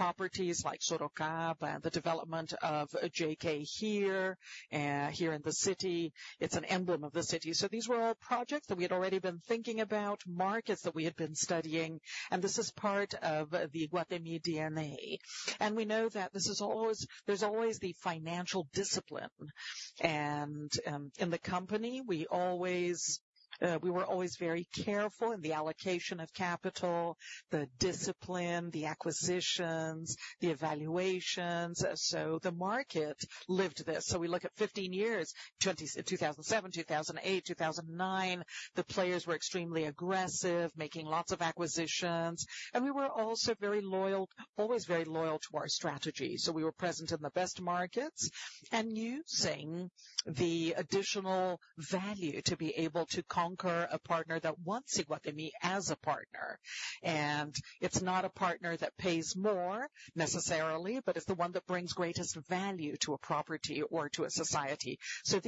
Or properties like Sorocaba, the development of JK Iguatemi here in the city. It's an emblem of the city. So these were all projects that we had already been thinking about, markets that we had been studying, and this is part of the Iguatemi DNA. And we know that this is always; there's always the financial discipline. And in the company, we always; we were always very careful in the allocation of capital, the discipline, the acquisitions, the evaluations. So the market lived this. So we look at 15 years, from 2007, 2008, 2009; the players were extremely aggressive, making lots of acquisitions. And we were also very loyal, always very loyal to our strategy. So we were present in the best markets and using the additional value to be able to conquer a partner that wants Iguatemi as a partner. It's not a partner that pays more, necessarily, but it's the one that brings greatest value to a property or to a society.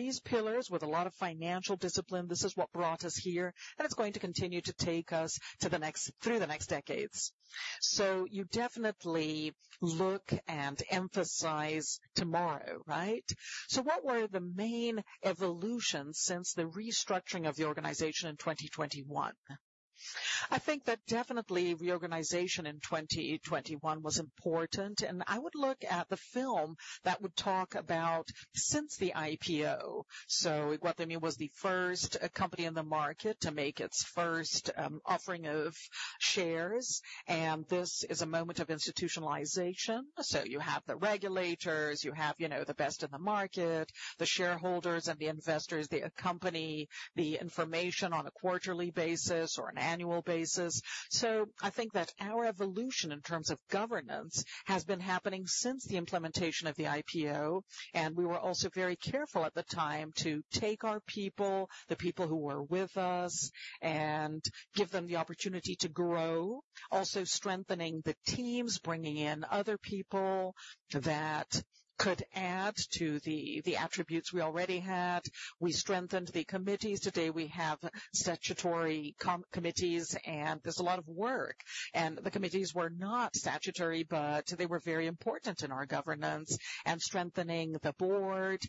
These pillars with a lot of financial discipline, this is what brought us here, and it's going to continue to take us to the next through the next decades. You definitely look and emphasize tomorrow, right? What were the main evolutions since the restructuring of the organization in 2021? I think that definitely reorganization in 2021 was important. I would look at the film that would talk about since the IPO. Iguatemi was the first company in the market to make its first offering of shares. This is a moment of institutionalization. So you have the regulators, you have, you know, the best in the market, the shareholders and the investors, the company, the information on a quarterly basis or an annual basis. So I think that our evolution in terms of governance has been happening since the implementation of the IPO. And we were also very careful at the time to take our people, the people who were with us, and give them the opportunity to grow, also strengthening the teams, bringing in other people that could add to the attributes we already had. We strengthened the committees. Today we have statutory committees, and there's a lot of work. And the committees were not statutory, but they were very important in our governance, and strengthening the board.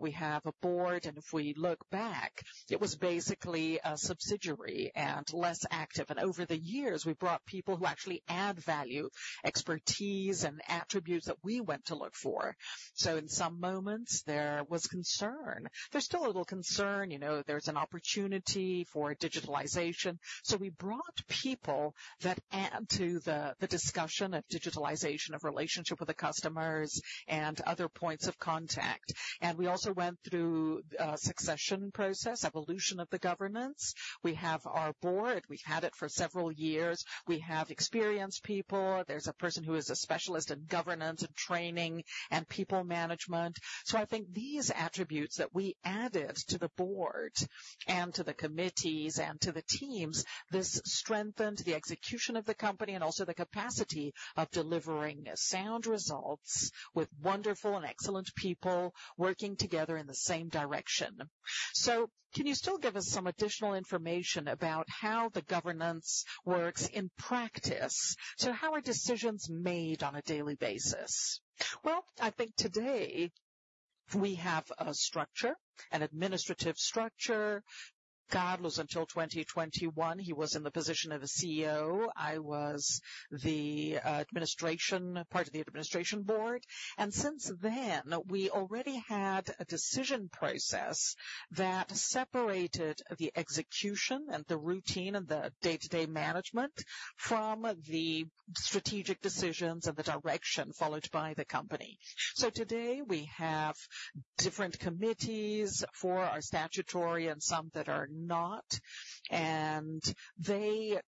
We have a board, and if we look back, it was basically a subsidiary and less active. Over the years, we brought people who actually add value, expertise, and attributes that we went to look for. So in some moments, there was concern. There's still a little concern. You know, there's an opportunity for digitalization. So we brought people that add to the discussion of digitalization, of relationship with the customers, and other points of contact. And we also went through the succession process, evolution of the governance. We have our board. We've had it for several years. We have experienced people. There's a person who is a specialist in governance and training and people management. So I think these attributes that we added to the board and to the committees and to the teams, this strengthened the execution of the company and also the capacity of delivering sound results with wonderful and excellent people working together in the same direction. So can you still give us some additional information about how the governance works in practice? So how are decisions made on a daily basis? Well, I think today we have a structure, an administrative structure. Carlos, until 2021, he was in the position of the CEO. I was the, administration part of the administration board. And since then, we already had a decision process that separated the execution and the routine and the day-to-day management from the strategic decisions and the direction followed by the company. So today we have different committees for our statutory and some that are not. And they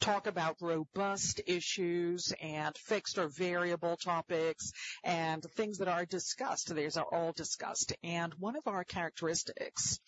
talk about robust issues and fixed or variable topics and things that are discussed. These are all discussed. And one of our characteristics,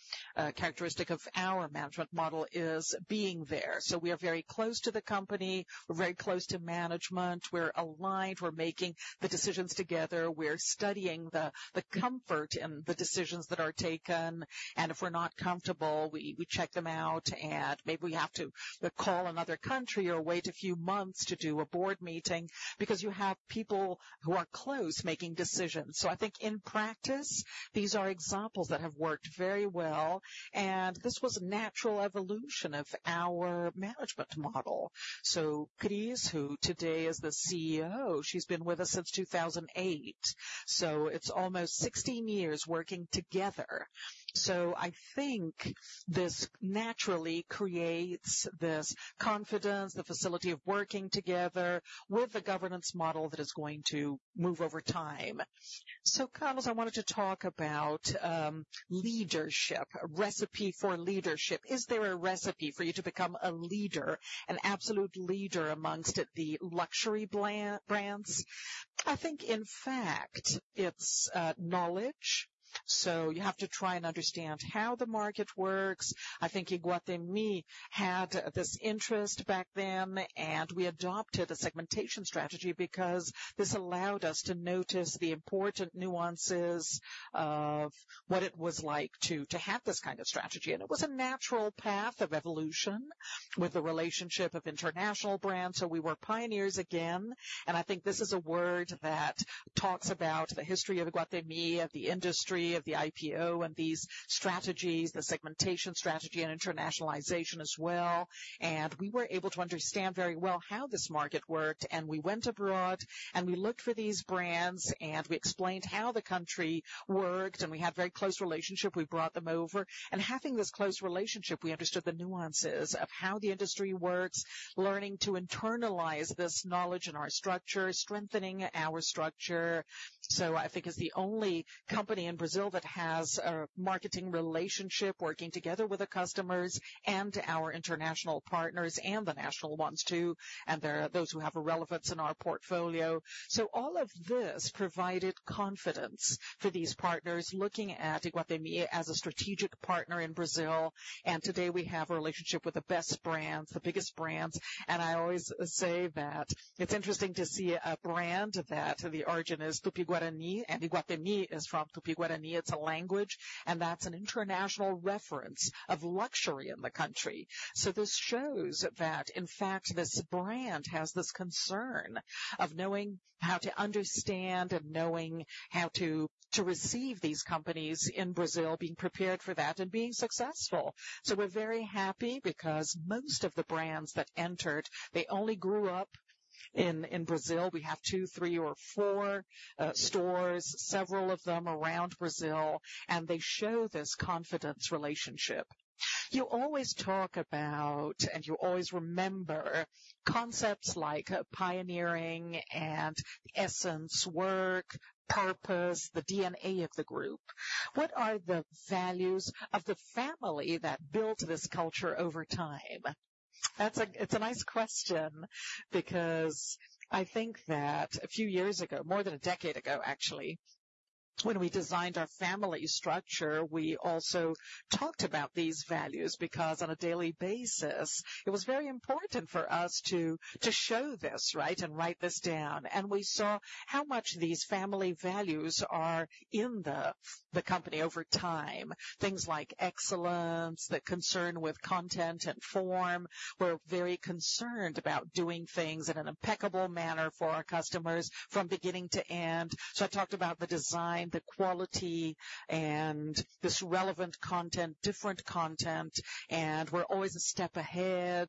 characteristic of our management model is being there. So we are very close to the company. We're very close to management. We're aligned. We're making the decisions together. We're studying the comfort in the decisions that are taken. And if we're not comfortable, we check them out, and maybe we have to call another country or wait a few months to do a board meeting because you have people who are close making decisions. So I think in practice, these are examples that have worked very well. And this was a natural evolution of our management model. So Cris, who today is the CEO, she's been with us since 2008. So it's almost 16 years working together. So I think this naturally creates this confidence, the facility of working together with the governance model that is going to move over time. So Carlos, I wanted to talk about leadership, a recipe for leadership. Is there a recipe for you to become a leader, an absolute leader amongst the luxury global brands? I think, in fact, it's knowledge. So you have to try and understand how the market works. I think Iguatemi had this interest back then, and we adopted a segmentation strategy because this allowed us to notice the important nuances of what it was like to have this kind of strategy. And it was a natural path of evolution with the relationship of international brands. So we were pioneers again. And I think this is a word that talks about the history of Iguatemi, of the industry, of the IPO, and these strategies, the segmentation strategy and internationalization as well. And we were able to understand very well how this market worked. And we went abroad, and we looked for these brands, and we explained how the country worked. And we had a very close relationship. We brought them over. Having this close relationship, we understood the nuances of how the industry works, learning to internalize this knowledge in our structure, strengthening our structure. I think it's the only company in Brazil that has a marketing relationship working together with our customers and our international partners and the national ones too, and the, those who have relevance in our portfolio. All of this provided confidence for these partners looking at Iguatemi as a strategic partner in Brazil. Today we have a relationship with the best brands, the biggest brands. I always say that it's interesting to see a brand that the origin is Tupi-Guarani, and Iguatemi is from Tupi-Guarani. It's a language, and that's an international reference of luxury in the country. So this shows that, in fact, this brand has this concern of knowing how to understand and knowing how to receive these companies in Brazil, being prepared for that, and being successful. So we're very happy because most of the brands that entered, they only grew up in Brazil. We have two, three, or four stores, several of them around Brazil, and they show this confidence relationship. You always talk about, and you always remember, concepts like pioneering and essence, work, purpose, the DNA of the group. What are the values of the family that built this culture over time? That's, it's a nice question because I think that a few years ago, more than a decade ago, actually, when we designed our family structure, we also talked about these values because on a daily basis, it was very important for us to show this, right, and write this down. And we saw how much these family values are in the company over time, things like excellence, the concern with content and form. We're very concerned about doing things in an impeccable manner for our customers from beginning to end. So I talked about the design, the quality, and this relevant content, different content. And we're always a step ahead,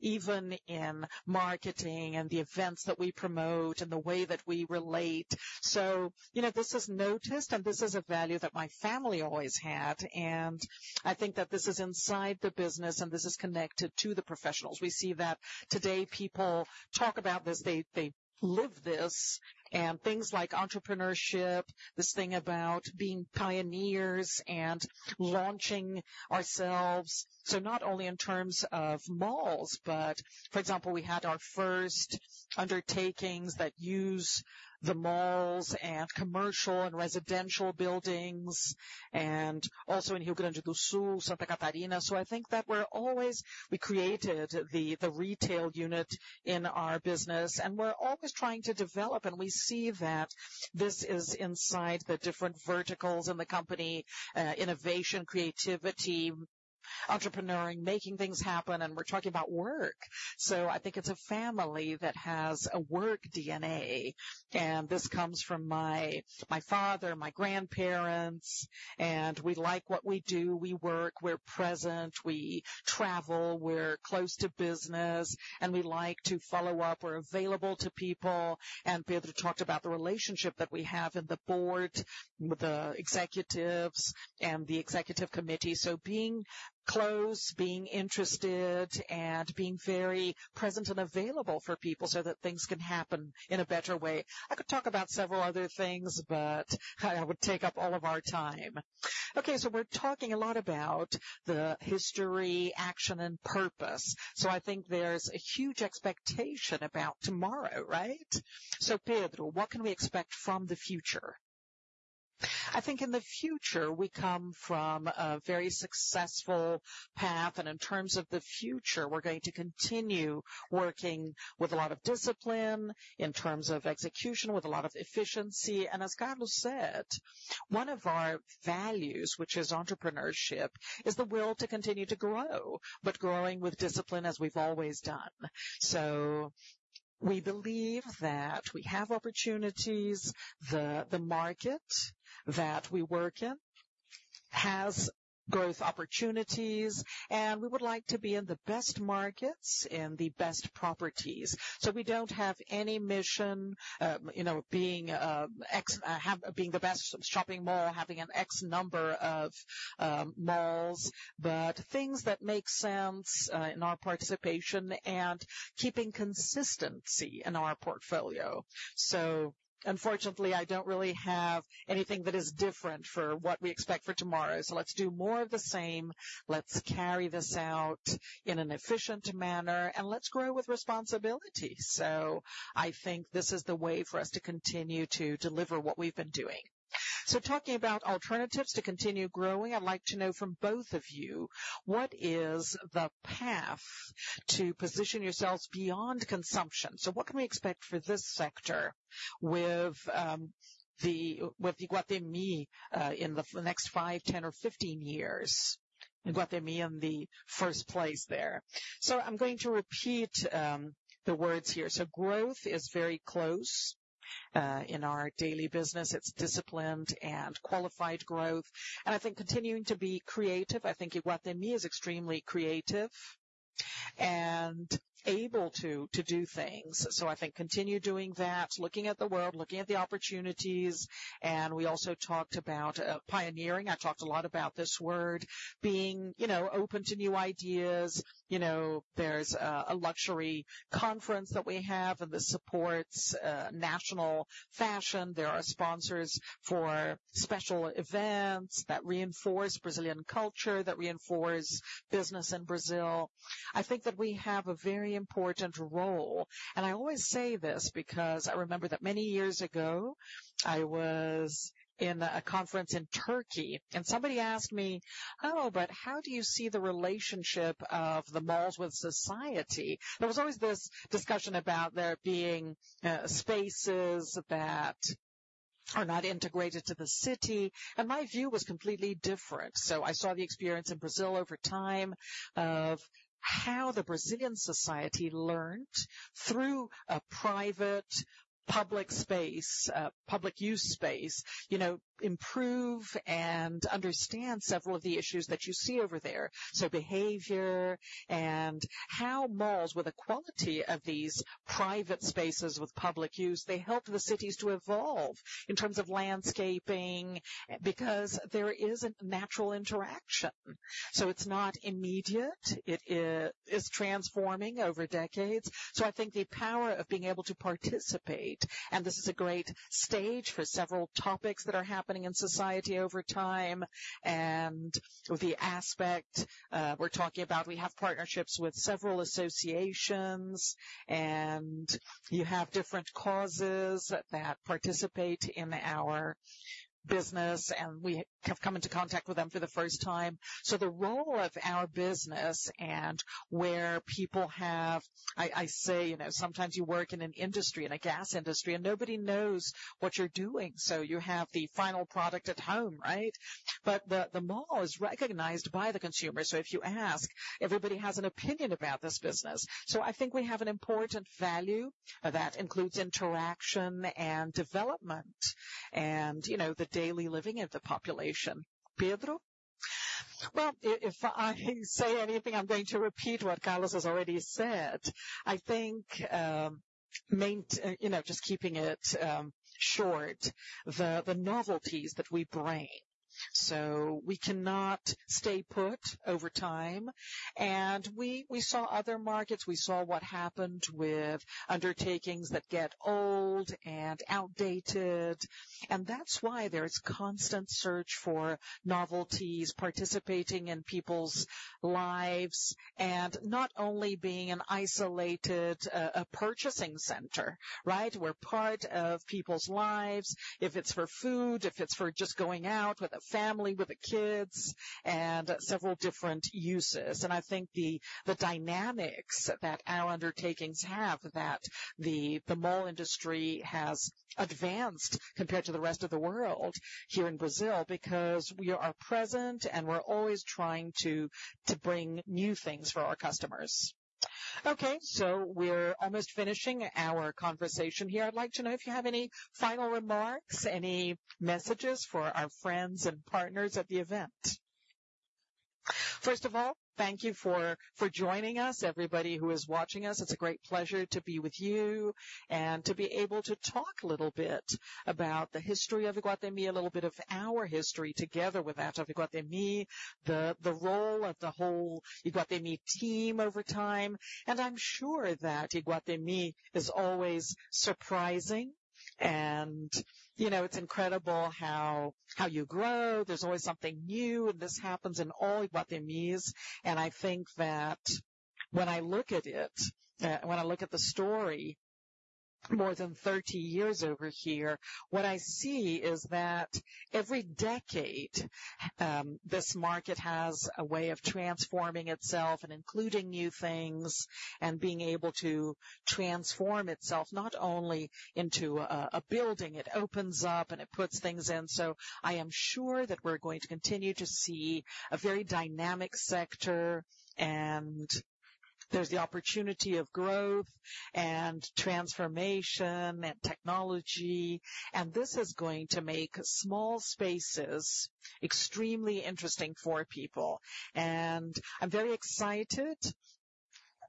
even in marketing and the events that we promote and the way that we relate. So, you know, this is noticed, and this is a value that my family always had. I think that this is inside the business, and this is connected to the professionals. We see that today people talk about this. They live this. Things like entrepreneurship, this thing about being pioneers and launching ourselves. So not only in terms of malls, but, for example, we had our first undertakings that used the malls and commercial and residential buildings and also in Rio Grande do Sul, Santa Catarina. So I think that we're always we created the, the retail unit in our business. And we're always trying to develop. And we see that this is inside the different verticals in the company, innovation, creativity, entrepreneuring, making things happen. And we're talking about work. So I think it's a family that has a work DNA. And this comes from my, my father, my grandparents. And we like what we do. We work. We're present. We travel. We're close to business. We like to follow up. We're available to people. We had talked about the relationship that we have on the board with the executives and the executive committee. Being close, being interested, and being very present and available for people so that things can happen in a better way. I could talk about several other things, but I, I would take up all of our time. Okay. We're talking a lot about the history, action, and purpose. I think there's a huge expectation about tomorrow, right? Pedro, what can we expect from the future? I think in the future, we come from a very successful path. In terms of the future, we're going to continue working with a lot of discipline in terms of execution, with a lot of efficiency. As Carlos said, one of our values, which is entrepreneurship, is the will to continue to grow, but growing with discipline as we've always done. So we believe that we have opportunities. The market that we work in has growth opportunities. And we would like to be in the best markets and the best properties. So we don't have any mission, you know, being the best shopping mall, having an exact number of malls, but things that make sense in our participation and keeping consistency in our portfolio. So unfortunately, I don't really have anything that is different for what we expect for tomorrow. So let's do more of the same. Let's carry this out in an efficient manner, and let's grow with responsibility. So I think this is the way for us to continue to deliver what we've been doing. So talking about alternatives to continue growing, I'd like to know from both of you, what is the path to position yourselves beyond consumption? So what can we expect for this sector with the Iguatemi, in the next five, 10, or 15 years? Iguatemi in the first place there. So I'm going to repeat the words here. So growth is very close in our daily business. It's disciplined and qualified growth. And I think continuing to be creative. I think Iguatemi is extremely creative and able to do things. So I think continue doing that, looking at the world, looking at the opportunities. And we also talked about pioneering. I talked a lot about this word, being you know open to new ideas. You know, there's a luxury conference that we have, and this supports national fashion. There are sponsors for special events that reinforce Brazilian culture, that reinforce business in Brazil. I think that we have a very important role. I always say this because I remember that many years ago, I was in a conference in Turkey. Somebody asked me, "Oh, but how do you see the relationship of the malls with society?" There was always this discussion about there being spaces that are not integrated to the city. My view was completely different. I saw the experience in Brazil over time of how the Brazilian society learned through a private-public space, public-use space, you know, improve and understand several of the issues that you see over there. Behavior and how malls, with the quality of these private spaces with public use, they help the cities to evolve in terms of landscaping because there is a natural interaction. So it's not immediate. It is transforming over decades. So I think the power of being able to participate, and this is a great stage for several topics that are happening in society over time, and with the aspect we're talking about we have partnerships with several associations, and you have different causes that participate in our business. And we have come into contact with them for the first time. So the role of our business and where people have—I say, you know, sometimes you work in an industry, in a gas industry, and nobody knows what you're doing. So you have the final product at home, right? But the mall is recognized by the consumer. So if you ask, everybody has an opinion about this business. So I think we have an important value that includes interaction and development and, you know, the daily living of the population. Pedro? Well, if I say anything, I'm going to repeat what Carlos has already said. I think, mainly, you know, just keeping it short, the novelties that we bring. So we cannot stay put over time. And we saw other markets. We saw what happened with undertakings that get old and outdated. And that's why there is constant search for novelties participating in people's lives and not only being an isolated, a purchasing center, right? We're part of people's lives, if it's for food, if it's for just going out with a family, with the kids, and several different uses. And I think the dynamics that our undertakings have, that the mall industry has advanced compared to the rest of the world here in Brazil because we are present, and we're always trying to bring new things for our customers. Okay. So we're almost finishing our conversation here. I'd like to know if you have any final remarks, any messages for our friends and partners at the event. First of all, thank you for joining us, everybody who is watching us. It's a great pleasure to be with you and to be able to talk a little bit about the history of Iguatemi, a little bit of our history together with that of Iguatemi, the role of the whole Iguatemi team over time. And I'm sure that Iguatemi is always surprising. And, you know, it's incredible how you grow. There's always something new, and this happens in all Iguatemis. I think that when I look at it, when I look at the story more than 30 years over here, what I see is that every decade, this market has a way of transforming itself and including new things and being able to transform itself not only into a building. It opens up, and it puts things in. So I am sure that we're going to continue to see a very dynamic sector. There's the opportunity of growth and transformation and technology. This is going to make small spaces extremely interesting for people. I'm very excited.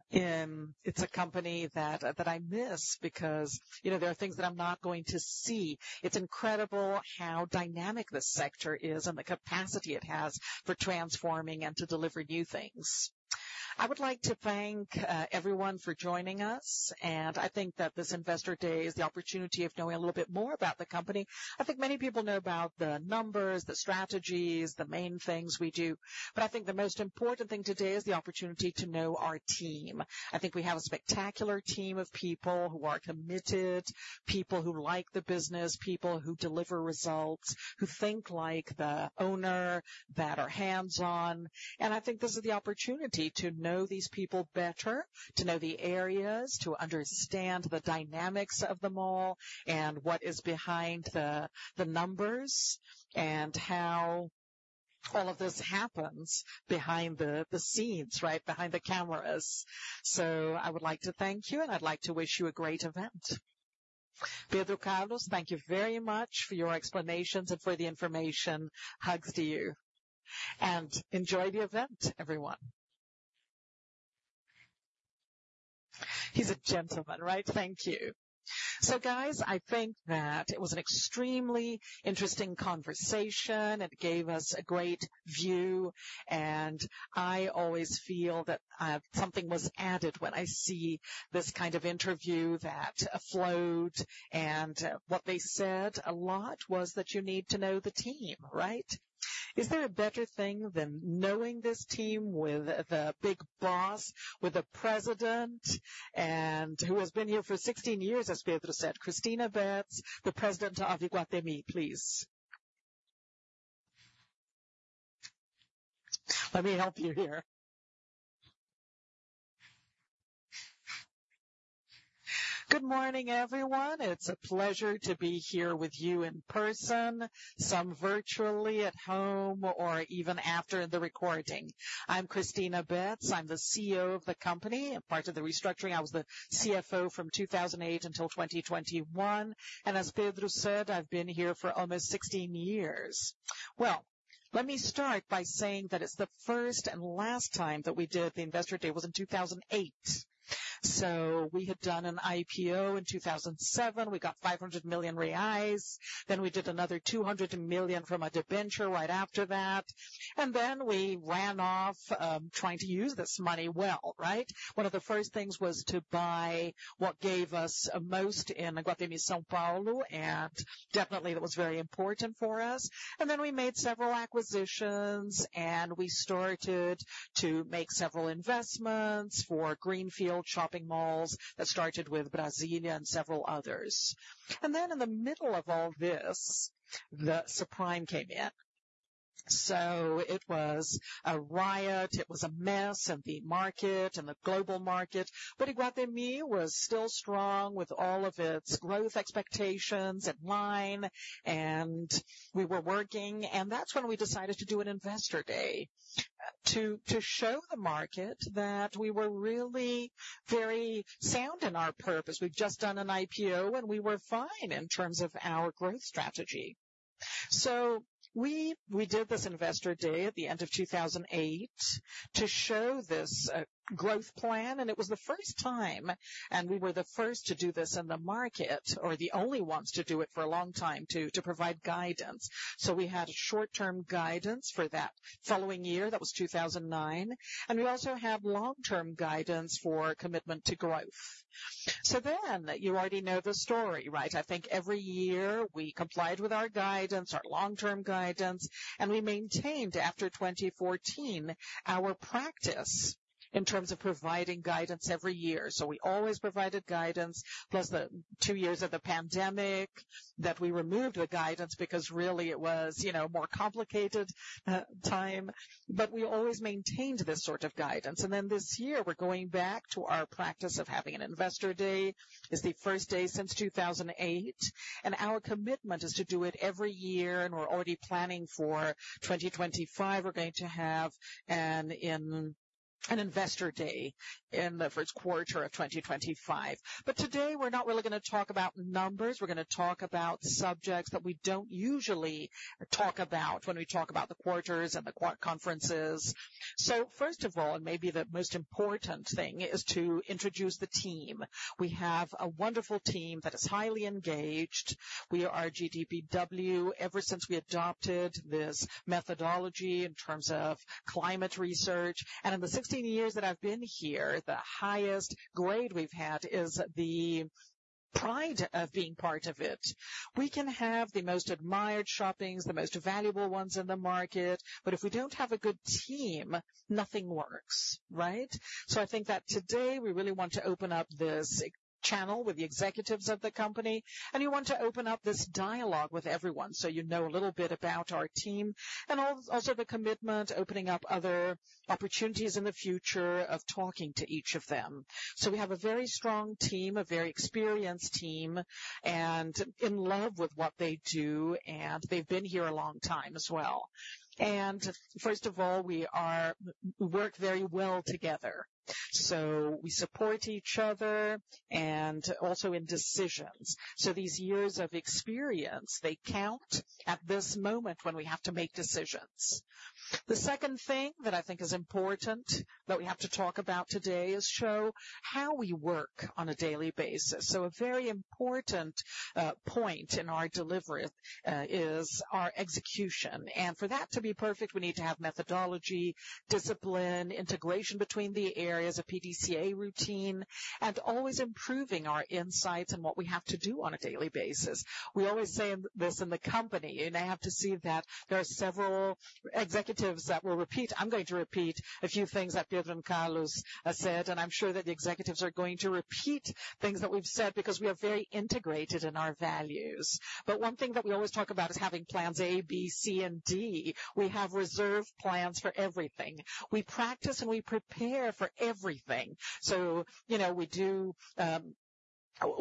It's a company that I miss because, you know, there are things that I'm not going to see. It's incredible how dynamic this sector is and the capacity it has for transforming and to deliver new things. I would like to thank everyone for joining us. I think that this Investor Day is the opportunity of knowing a little bit more about the company. I think many people know about the numbers, the strategies, the main things we do. But I think the most important thing today is the opportunity to know our team. I think we have a spectacular team of people who are committed, people who like the business, people who deliver results, who think like the owner, that are hands-on. And I think this is the opportunity to know these people better, to know the areas, to understand the dynamics of the mall and what is behind the numbers and how all of this happens behind the scenes, right, behind the cameras. So I would like to thank you, and I'd like to wish you a great event. Pedro, Carlos, thank you very much for your explanations and for the information. Hugs to you. Enjoy the event, everyone. He's a gentleman, right? Thank you. So guys, I think that it was an extremely interesting conversation. It gave us a great view. I always feel that something was added when I see this kind of interview that flowed. What they said a lot was that you need to know the team, right? Is there a better thing than knowing this team with the big boss, with the president, and who has been here for 16 years, as Pedro said, Cristina Betts, the president of Iguatemi, please? Let me help you here. Good morning, everyone. It's a pleasure to be here with you in person, some virtually at home, or even after the recording. I'm Cristina Betts. I'm the CEO of the company and part of the restructuring. I was the CFO from 2008 until 2021. And as Pedro said, I've been here for almost 16 years. Well, let me start by saying that it's the first and last time that we did the Investor Day. It was in 2008. So we had done an IPO in 2007. We got 500 million reais. Then we did another 200 million from a debenture right after that. And then we ran off, trying to use this money well, right? One of the first things was to buy what gave us most in Iguatemi, São Paulo. And definitely, that was very important for us. And then we made several acquisitions, and we started to make several investments for greenfield shopping malls that started with Brasília and several others. And then in the middle of all this, the subprime came in. So it was a riot. It was a mess in the market and the global market. But Iguatemi was still strong with all of its growth expectations in line. And we were working. And that's when we decided to do an Investor Day to, to show the market that we were really very sound in our purpose. We've just done an IPO, and we were fine in terms of our growth strategy. So we, we did this Investor Day at the end of 2008 to show this, growth plan. And it was the first time, and we were the first to do this in the market or the only ones to do it for a long time to, to provide guidance. So we had short-term guidance for that following year. That was 2009. And we also have long-term guidance for commitment to growth. So then you already know the story, right? I think every year, we complied with our guidance, our long-term guidance. We maintained, after 2014, our practice in terms of providing guidance every year. We always provided guidance, plus the two years of the pandemic that we removed the guidance because really, it was, you know, a more complicated time. But we always maintained this sort of guidance. This year, we're going back to our practice of having an Investor Day. It's the first day since 2008. Our commitment is to do it every year. We're already planning for 2025. We're going to have an Investor Day in the first quarter of 2025. But today, we're not really going to talk about numbers. We're going to talk about subjects that we don't usually talk about when we talk about the quarters and the quarterly conferences. So first of all, and maybe the most important thing, is to introduce the team. We have a wonderful team that is highly engaged. We are GPTW ever since we adopted this methodology in terms of climate research. And in the 16 years that I've been here, the highest grade we've had is the pride of being part of it. We can have the most admired shoppings, the most valuable ones in the market. But if we don't have a good team, nothing works, right? So I think that today, we really want to open up this channel with the executives of the company. You want to open up this dialogue with everyone so you know a little bit about our team and also, also the commitment, opening up other opportunities in the future of talking to each of them. So we have a very strong team, a very experienced team, and in love with what they do. And they've been here a long time as well. And first of all, we work very well together. So we support each other and also in decisions. So these years of experience, they count at this moment when we have to make decisions. The second thing that I think is important that we have to talk about today is show how we work on a daily basis. So a very important point in our delivery is our execution. For that to be perfect, we need to have methodology, discipline, integration between the areas, a PDCA routine, and always improving our insights and what we have to do on a daily basis. We always say this in the company. I have to see that there are several executives that will repeat. I'm going to repeat a few things that Pedro and Carlos have said. And I'm sure that the executives are going to repeat things that we've said because we are very integrated in our values. But one thing that we always talk about is having plans A, B, C, and D. We have reserve plans for everything. We practice, and we prepare for everything. So, you know, we do,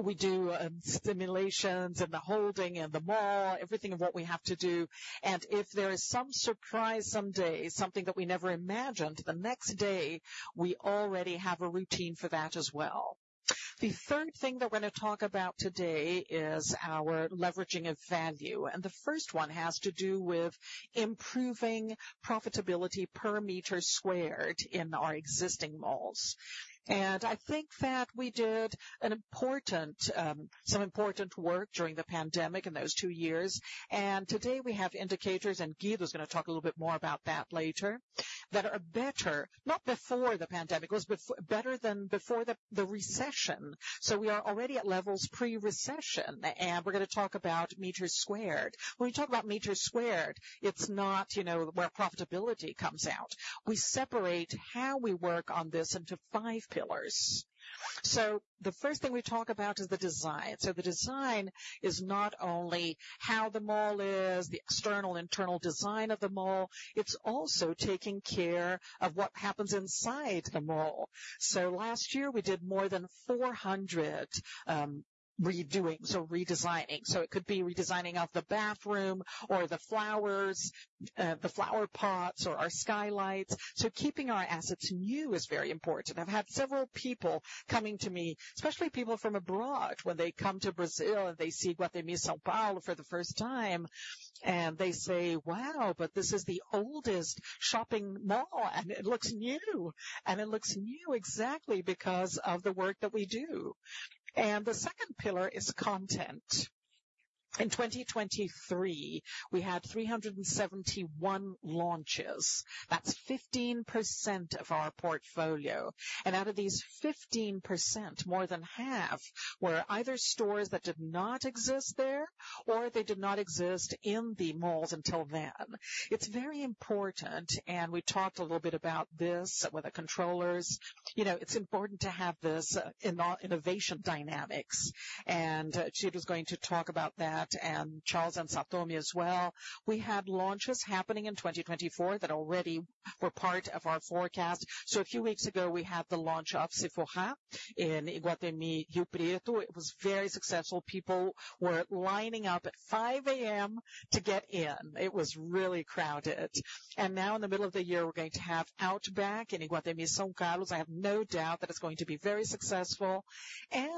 we do, simulations and the holding and the mall, everything of what we have to do. If there is some surprise someday, something that we never imagined, the next day, we already have a routine for that as well. The third thing that we're going to talk about today is our leveraging of value. The first one has to do with improving profitability per meter squared in our existing malls. I think that we did some important work during the pandemic in those two years. Today, we have indicators, and Guido's going to talk a little bit more about that later, that are better than before the pandemic. It was better than before the recession. We are already at levels pre-recession. We're going to talk about meters squared. When we talk about meters squared, it's not, you know, where profitability comes out. We separate how we work on this into five pillars. So the first thing we talk about is the design. So the design is not only how the mall is, the external, internal design of the mall. It's also taking care of what happens inside the mall. So last year, we did more than 400 redoings, so redesigning. So it could be redesigning of the bathroom or the flowers, the flower pots or our skylights. So keeping our assets new is very important. I've had several people coming to me, especially people from abroad, when they come to Brazil and they see Iguatemi São Paulo for the first time. And they say, "Wow, but this is the oldest shopping mall, and it looks new." And it looks new exactly because of the work that we do. And the second pillar is content. In 2023, we had 371 launches. That's 15% of our portfolio. Out of these 15%, more than half were either stores that did not exist there or they did not exist in the malls until then. It's very important. We talked a little bit about this with the controllers. You know, it's important to have this, in all innovation dynamics. Judy's going to talk about that and Charles and Satomi as well. We had launches happening in 2024 that already were part of our forecast. A few weeks ago, we had the launch of Sephora in Iguatemi, Rio Preto. It was very successful. People were lining up at 5:00 A.M. to get in. It was really crowded. Now, in the middle of the year, we're going to have Outback in Iguatemi, São Carlos. I have no doubt that it's going to be very successful.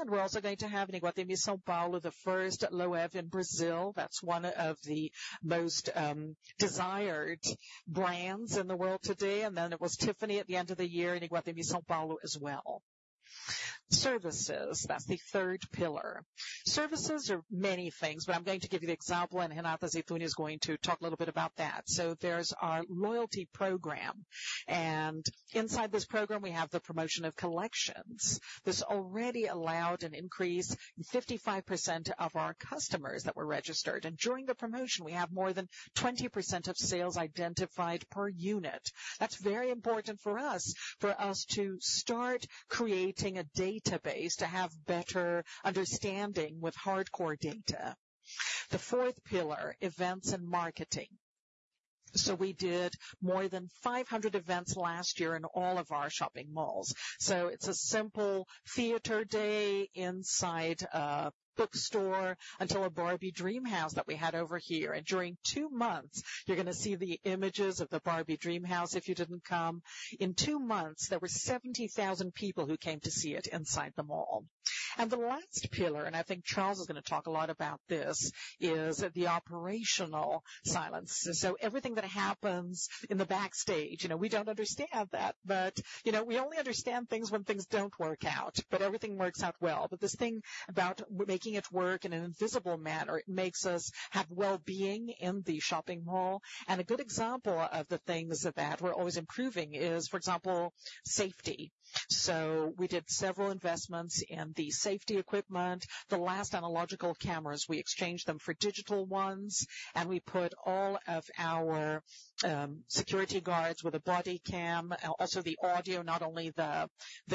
We're also going to have in Iguatemi São Paulo, the first Loewe in Brazil. That's one of the most desired brands in the world today. Then it was Tiffany at the end of the year in Iguatemi São Paulo as well. Services, that's the third pillar. Services are many things. I'm going to give you the example. Renata Zitune is going to talk a little bit about that. There's our loyalty program. Inside this program, we have the promotion of collections. This already allowed an increase in 55% of our customers that were registered. During the promotion, we have more than 20% of sales identified per unit. That's very important for us, for us to start creating a database, to have better understanding with hardcore data. The fourth pillar, events and marketing. So we did more than 500 events last year in all of our shopping malls. So it's a simple theater day inside a bookstore until a Barbie Dreamhouse that we had over here. And during two months, you're going to see the images of the Barbie Dreamhouse if you didn't come. In two months, there were 70,000 people who came to see it inside the mall. And the last pillar, and I think Charles is going to talk a lot about this, is the operational silence. So everything that happens in the backstage, you know, we don't understand that. But, you know, we only understand things when things don't work out. But everything works out well. But this thing about making it work in an invisible manner, it makes us have well-being in the shopping mall. A good example of the things that we're always improving is, for example, safety. So we did several investments in the safety equipment. The last analog cameras, we exchanged them for digital ones. And we put all of our security guards with a body cam, also the audio, not only the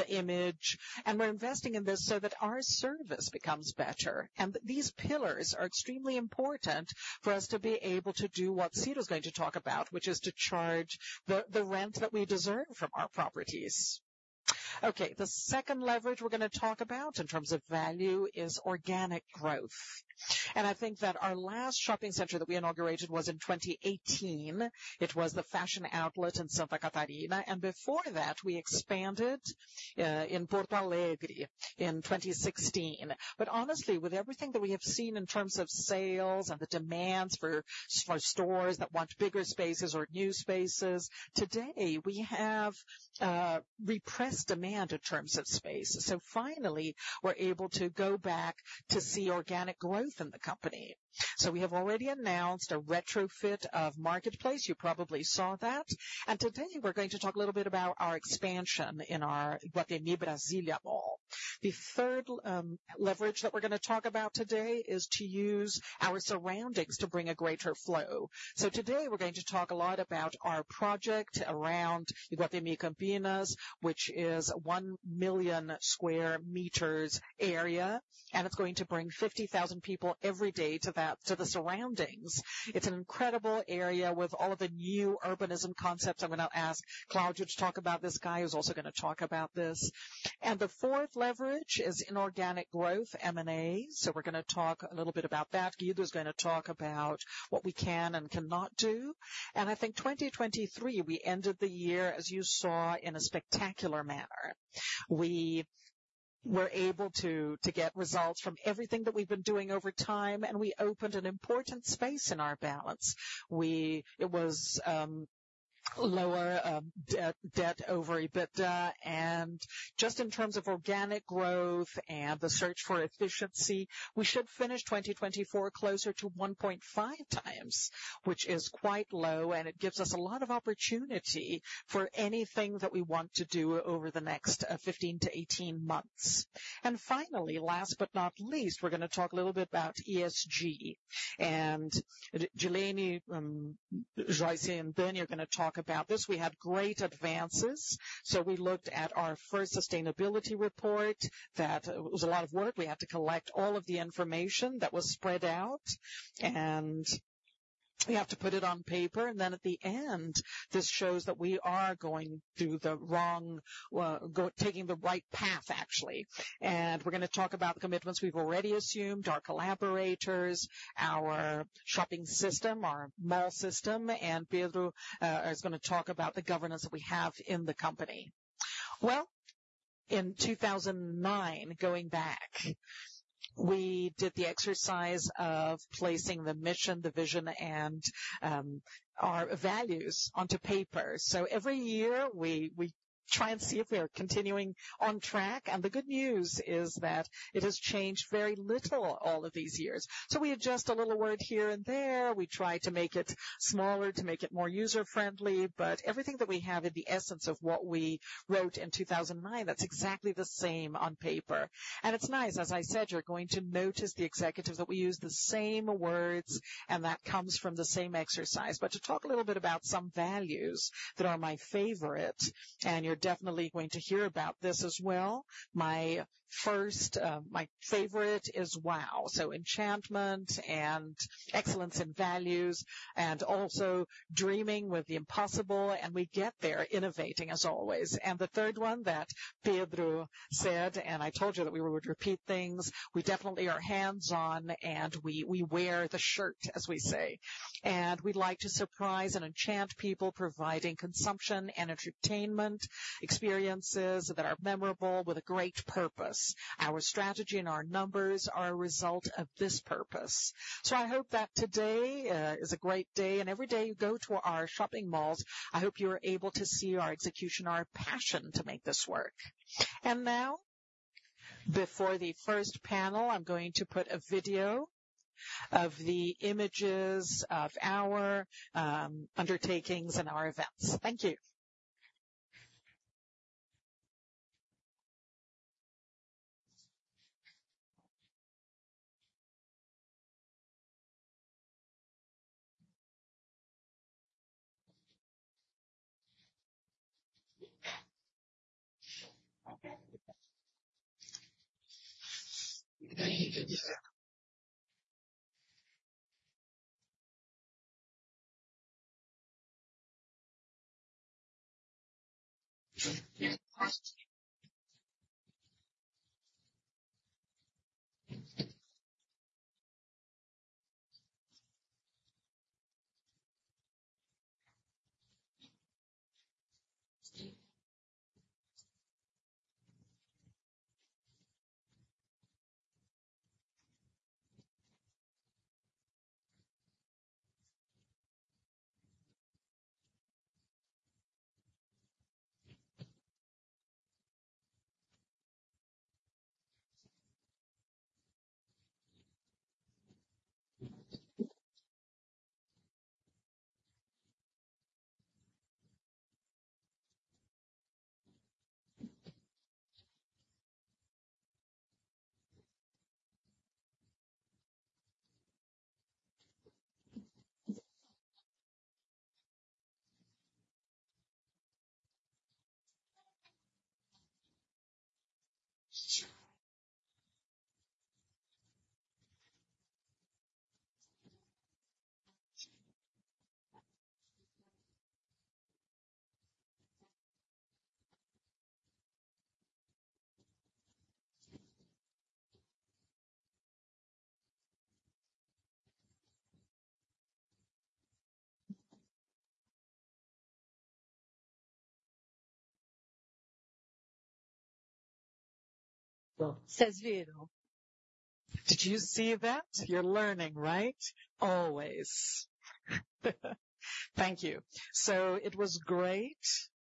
image. And we're investing in this so that our service becomes better. And these pillars are extremely important for us to be able to do what Ciro's going to talk about, which is to charge the rent that we deserve from our properties. Okay. The second leverage we're going to talk about in terms of value is organic growth. And I think that our last shopping center that we inaugurated was in 2018. It was the Fashion Outlet in Santa Catarina. And before that, we expanded in Porto Alegre in 2016. But honestly, with everything that we have seen in terms of sales and the demands for, for stores that want bigger spaces or new spaces, today, we have, repressed demand in terms of space. So finally, we're able to go back to see organic growth in the company. So we have already announced a retrofit of Market Place. You probably saw that. And today, we're going to talk a little bit about our expansion in our Iguatemi Brasília mall. The third, leverage that we're going to talk about today is to use our surroundings to bring a greater flow. So today, we're going to talk a lot about our project around Iguatemi Campinas, which is 1 million square meters area. And it's going to bring 50,000 people every day to that, to the surroundings. It's an incredible area with all of the new urbanism concepts. I'm going to ask Cláudio to talk about this. Guido is also going to talk about this. The fourth leverage is inorganic growth, M&A. So we're going to talk a little bit about that. Guido's going to talk about what we can and cannot do. I think 2023, we ended the year, as you saw, in a spectacular manner. We were able to get results from everything that we've been doing over time. We opened an important space in our balance. It was lower debt over EBITDA. Just in terms of organic growth and the search for efficiency, we should finish 2024 closer to 1.5 times, which is quite low. It gives us a lot of opportunity for anything that we want to do over the next 15-18 months. Finally, last but not least, we're going to talk a little bit about ESG. Dilene Teixeira and Ben are going to talk about this. We had great advances. We looked at our first sustainability report that, it was a lot of work. We had to collect all of the information that was spread out. We have to put it on paper. Then at the end, this shows that we are going through the wrong, go taking the right path, actually. We're going to talk about the commitments we've already assumed, our collaborators, our shopping system, our mall system. Pedro is going to talk about the governance that we have in the company. Well, in 2009, going back, we did the exercise of placing the mission, the vision, and our values onto paper. Every year, we, we try and see if we are continuing on track. The good news is that it has changed very little all of these years. We adjust a little word here and there. We try to make it smaller to make it more user-friendly. But everything that we have in the essence of what we wrote in 2009, that's exactly the same on paper. It's nice. As I said, you're going to notice the executives that we use the same words. That comes from the same exercise. But to talk a little bit about some values that are my favorite, and you're definitely going to hear about this as well, my first, my favorite is WOW. Enchantment and excellence in values and also dreaming with the impossible. We get there, innovating as always. And the third one that Pedro said, and I told you that we would repeat things, we definitely are hands-on. And we, we wear the shirt, as we say. And we'd like to surprise and enchant people providing consumption and entertainment experiences that are memorable with a great purpose. Our strategy and our numbers are a result of this purpose. So I hope that today is a great day. And every day you go to our shopping malls, I hope you are able to see our execution, our passion to make this work. And now, before the first panel, I'm going to put a video of the images of our undertakings and our events. Thank you. Says Guido. Did you see that? You're learning, right? Always. Thank you. It was great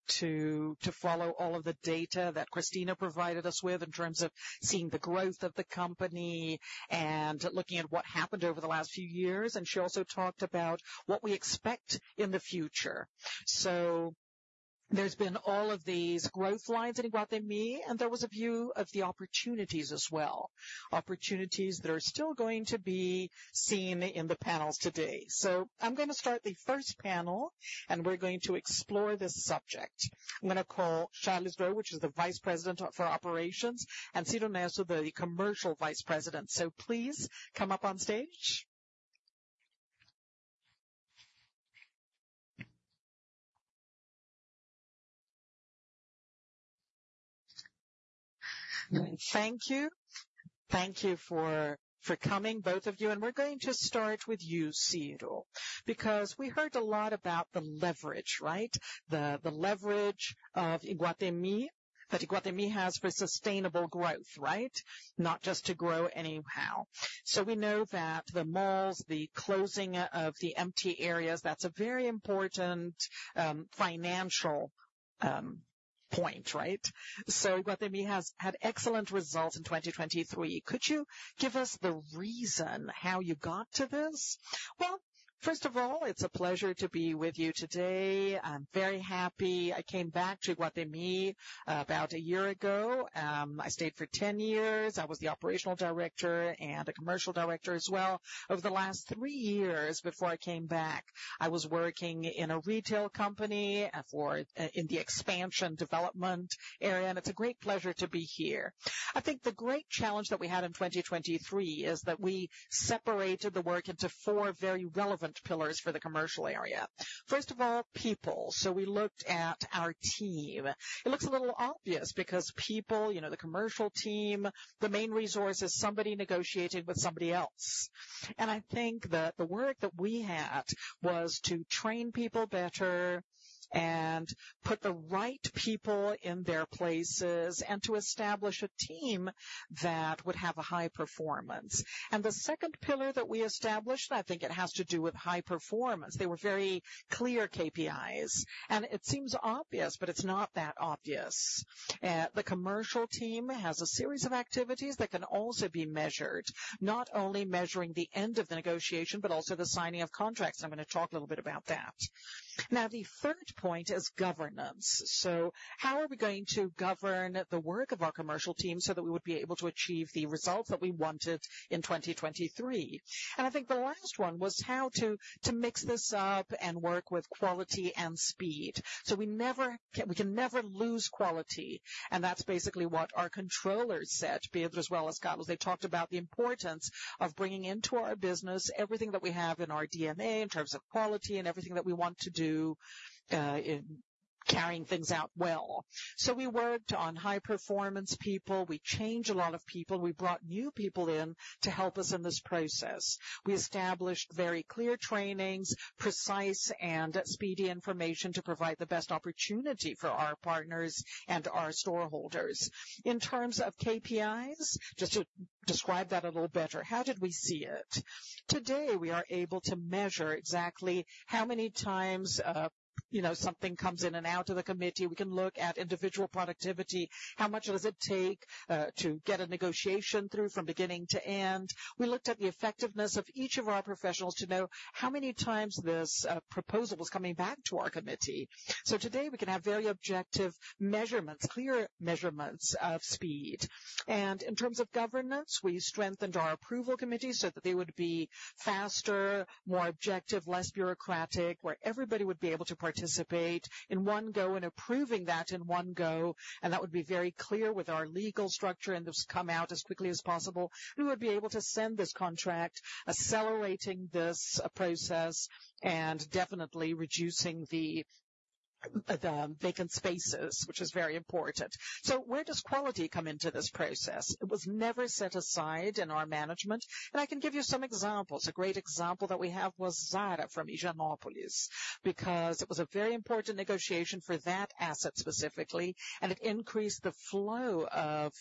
to, to follow all of the data that Cristina provided us with in terms of seeing the growth of the company and looking at what happened over the last few years. She also talked about what we expect in the future. There's been all of these growth lines in Iguatemi. There was a view of the opportunities as well, opportunities that are still going to be seen in the panels today. I'm going to start the first panel. We're going to explore this subject. I'm going to call Charles Krell, who is the Vice President for Operations, and Ciro Neto, the Commercial Vice President. Please come up on stage. Thank you. Thank you for, for coming, both of you. And we're going to start with you, Ciro, because we heard a lot about the leverage, right, the leverage of Iguatemi, that Iguatemi has for sustainable growth, right, not just to grow anyhow. So we know that the malls, the closing of the empty areas, that's a very important financial point, right? So Iguatemi has had excellent results in 2023. Could you give us the reason how you got to this? Well, first of all, it's a pleasure to be with you today. I'm very happy. I came back to Iguatemi about a year ago. I stayed for 10 years. I was the operational director and a commercial director as well. Over the last three years before I came back, I was working in a retail company in the expansion development area. And it's a great pleasure to be here. I think the great challenge that we had in 2023 is that we separated the work into four very relevant pillars for the commercial area. First of all, people. So we looked at our team. It looks a little obvious because people, you know, the commercial team, the main resource is somebody negotiating with somebody else. And I think that the work that we had was to train people better and put the right people in their places and to establish a team that would have a high performance. And the second pillar that we established, I think it has to do with high performance. They were very clear KPIs. And it seems obvious, but it's not that obvious. The commercial team has a series of activities that can also be measured, not only measuring the end of the negotiation but also the signing of contracts. I'm going to talk a little bit about that. Now, the third point is governance. So how are we going to govern the work of our commercial team so that we would be able to achieve the results that we wanted in 2023? I think the last one was how to, to mix this up and work with quality and speed. So we can never lose quality. That's basically what our controllers said, Pedro as well as Carlos. They talked about the importance of bringing into our business everything that we have in our DNA in terms of quality and everything that we want to do, in carrying things out well. We worked on high-performance people. We changed a lot of people. We brought new people in to help us in this process. We established very clear trainings, precise and speedy information to provide the best opportunity for our partners and our stakeholders. In terms of KPIs, just to describe that a little better, how did we see it? Today, we are able to measure exactly how many times, you know, something comes in and out of the committee. We can look at individual productivity, how much does it take to get a negotiation through from beginning to end. We looked at the effectiveness of each of our professionals to know how many times this proposal was coming back to our committee. So today, we can have very objective measurements, clear measurements of speed. And in terms of governance, we strengthened our approval committee so that they would be faster, more objective, less bureaucratic, where everybody would be able to participate in one go and approving that in one go. That would be very clear with our legal structure. This would come out as quickly as possible. We would be able to send this contract, accelerating this process and definitely reducing the vacant spaces, which is very important. So where does quality come into this process? It was never set aside in our management. I can give you some examples. A great example that we have was Zara from Higienópolis because it was a very important negotiation for that asset specifically. It increased the flow of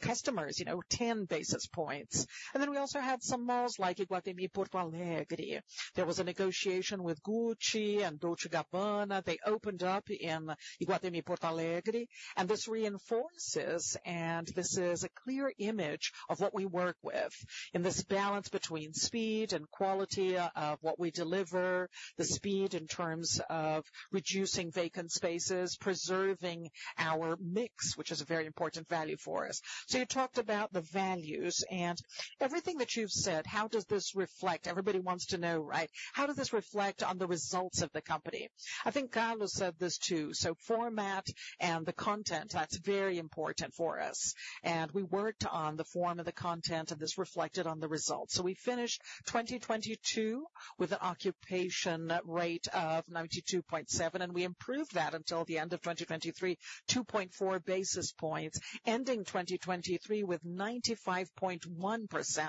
customers, you know, 10 basis points. Then we also had some malls like Iguatemi Porto Alegre. There was a negotiation with Gucci and Dolce & Gabbana. They opened up in Iguatemi Porto Alegre. This reinforces, and this is a clear image of what we work with in this balance between speed and quality of what we deliver, the speed in terms of reducing vacant spaces, preserving our mix, which is a very important value for us. You talked about the values. Everything that you've said, how does this reflect? Everybody wants to know, right, how does this reflect on the results of the company? I think Carlos said this too. Form and the content, that's very important for us. We worked on the form and the content. This reflected on the results. We finished 2022 with an occupation rate of 92.7%. We improved that until the end of 2023, 2.4 basis points, ending 2023 with 95.1%.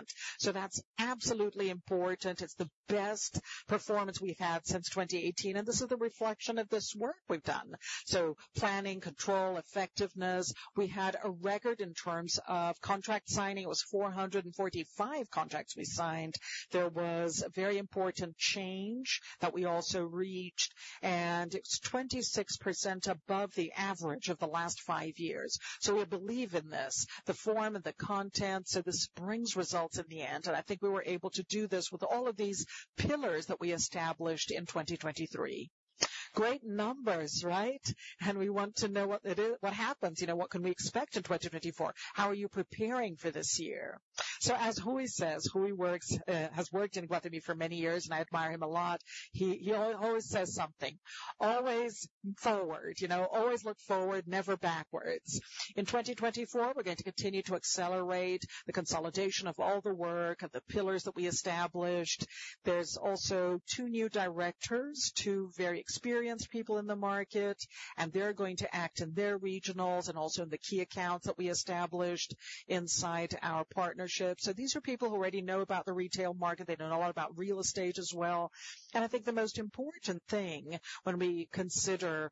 That's absolutely important. It's the best performance we've had since 2018. This is the reflection of this work we've done. So planning, control, effectiveness, we had a record in terms of contract signing. It was 445 contracts we signed. There was a very important change that we also reached. And it was 26% above the average of the last five years. So we believe in this, the form and the content. So this brings results in the end. And I think we were able to do this with all of these pillars that we established in 2023. Great numbers, right? And we want to know what it is, what happens, you know, what can we expect in 2024? How are you preparing for this year? So as Ruy says, Ruy works, has worked in Iguatemi for many years. And I admire him a lot. He, he always says something, "Always forward," you know, "Always look forward, never backwards." In 2024, we're going to continue to accelerate the consolidation of all the work of the pillars that we established. There's also two new directors, two very experienced people in the market. They're going to act in their regionals and also in the key accounts that we established inside our partnership. These are people who already know about the retail market. They know a lot about real estate as well. I think the most important thing when we consider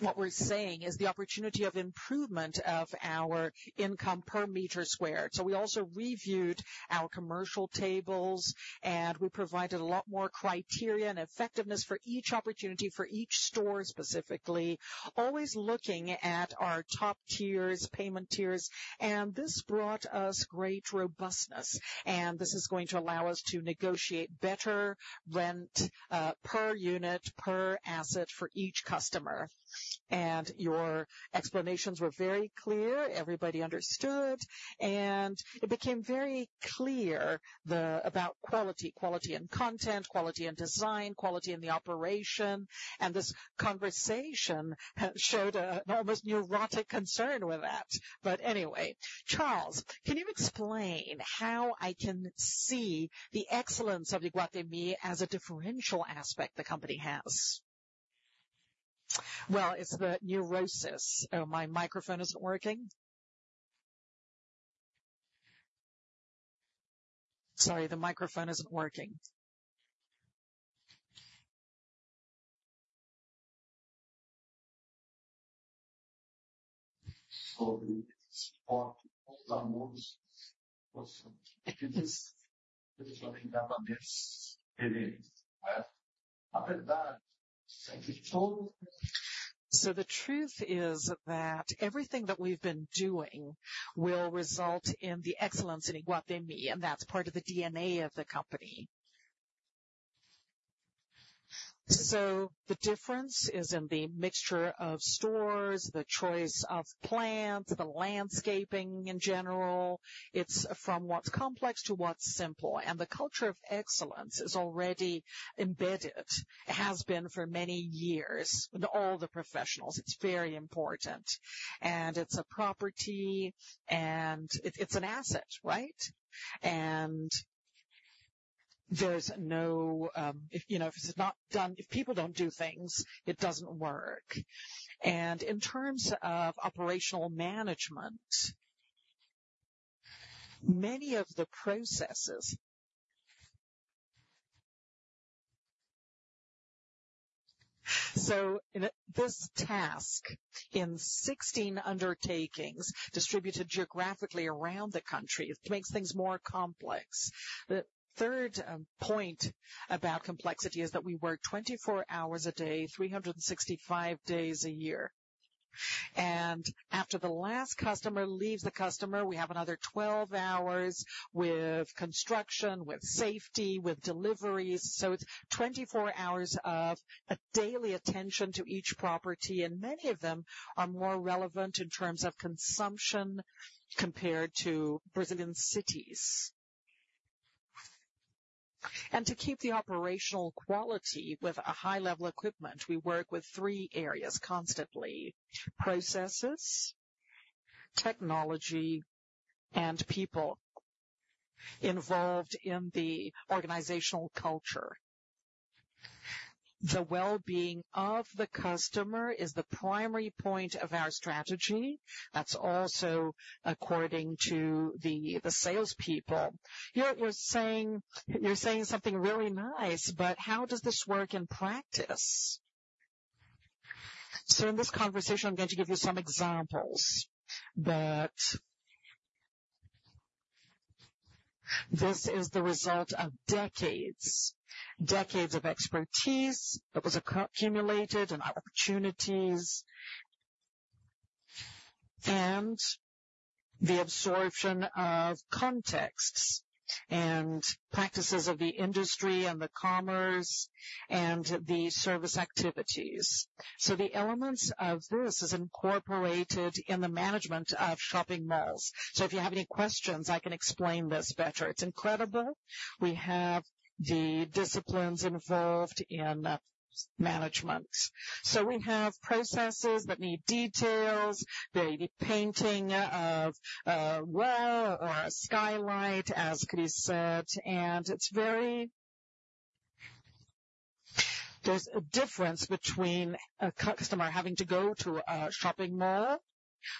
what we're saying is the opportunity of improvement of our income per meter squared. We also reviewed our commercial tables. We provided a lot more criteria and effectiveness for each opportunity, for each store specifically, always looking at our top tiers, payment tiers. This brought us great robustness. This is going to allow us to negotiate better rent, per unit, per asset for each customer. Your explanations were very clear. Everybody understood. It became very clear about quality, quality in content, quality in design, quality in the operation. This conversation showed an almost neurotic concern with that. But anyway, Charles, can you explain how I can see the excellence of Iguatemi as a differential aspect the company has? Well, it's the neurosis. Oh, my microphone isn't working. Sorry, the microphone isn't working. So the truth is that everything that we've been doing will result in the excellence in Iguatemi. That's part of the DNA of the company. So the difference is in the mixture of stores, the choice of plants, the landscaping in general. It's from what's complex to what's simple. The culture of excellence is already embedded. It has been for many years in all the professionals. It's very important. It's a property. It's an asset, right? There's no if, you know, if it's not done, if people don't do things, it doesn't work. In terms of operational management, many of the processes so in this task, in 16 undertakings distributed geographically around the country, it makes things more complex. The third point about complexity is that we work 24 hours a day, 365 days a year. After the last customer leaves, the customer, we have another 12 hours with construction, with safety, with deliveries. So it's 24 hours of a daily attention to each property. Many of them are more relevant in terms of consumption compared to Brazilian cities. To keep the operational quality with a high-level equipment, we work with three areas constantly: processes, technology, and people involved in the organizational culture. The well-being of the customer is the primary point of our strategy. That's also according to the salespeople. You're saying something really nice. How does this work in practice? In this conversation, I'm going to give you some examples. This is the result of decades of expertise that was accumulated and opportunities and the absorption of contexts and practices of the industry and the commerce and the service activities. The elements of this is incorporated in the management of shopping malls. If you have any questions, I can explain this better. It's incredible. We have the disciplines involved in management. So we have processes that need details, the painting of a wall or a skylight, as Cris said. It's very, there's a difference between a customer having to go to a shopping mall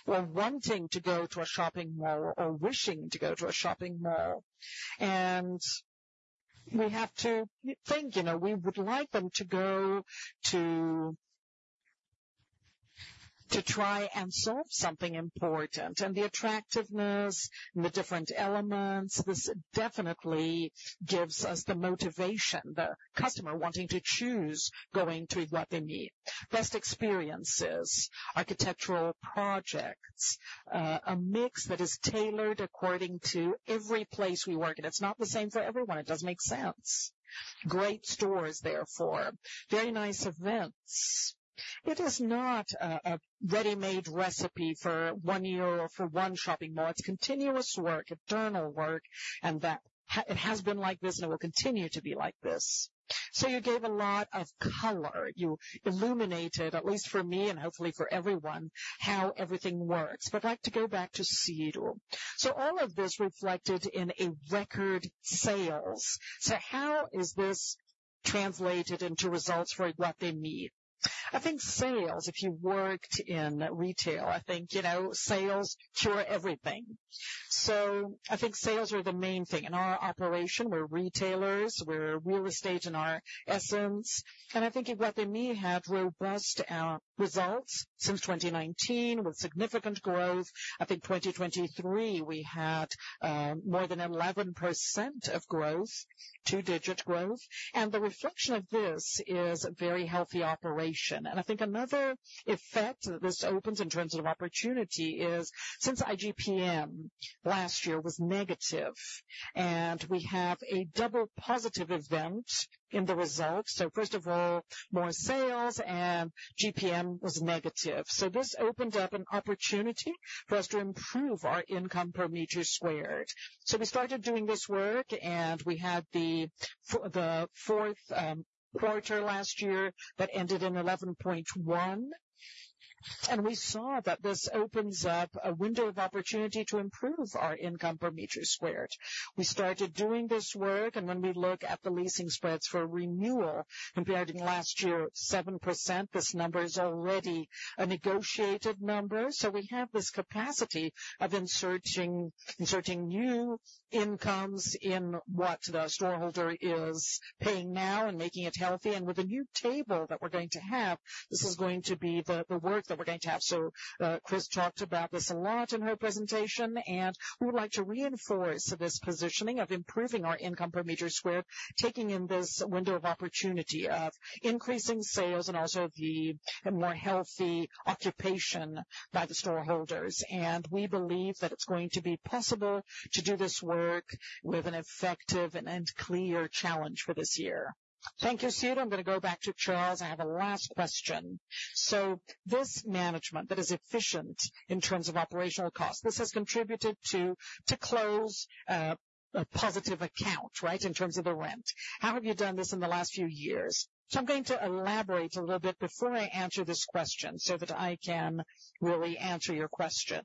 or wanting to go to a shopping mall or wishing to go to a shopping mall. We have to think, you know, we would like them to go to, to try and solve something important. The attractiveness and the different elements, this definitely gives us the motivation, the customer wanting to choose going to Iguatemi, best experiences, architectural projects, a mix that is tailored according to every place we work in. It's not the same for everyone. It doesn't make sense. Great stores, therefore, very nice events. It is not a ready-made recipe for one year or for one shopping mall. It's continuous work, eternal work. That has been like this. It will continue to be like this. So you gave a lot of color. You illuminated, at least for me and hopefully for everyone, how everything works. But I'd like to go back to Ciro. So all of this reflected in a record sales. So how is this translated into results for Iguatemi? I think sales, if you worked in retail, I think, you know, sales cure everything. So I think sales are the main thing. In our operation, we're retailers. We're real estate in our essence. And I think Iguatemi had robust results since 2019 with significant growth. I think 2023, we had more than 11% of growth, two-digit growth. And the reflection of this is a very healthy operation. And I think another effect that this opens in terms of opportunity is since IGP-M last year was negative. We have a double positive event in the results. So first of all, more sales. IGP-M was negative. So this opened up an opportunity for us to improve our income per meter squared. So we started doing this work. We had the fourth quarter last year that ended in 11.1. We saw that this opens up a window of opportunity to improve our income per meter squared. We started doing this work. When we look at the leasing spreads for renewal compared to last year, 7%, this number is already a negotiated number. So we have this capacity of inserting new incomes in what the storeholder is paying now and making it healthy. With a new table that we're going to have, this is going to be the work that we're going to have. So, Cris talked about this a lot in her presentation. We would like to reinforce this positioning of improving our income per meter squared, taking in this window of opportunity of increasing sales and also the more healthy occupation by the storeholders. We believe that it's going to be possible to do this work with an effective and, and clear challenge for this year. Thank you, Ciro. I'm going to go back to Charles. I have a last question. So this management that is efficient in terms of operational costs, this has contributed to, to close, a positive account, right, in terms of the rent. How have you done this in the last few years? So I'm going to elaborate a little bit before I answer this question so that I can really answer your question.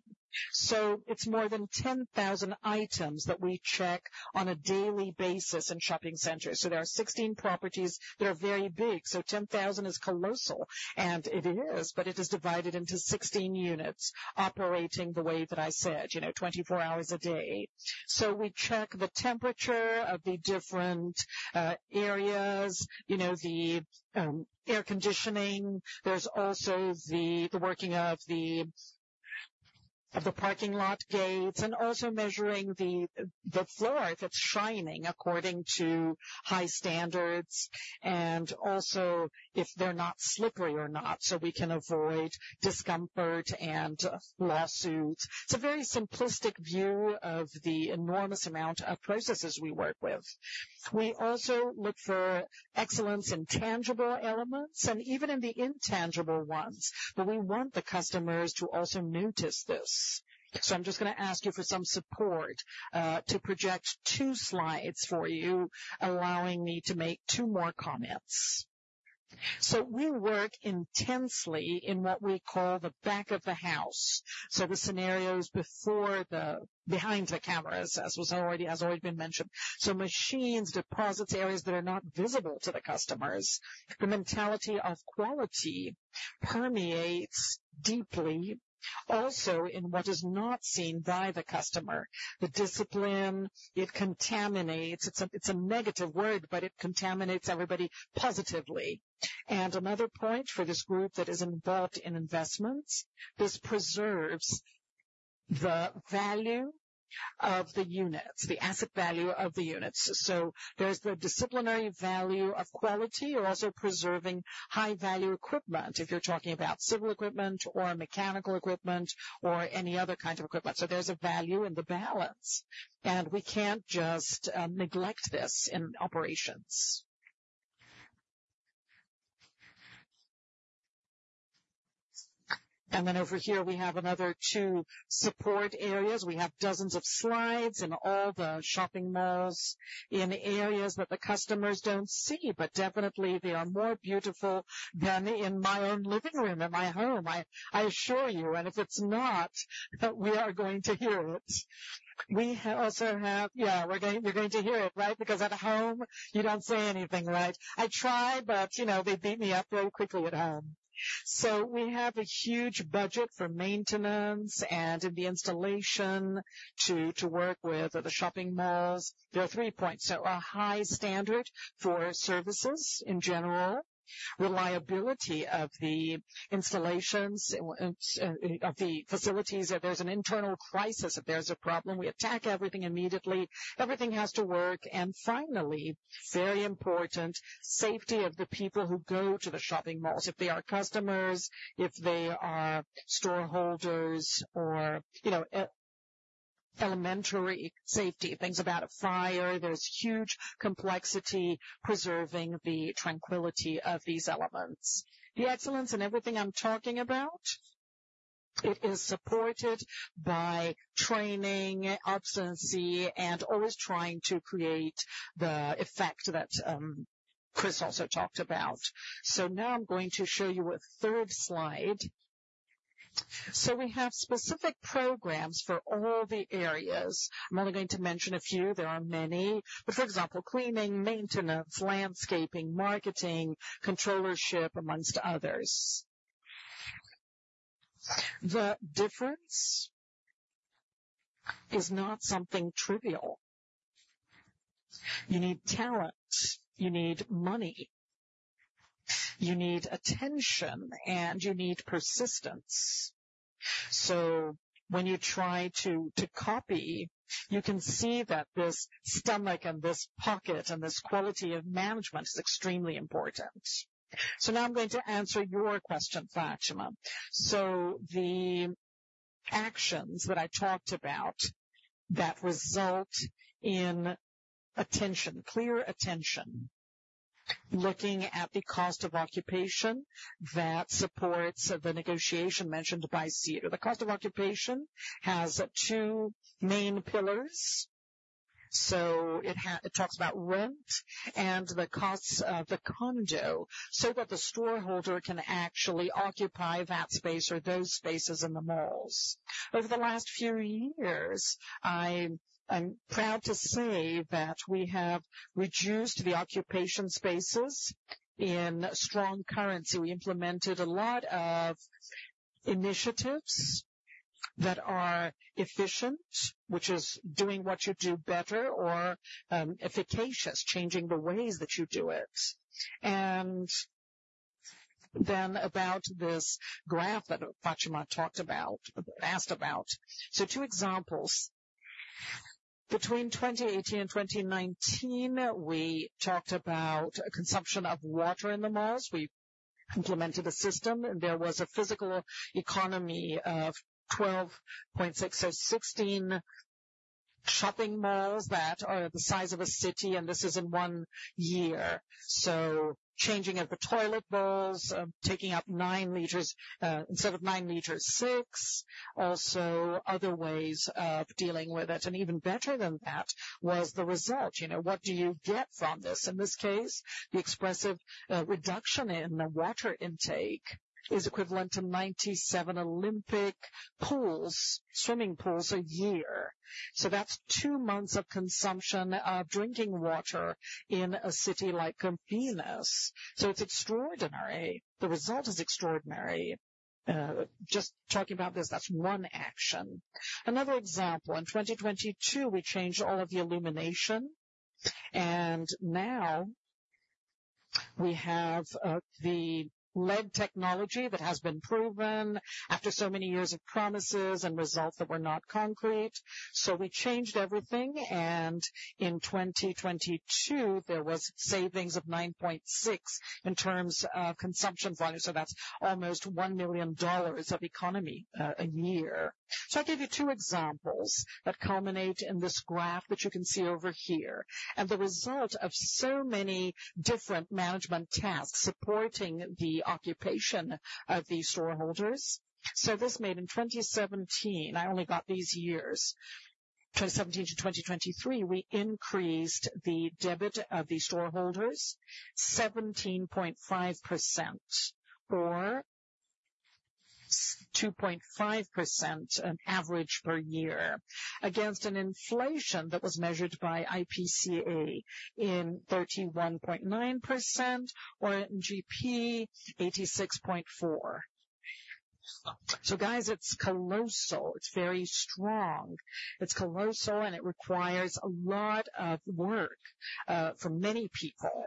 So it's more than 10,000 items that we check on a daily basis in shopping centers. So there are 16 properties that are very big. So 10,000 is colossal. And it is. But it is divided into 16 units operating the way that I said, you know, 24 hours a day. So we check the temperature of the different areas, you know, the air conditioning. There's also the working of the parking lot gates and also measuring the floor if it's shining according to high standards and also if they're not slippery or not so we can avoid discomfort and lawsuits. It's a very simplistic view of the enormous amount of processes we work with. We also look for excellence in tangible elements and even in the intangible ones. But we want the customers to also notice this. So I'm just going to ask you for some support, to project two slides for you, allowing me to make two more comments. So we work intensely in what we call the back of the house, so the scenarios before the behind the cameras, as has already been mentioned, so machines, deposits, areas that are not visible to the customers. The mentality of quality permeates deeply also in what is not seen by the customer, the discipline. It contaminates. It's a, it's a negative word. But it contaminates everybody positively. And another point for this group that is involved in investments, this preserves the value of the units, the asset value of the units. So there's the disciplinary value of quality or also preserving high-value equipment if you're talking about civil equipment or mechanical equipment or any other kind of equipment. So there's a value in the balance. We can't just neglect this in operations. Then over here, we have another two support areas. We have dozens of slides in all the shopping malls in areas that the customers don't see. But definitely, they are more beautiful than in my own living room, in my home. I assure you. If it's not, we are going to hear it. We also have yeah, you're going to hear it, right, because at home, you don't say anything, right? I try. You know, they beat me up very quickly at home. We have a huge budget for maintenance and in the installation to work with the shopping malls. There are three points. A high standard for services in general, reliability of the installations, of the facilities. If there's an internal crisis, if there's a problem, we attack everything immediately. Everything has to work. Finally, very important, safety of the people who go to the shopping malls, if they are customers, if they are stakeholders or, you know, elementary safety, things about a fire. There's huge complexity preserving the tranquility of these elements. The excellence in everything I'm talking about, it is supported by training, abstinence, and always trying to create the effect that, Kris also talked about. Now, I'm going to show you a third slide. We have specific programs for all the areas. I'm only going to mention a few. There are many. But for example, cleaning, maintenance, landscaping, marketing, controllership, among others. The difference is not something trivial. You need talent. You need money. You need attention. And you need persistence. So when you try to copy, you can see that this stomach and this pocket and this quality of management is extremely important. So now, I'm going to answer your question, Fátima. So the actions that I talked about that result in attention, clear attention, looking at the cost of occupation that supports the negotiation mentioned by Ciro, the cost of occupation has two main pillars. So it talks about rent and the costs of the condo so that the storeholder can actually occupy that space or those spaces in the malls. Over the last few years, I'm proud to say that we have reduced the occupation spaces in strong currency. We implemented a lot of initiatives that are efficient, which is doing what you do better or, efficacious, changing the ways that you do it. Then about this graph that Fátima talked about, asked about. So two examples. Between 2018 and 2019, we talked about consumption of water in the malls. We implemented a system. And there was a physical economy of 12.6, so 16 shopping malls that are the size of a city. And this is in one year. So changing of the toilet bowls, taking up nine liters, instead of nine liters, six, also other ways of dealing with it. And even better than that was the result, you know, what do you get from this? In this case, the expressive reduction in the water intake is equivalent to 97 Olympic pools, swimming pools a year. So that's two months of consumption of drinking water in a city like Campinas. So it's extraordinary. The result is extraordinary. Just talking about this, that's one action. Another example, in 2022, we changed all of the illumination. Now, we have the LED technology that has been proven after so many years of promises and results that were not concrete. So we changed everything. In 2022, there was savings of 9.6% in terms of consumption volume. So that's almost $1 million of economy a year. So I gave you two examples that culminate in this graph that you can see over here and the result of so many different management tasks supporting the occupation of the stakeholders. So this made, in 2017—I only got these years, 2017-2023—we increased the debit of the stakeholders 17.5% or 2.5% an average per year against an inflation that was measured by IPCA in 31.9% or in IGP-M, 86.4%. So guys, it's colossal. It's very strong. It's colossal. It requires a lot of work, for many people.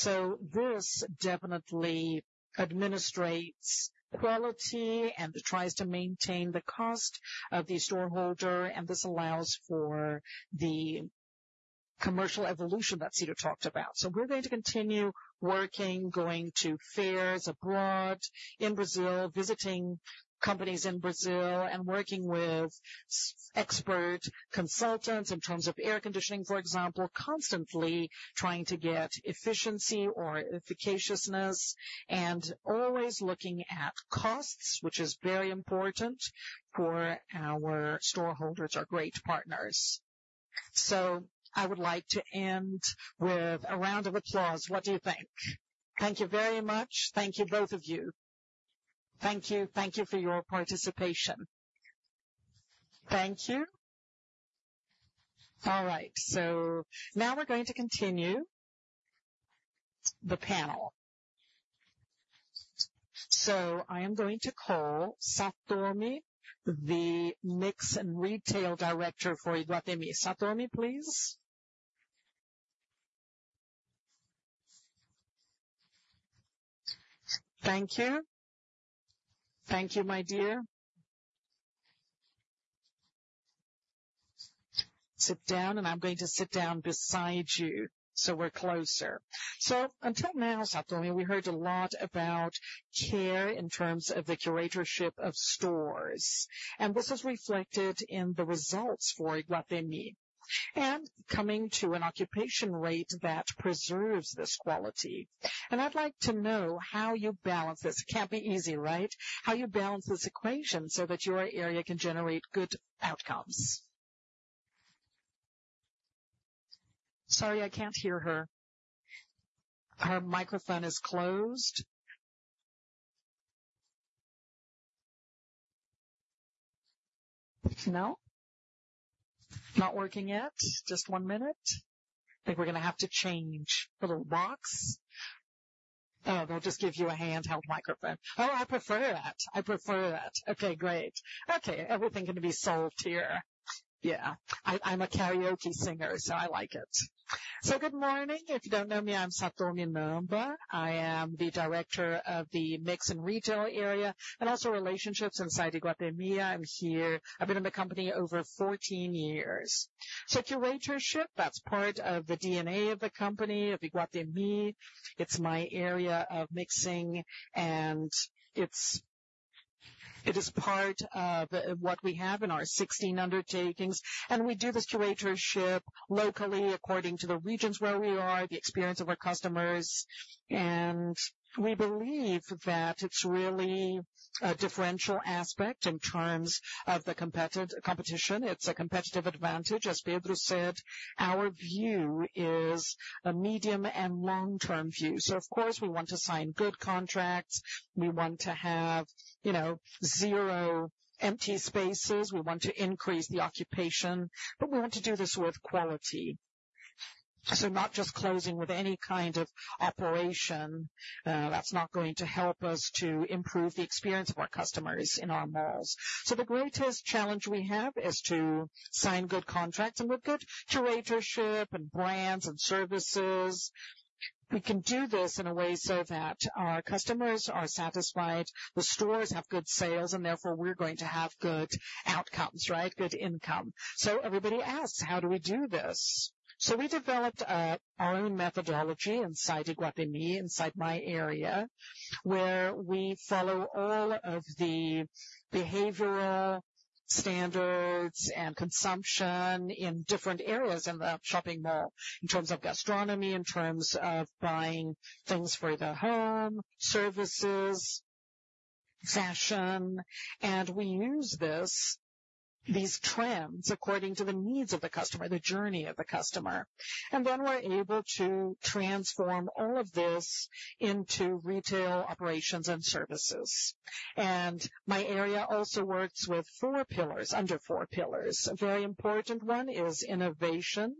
This definitely administers quality and tries to maintain the cost for the stakeholder. This allows for the commercial evolution that Ciro talked about. We're going to continue working, going to fairs abroad and in Brazil, visiting companies in Brazil, and working with expert consultants in terms of air conditioning, for example, constantly trying to get efficiency or efficacy and always looking at costs, which is very important for our stakeholders, our great partners. I would like to end with a round of applause. What do you think? Thank you very much. Thank you, both of you. Thank you. Thank you for your participation. Thank you. All right. Now, we're going to continue the panel. I am going to call Satomi, the Director of Mix and Retail for Iguatemi. Satomi, please. Thank you. Thank you, my dear. Sit down. I'm going to sit down beside you so we're closer. Until now, Satomi, we heard a lot about care in terms of the curatorship of stores. This is reflected in the results for Iguatemi and coming to an occupation rate that preserves this quality. I'd like to know how you balance this. It can't be easy, right, how you balance this equation so that your area can generate good outcomes. Sorry, I can't hear her. Her microphone is closed. No? Not working yet? Just one minute? I think we're going to have to change the little box. Oh, they'll just give you a handheld microphone. Oh, I prefer that. I prefer that. Okay, great. Okay, everything's going to be solved here. Yeah, I'm a karaoke singer. So I like it. Good morning. If you don't know me, I'm Satomi Namba. I am the director of the mix and retail area and also relationships inside Iguatemi. I'm here. I've been in the company over 14 years. So curatorship, that's part of the DNA of the company, of Iguatemi. It's my area of mix. And it's, it is part of what we have in our 16 undertakings. And we do this curatorship locally according to the regions where we are, the experience of our customers. And we believe that it's really a differential aspect in terms of the competitive competition. It's a competitive advantage. As Pedro said, our view is a medium and long-term view. So of course, we want to sign good contracts. We want to have, you know, zero empty spaces. We want to increase the occupation. But we want to do this with quality, so not just closing with any kind of operation. That's not going to help us to improve the experience of our customers in our malls. So the greatest challenge we have is to sign good contracts. And with good curatorship and brands and services, we can do this in a way so that our customers are satisfied, the stores have good sales, and therefore, we're going to have good outcomes, right, good income. So everybody asks, how do we do this? So we developed our own methodology inside Iguatemi, inside my area, where we follow all of the behavioral standards and consumption in different areas in the shopping mall in terms of gastronomy, in terms of buying things for the home, services, fashion. And we use this, these trends according to the needs of the customer, the journey of the customer. And then we're able to transform all of this into retail operations and services. And my area also works with four pillars, under four pillars. A very important one is innovation.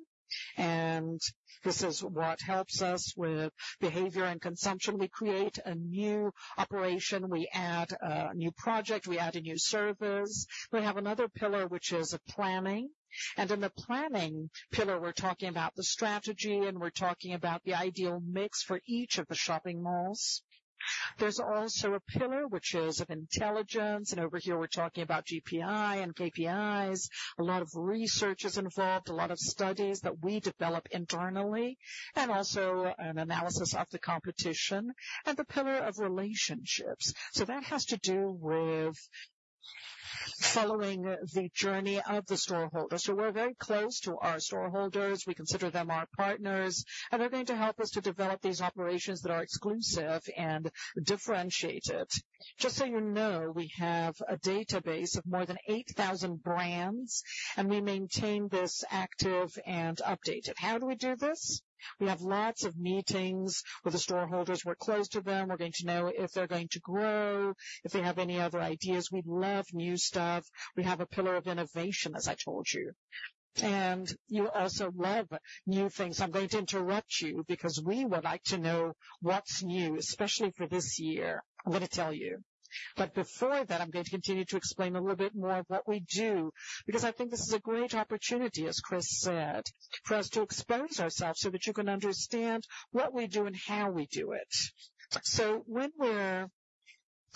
This is what helps us with behavior and consumption. We create a new operation. We add a new project. We add a new service. We have another pillar, which is planning. In the planning pillar, we're talking about the strategy. We're talking about the ideal mix for each of the shopping malls. There's also a pillar, which is of intelligence. Over here, we're talking about GPI and KPIs, a lot of research is involved, a lot of studies that we develop internally, and also an analysis of the competition and the pillar of relationships. That has to do with following the journey of the storeholder. We're very close to our storeholders. We consider them our partners. They're going to help us to develop these operations that are exclusive and differentiated. Just so you know, we have a database of more than 8,000 brands. We maintain this active and updated. How do we do this? We have lots of meetings with the stakeholders. We're close to them. We're going to know if they're going to grow, if they have any other ideas. We love new stuff. We have a pillar of innovation, as I told you. You also love new things. So I'm going to interrupt you because we would like to know what's new, especially for this year. I'm going to tell you. But before that, I'm going to continue to explain a little bit more of what we do because I think this is a great opportunity, as Cris said, for us to expose ourselves so that you can understand what we do and how we do it. So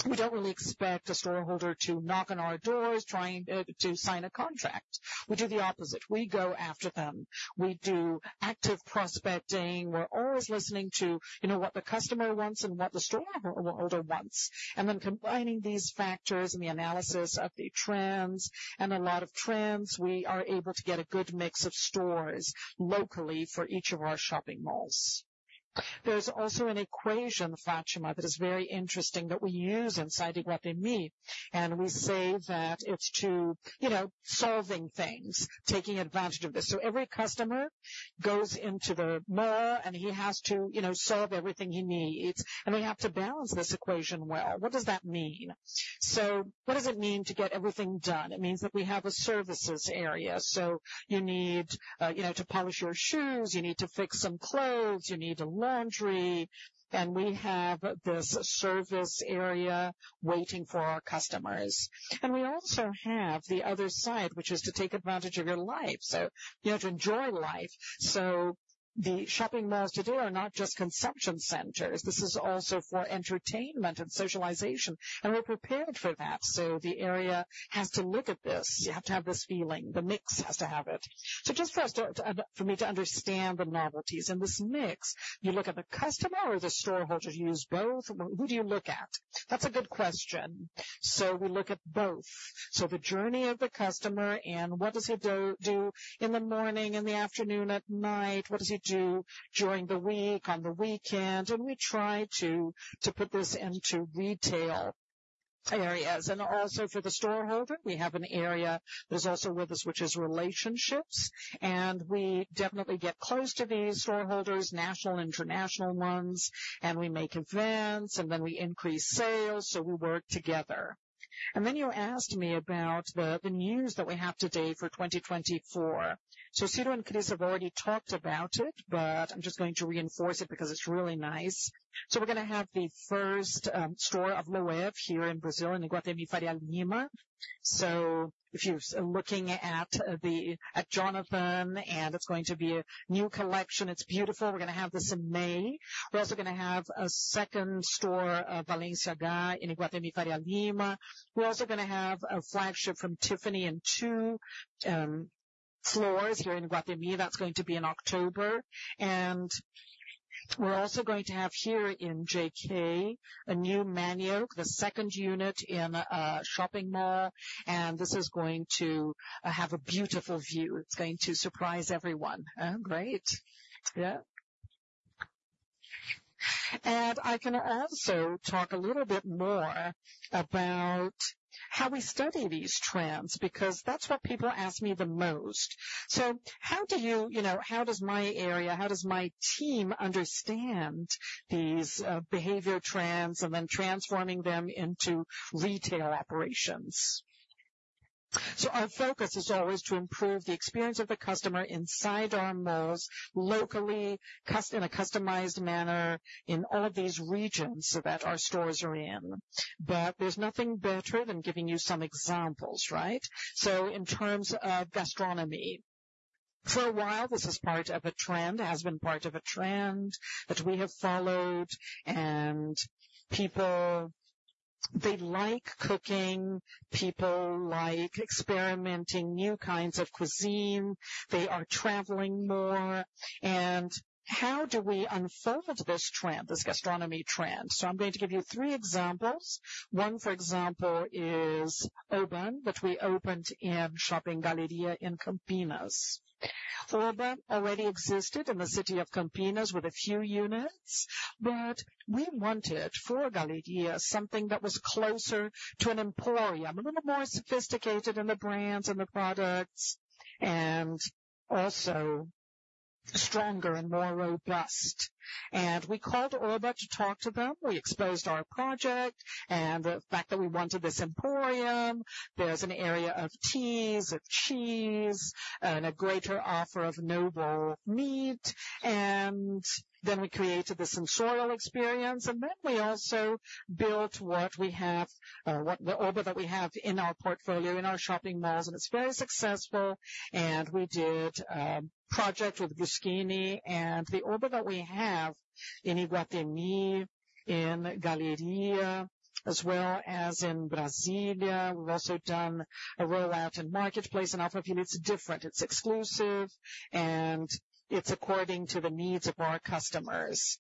we don't really expect a storeholder to knock on our doors trying to sign a contract. We do the opposite. We go after them. We do active prospecting. We're always listening to, you know, what the customer wants and what the storeholder wants and then combining these factors and the analysis of the trends. And a lot of trends, we are able to get a good mix of stores locally for each of our shopping malls. There's also an equation, Fátima, that is very interesting that we use inside Iguatemi. We say that it's to, you know, solving things, taking advantage of this. So every customer goes into the mall. He has to, you know, solve everything he needs. We have to balance this equation well. What does that mean? So what does it mean to get everything done? It means that we have a services area. So you need, you know, to polish your shoes. You need to fix some clothes. You need the laundry. We have this service area waiting for our customers. We also have the other side, which is to take advantage of your life, so, you know, to enjoy life. So the shopping malls today are not just consumption centers. This is also for entertainment and socialization. We're prepared for that. So the area has to look at this. You have to have this feeling. The mix has to have it. So just for us to, for me to understand the novelties in this mix, you look at the customer or the storeholder? Do you use both? Who do you look at? That's a good question. So we look at both, so the journey of the customer and what does he do in the morning, in the afternoon, at night? What does he do during the week, on the weekend? And we try to put this into retail areas. And also for the storeholder, we have an area that is also with us, which is relationships. And we definitely get close to these storeholders, national and international ones. And we make events. And then we increase sales. So we work together. And then you asked me about the news that we have today for 2024. So Ciro and Cris have already talked about it. But I'm just going to reinforce it because it's really nice. So we're going to have the first store of Loewe here in Brazil in Iguatemi Faria Lima. So if you're looking at the at Jonathan. And it's going to be a new collection. It's beautiful. We're going to have this in May. We're also going to have a second store of Balenciaga in Iguatemi Faria Lima. We're also going to have a flagship from Tiffany in two floors here in Iguatemi. That's going to be in October. And we're also going to have here in JK a new Manioca, the second unit in a shopping mall. And this is going to have a beautiful view. It's going to surprise everyone. great. Yeah. I can also talk a little bit more about how we study these trends because that's what people ask me the most. So how do you, you know, how does my area, how does my team understand these behavior trends and then transforming them into retail operations? So our focus is always to improve the experience of the customer inside our malls locally, in a customized manner in all of these regions that our stores are in. But there's nothing better than giving you some examples, right, so in terms of gastronomy. For a while, this is part of a trend, has been part of a trend that we have followed. People, they like cooking. People like experimenting new kinds of cuisine. They are traveling more. And how do we unfold this trend, this gastronomy trend? So I'm going to give you three examples. One, for example, is Urban, that we opened in Shopping Galleria in Campinas. Urban already existed in the city of Campinas with a few units. But we wanted for Galleria something that was closer to an emporium, a little more sophisticated in the brands and the products and also stronger and more robust. We called Urban to talk to them. We exposed our project and the fact that we wanted this emporium. There's an area of teas, of cheese, and a greater offer of noble meat. Then we created this sensorial experience. Then we also built what we have, what the Urban that we have in our portfolio in our shopping malls. It's very successful. We did a project with Bruschini. The Urban that we have in Iguatemi, in Galleria, as well as in Brasília, we've also done a rollout in Market Place. I'll tell you, it's different. It's exclusive. It's according to the needs of our customers.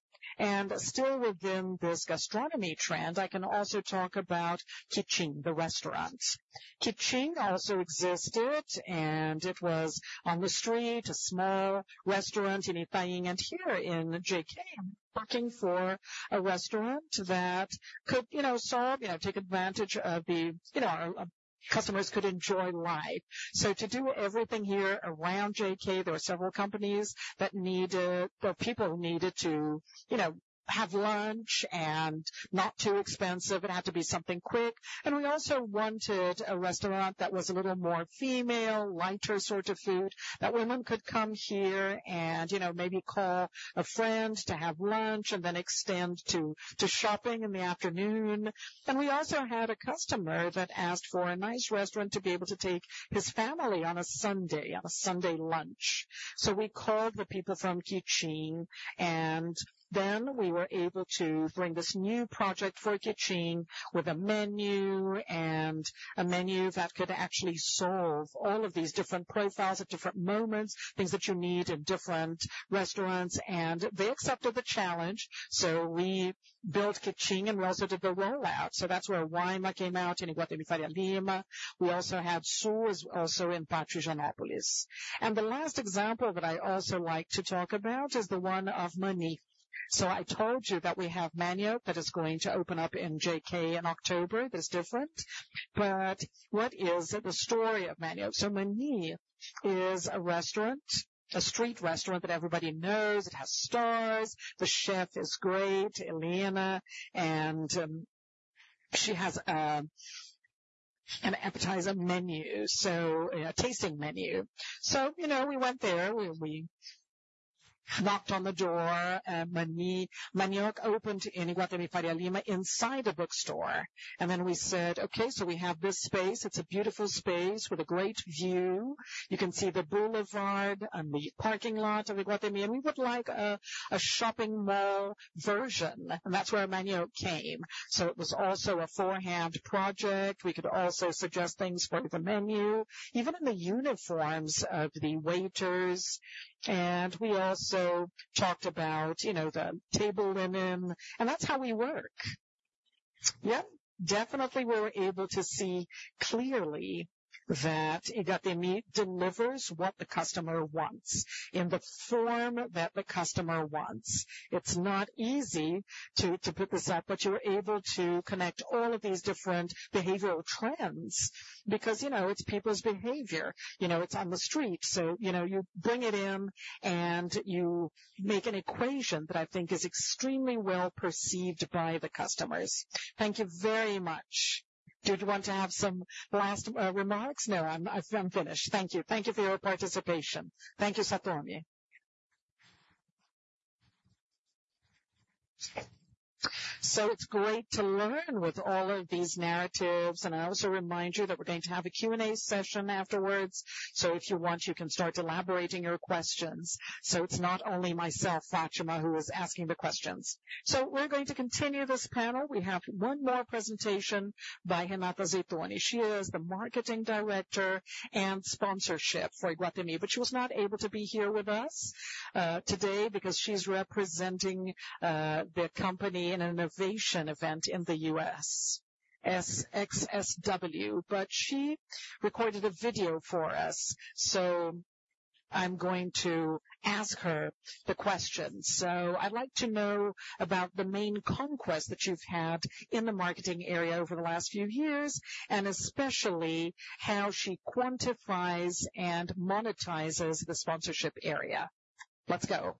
Still within this gastronomy trend, I can also talk about Kitchin, the restaurant. Kitchin also existed. It was on the street, a small restaurant in Itaim. Here in JK, I'm looking for a restaurant that could, you know, solve, you know, take advantage of the, you know, our, customers could enjoy life. So to do everything here around JK, there were several companies that needed or people needed to, you know, have lunch and not too expensive. It had to be something quick. We also wanted a restaurant that was a little more female, lighter sort of food, that women could come here and, you know, maybe call a friend to have lunch and then extend to, to shopping in the afternoon. And we also had a customer that asked for a nice restaurant to be able to take his family on a Sunday, on a Sunday lunch. So we called the people from Kitchin. And then we were able to bring this new project for Kitchin with a menu and a menu that could actually solve all of these different profiles at different moments, things that you need in different restaurants. And they accepted the challenge. So we built Kitchin. And we also did the rollout. So that's where Aima in Iguatemi, Faria Lima. We also had Su is also in Pátio Higienópolis. And the last example that I also like to talk about is the one of Mani. So I told you that we have Manioca that is going to open up in JK in October. That's different. But what is it, the story of Manioca? So Mani is a restaurant, a street restaurant that everybody knows. It has stars. The chef is great, Helena and she has an appetizer menu, so you know, a tasting menu. So you know, we went there. We knocked on the door. And Mani Manioca opened in Iguatemi Faria Lima inside a bookstore. And then we said, "Okay. So we have this space. It's a beautiful space with a great view. You can see the boulevard and the parking lot of Iguatemi. And we would like a shopping mall version." And that's where Manioca came. So it was also a forehand project. We could also suggest things for the menu, even in the uniforms of the waiters. And we also talked about you know, the table linen. And that's how we work. Yeah. Definitely, we were able to see clearly that Iguatemi delivers what the customer wants in the form that the customer wants. It's not easy to put this up. But you were able to connect all of these different behavioral trends because, you know, it's people's behavior. You know, it's on the street. So, you know, you bring it in. And you make an equation that I think is extremely well perceived by the customers. Thank you very much. Did you want to have some last remarks? No. I'm finished. Thank you. Thank you for your participation. Thank you, Satomi. So it's great to learn with all of these narratives. And I also remind you that we're going to have a Q&A session afterwards. So if you want, you can start elaborating your questions. So it's not only myself, Fátima, who is asking the questions. So we're going to continue this panel. We have one more presentation by Renata Zitune. She is the marketing and sponsorship director for Iguatemi. But she was not able to be here with us today because she's representing the company in an innovation event in the U.S., SXSW. But she recorded a video for us. So I'm going to ask her the questions. So I'd like to know about the main conquest that you've had in the marketing area over the last few years and especially how she quantifies and monetizes the sponsorship area. Let's go.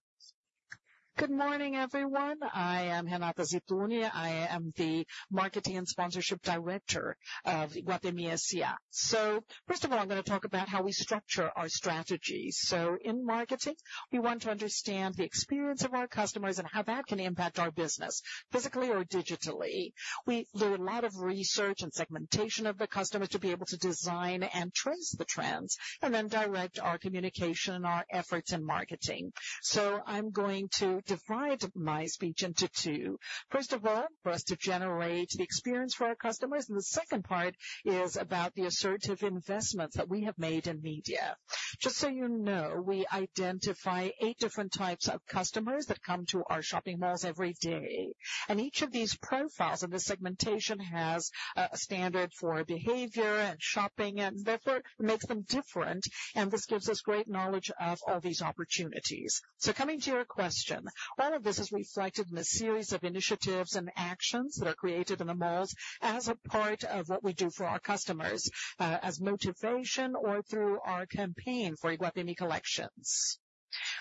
Good morning, everyone. I am Renata Zitune. I am the marketing and sponsorship director of Iguatemi S.A. So first of all, I'm going to talk about how we structure our strategies. So in marketing, we want to understand the experience of our customers and how that can impact our business physically or digitally. We do a lot of research and segmentation of the customers to be able to design and trace the trends and then direct our communication and our efforts in marketing. So I'm going to divide my speech into two. First of all, for us to generate the experience for our customers. And the second part is about the assertive investments that we have made in media. Just so you know, we identify eight different types of customers that come to our shopping malls every day. And each of these profiles and this segmentation has a standard for behavior and shopping. And therefore, it makes them different. And this gives us great knowledge of all these opportunities. So coming to your question, all of this is reflected in a series of initiatives and actions that are created in the malls as a part of what we do for our customers, as motivation or through our campaign for Iguatemi collections.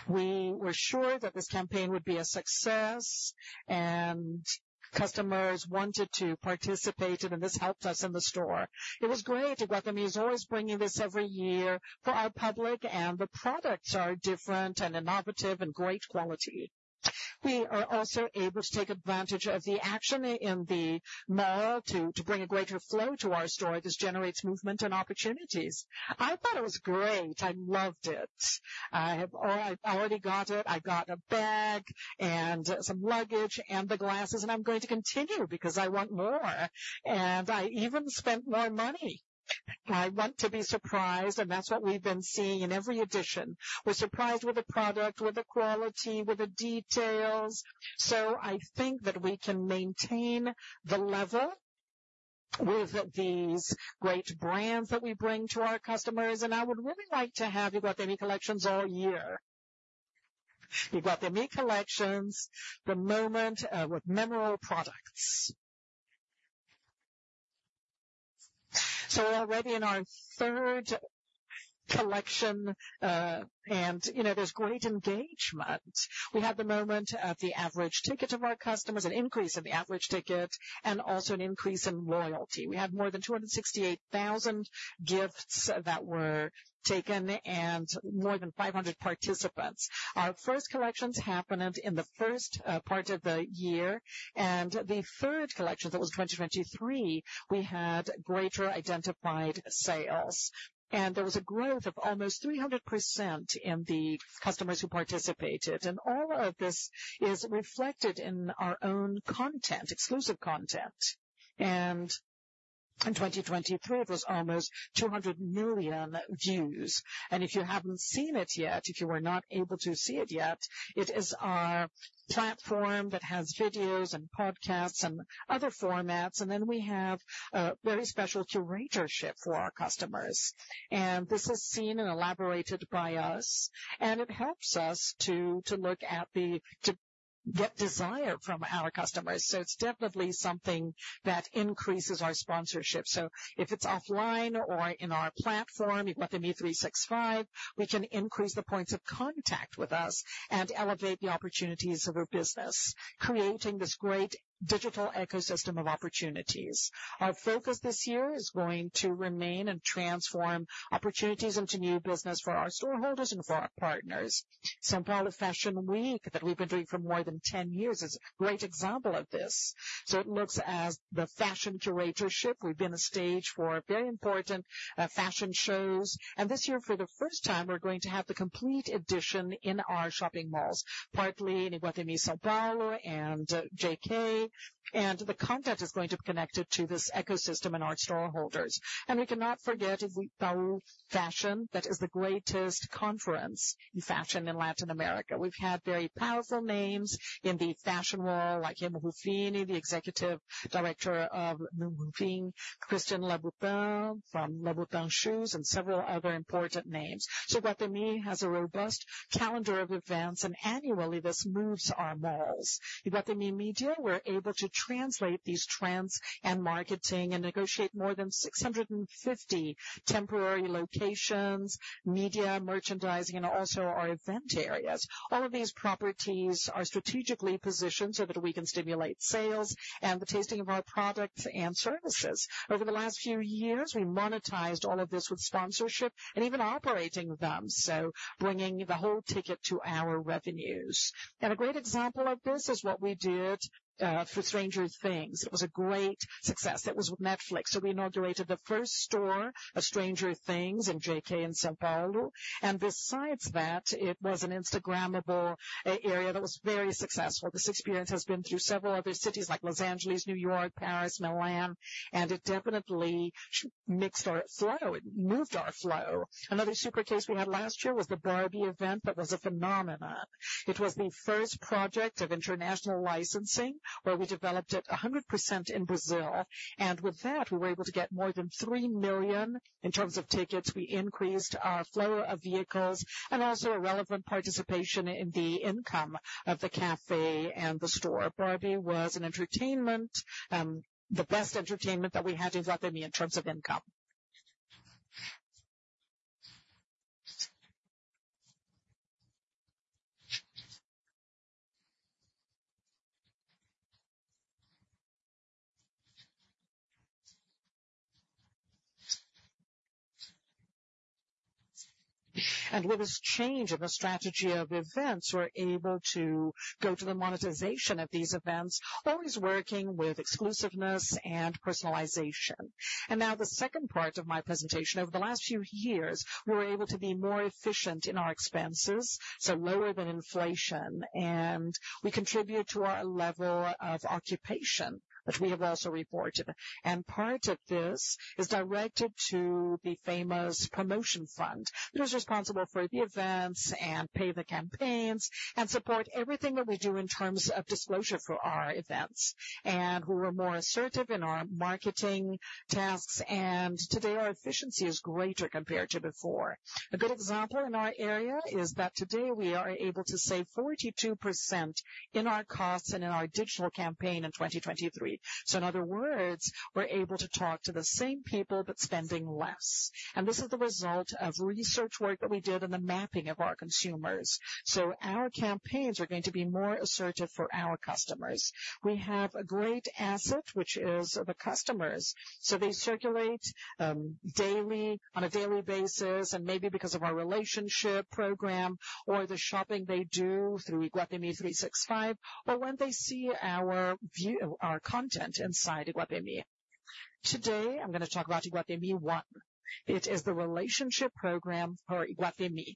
We were sure that this campaign would be a success. Customers wanted to participate. Then this helped us in the store. It was great. Iguatemi is always bringing this every year for our public. The products are different and innovative and great quality. We are also able to take advantage of the action in the mall to bring a greater flow to our store. This generates movement and opportunities. I thought it was great. I loved it. I have all. I've already got it. I got a bag and some luggage and the glasses. I'm going to continue because I want more. I even spent more money. I want to be surprised. And that's what we've been seeing in every edition. We're surprised with the product, with the quality, with the details. So I think that we can maintain the level with these great brands that we bring to our customers. And I would really like to have Iguatemi collections all year, Iguatemi collections, the moment, with memorable products. So we're already in our third collection. And, you know, there's great engagement. We had the moment at the average ticket of our customers, an increase in the average ticket, and also an increase in loyalty. We had more than 268,000 gifts that were taken and more than 500 participants. Our first collections happened in the first, part of the year. And the third collection, that was 2023, we had greater identified sales. There was a growth of almost 300% in the customers who participated. All of this is reflected in our own content, exclusive content. In 2023, it was almost 200 million views. If you haven't seen it yet, if you were not able to see it yet, it is our platform that has videos and podcasts and other formats. Then we have a very special curatorship for our customers. This is seen and elaborated by us. It helps us to, to look at the to get desire from our customers. So it's definitely something that increases our sponsorship. So if it's offline or in our platform, Iguatemi 365, we can increase the points of contact with us and elevate the opportunities of our business, creating this great digital ecosystem of opportunities. Our focus this year is going to remain and transform opportunities into new business for our stakeholders and for our partners. São Paulo Fashion Week that we've been doing for more than 10 years is a great example of this. So it looks like the fashion curatorship. We've been a stage for very important fashion shows. This year, for the first time, we're going to have the complete edition in our shopping malls, partly in Iguatemi São Paulo and JK Iguatemi. And the content is going to be connected to this ecosystem and our stakeholders. And we cannot forget Iguatemi Fashion. That is the greatest conference in fashion in Latin America. We've had very powerful names in the fashion world like Remo Ruffini, the Executive Director of Ruffini, Christian Louboutin from Louboutin Shoes, and several other important names. So Iguatemi has a robust calendar of events. Annually, this moves our malls. Iguatemi Media, we're able to translate these trends and marketing and negotiate more than 650 temporary locations, media merchandising, and also our event areas. All of these properties are strategically positioned so that we can stimulate sales and the tasting of our products and services. Over the last few years, we monetized all of this with sponsorship and even operating them, so bringing the whole ticket to our revenues. A great example of this is what we did for Stranger Things. It was a great success. It was with Netflix. So we inaugurated the first store of Stranger Things in JK and São Paulo. And besides that, it was an Instagrammable area that was very successful. This experience has been through several other cities like Los Angeles, New York, Paris, Milan. And it definitely shifted our flow. It moved our flow. Another super case we had last year was the Barbie event that was a phenomenon. It was the first project of international licensing where we developed it 100% in Brazil. And with that, we were able to get more than 3 million in terms of tickets. We increased our flow of vehicles and also a relevant participation in the income of the café and the store. Barbie was an entertainment, the best entertainment that we had in Iguatemi in terms of income. And with this change in the strategy of events, we're able to go to the monetization of these events, always working with exclusiveness and personalization. And now the second part of my presentation, over the last few years, we were able to be more efficient in our expenses, so lower than inflation. And we contribute to our level of occupation, which we have also reported. Part of this is directed to the famous promotion fund that is responsible for the events and pay the campaigns and support everything that we do in terms of disclosure for our events and who are more assertive in our marketing tasks. Today, our efficiency is greater compared to before. A good example in our area is that today, we are able to save 42% in our costs and in our digital campaign in 2023. So in other words, we're able to talk to the same people but spending less. This is the result of research work that we did and the mapping of our consumers. So our campaigns are going to be more assertive for our customers. We have a great asset, which is the customers. So they circulate, daily, on a daily basis, and maybe because of our relationship program or the shopping they do through Iguatemi 365 or when they see our view, our content inside Iguatemi. Today, I'm going to talk about Iguatemi One. It is the relationship program for Iguatemi.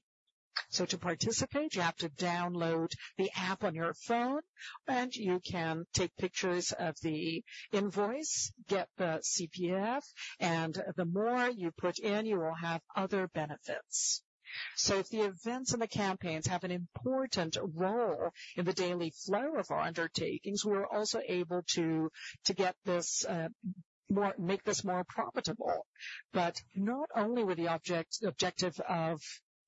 So to participate, you have to download the app on your phone. And you can take pictures of the invoice, get the CPF. And the more you put in, you will have other benefits. So if the events and the campaigns have an important role in the daily flow of our undertakings, we are also able to, to get this, more make this more profitable, but not only with the object, objective of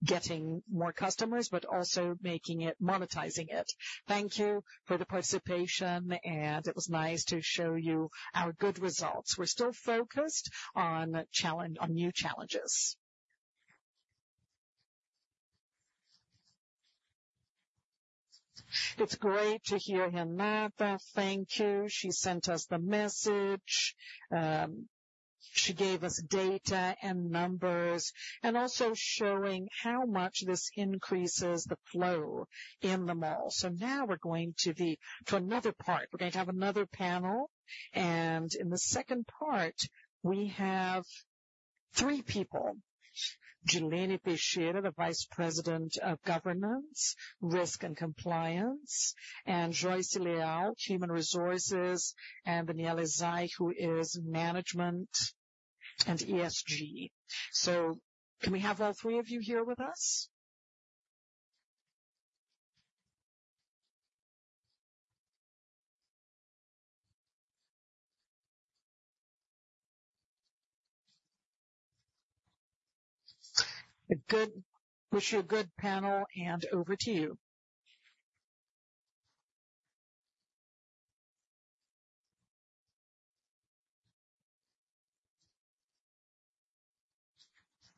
getting more customers but also making it monetizing it. Thank you for the participation. And it was nice to show you our good results. We're still focused on challenges on new challenges. It's great to hear, Renata. Thank you. She sent us the message. She gave us data and numbers and also showing how much this increases the flow in the mall. So now we're going to another part. We're going to have another panel. In the second part, we have three people: Dilene Teixeira, Vice President of Governance, Risk and Compliance; Joyce Leal, Human Resources; and Daniele Zaia, Management and ESG. So can we have all three of you here with us? I wish you a good panel. Over to you.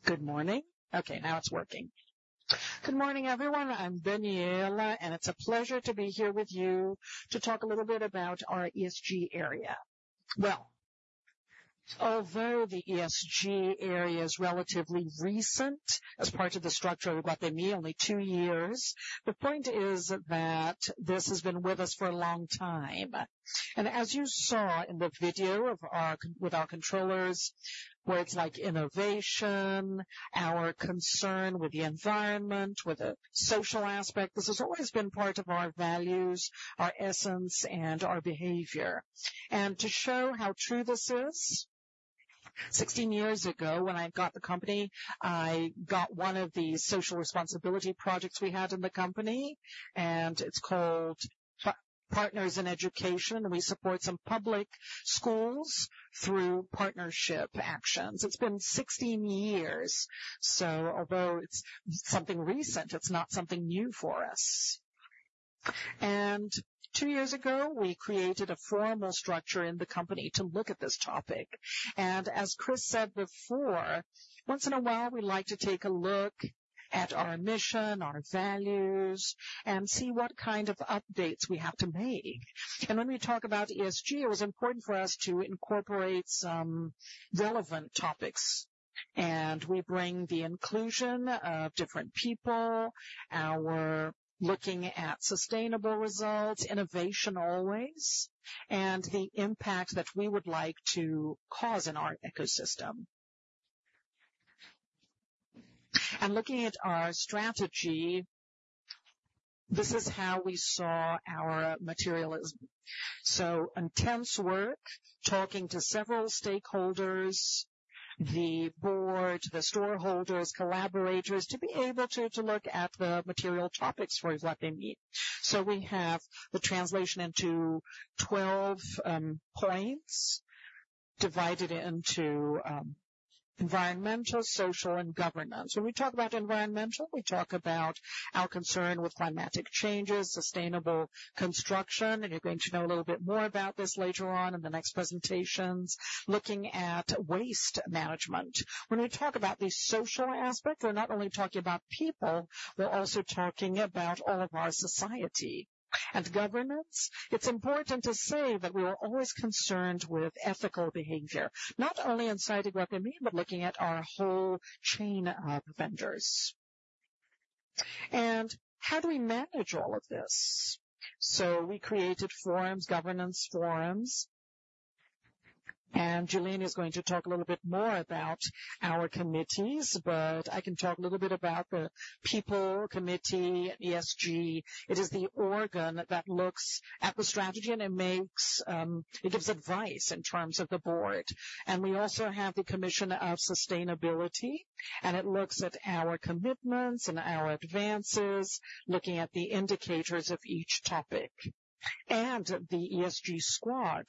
Good morning. Okay. Now it's working. Good morning, everyone. I'm Dilene It's a pleasure to be here with you to talk a little bit about our ESG area. Well, although the ESG area is relatively recent as part of the structure of Iguatemi, only two years, the point is that this has been with us for a long time. And as you saw in the video of our contact with our controllers, where it's like innovation, our concern with the environment, with the social aspect, this has always been part of our values, our essence, and our behavior. And to show how true this is, 16 years ago, when I got the company, I got one of the social responsibility projects we had in the company. And it's called Parceiros da Educação. And we support some public schools through partnership actions. It's been 16 years. So although it's something recent, it's not something new for us. And two years ago, we created a formal structure in the company to look at this topic. As Cris said before, once in a while, we like to take a look at our mission, our values, and see what kind of updates we have to make. When we talk about ESG, it was important for us to incorporate some relevant topics. We bring the inclusion of different people, our looking at sustainable results, innovation always, and the impact that we would like to cause in our ecosystem. Looking at our strategy, this is how we saw our materials: so intense work, talking to several stakeholders, the board, the shareholders, collaborators, to be able to, to look at the material topics for Iguatemi. So we have the translation into 12 points divided into environmental, social, and governance. When we talk about environmental, we talk about our concern with climatic changes, sustainable construction. You're going to know a little bit more about this later on in the next presentations, looking at waste management. When we talk about the social aspect, we're not only talking about people. We're also talking about all of our society and governance. It's important to say that we were always concerned with ethical behavior, not only inside Iguatemi but looking at our whole chain of vendors. How do we manage all of this? We created forums, governance forums. Dilene is going to talk a little bit more about our committees. But I can talk a little bit about the people committee, ESG. It is the organ that looks at the strategy and it makes, it gives advice in terms of the board. We also have the commission of sustainability. It looks at our commitments and our advances, looking at the indicators of each topic. The ESG squad,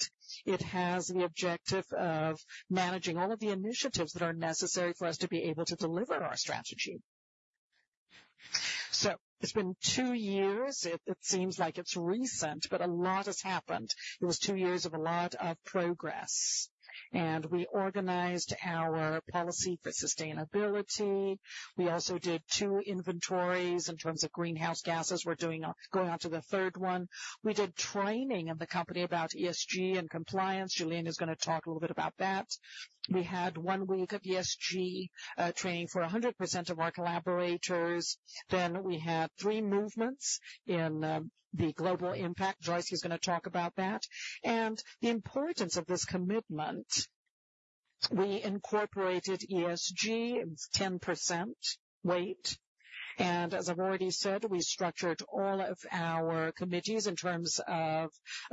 it has the objective of managing all of the initiatives that are necessary for us to be able to deliver our strategy. It's been two years. It, it seems like it's recent. But a lot has happened. It was two years of a lot of progress. We organized our policy for sustainability. We also did two inventories in terms of greenhouse gases. We're doing, going on to the third one. We did training in the company about ESG and compliance. Dilene is going to talk a little bit about that. We had one week of ESG, training for 100% of our collaborators. Then we had three movements in the global impact. Joyce is going to talk about that. And the importance of this commitment, we incorporated ESG, 10% weight. And as I've already said, we structured all of our committees in terms of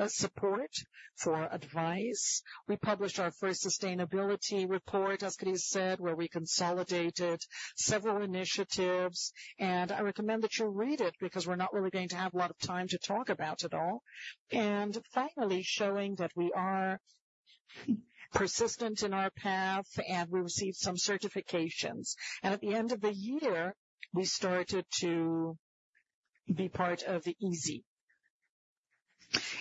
support for advice. We published our first sustainability report, as Cris said, where we consolidated several initiatives. And I recommend that you read it because we're not really going to have a lot of time to talk about it all. And finally, showing that we are persistent in our path and we received some certifications. And at the end of the year, we started to be part of the EASY.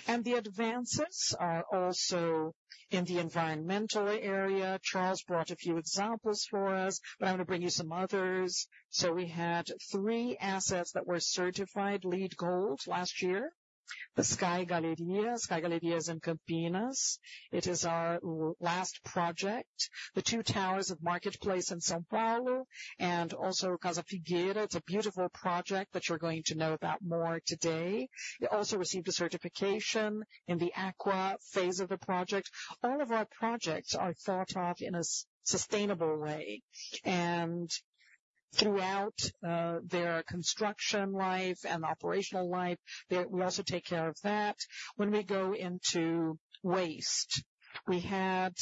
And the advances are also in the environmental area. Charles brought a few examples for us. But I'm going to bring you some others. So we had three assets that were certified LEED Gold last year: the Sky Galleria, Sky Galleria's in Campinas. It is our last project, the two towers of Market Place in São Paulo and also Casa Figueira. It's a beautiful project that you're going to know about more today. It also received a certification in the AQUA phase of the project. All of our projects are thought of in a sustainable way. And throughout their construction life and operational life, they're we also take care of that. When we go into waste, we had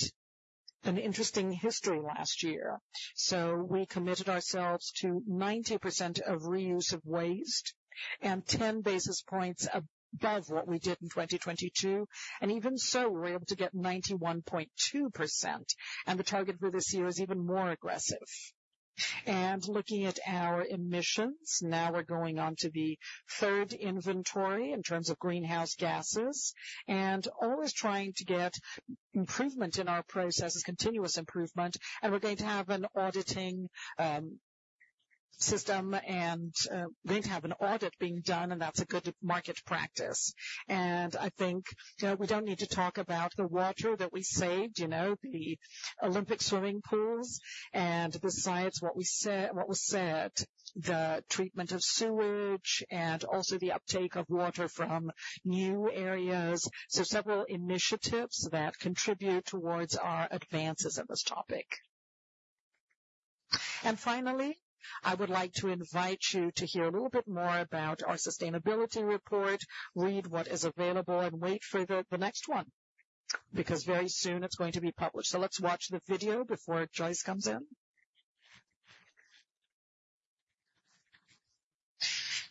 an interesting history last year. So we committed ourselves to 90% of reuse of waste and 10 basis points above what we did in 2022. And even so, we were able to get 91.2%. And the target for this year is even more aggressive. And looking at our emissions, now we're going on to the third inventory in terms of greenhouse gases and always trying to get improvement in our processes, continuous improvement. We're going to have an auditing system and going to have an audit being done. That's a good market practice. I think, you know, we don't need to talk about the water that we saved, you know, the Olympic swimming pools and besides what we said what was said, the treatment of sewage and also the uptake of water from new areas. So several initiatives that contribute towards our advances in this topic. Finally, I would like to invite you to hear a little bit more about our sustainability report, read what is available, and wait for the next one because very soon, it's going to be published. So let's watch the video before Joyce comes in.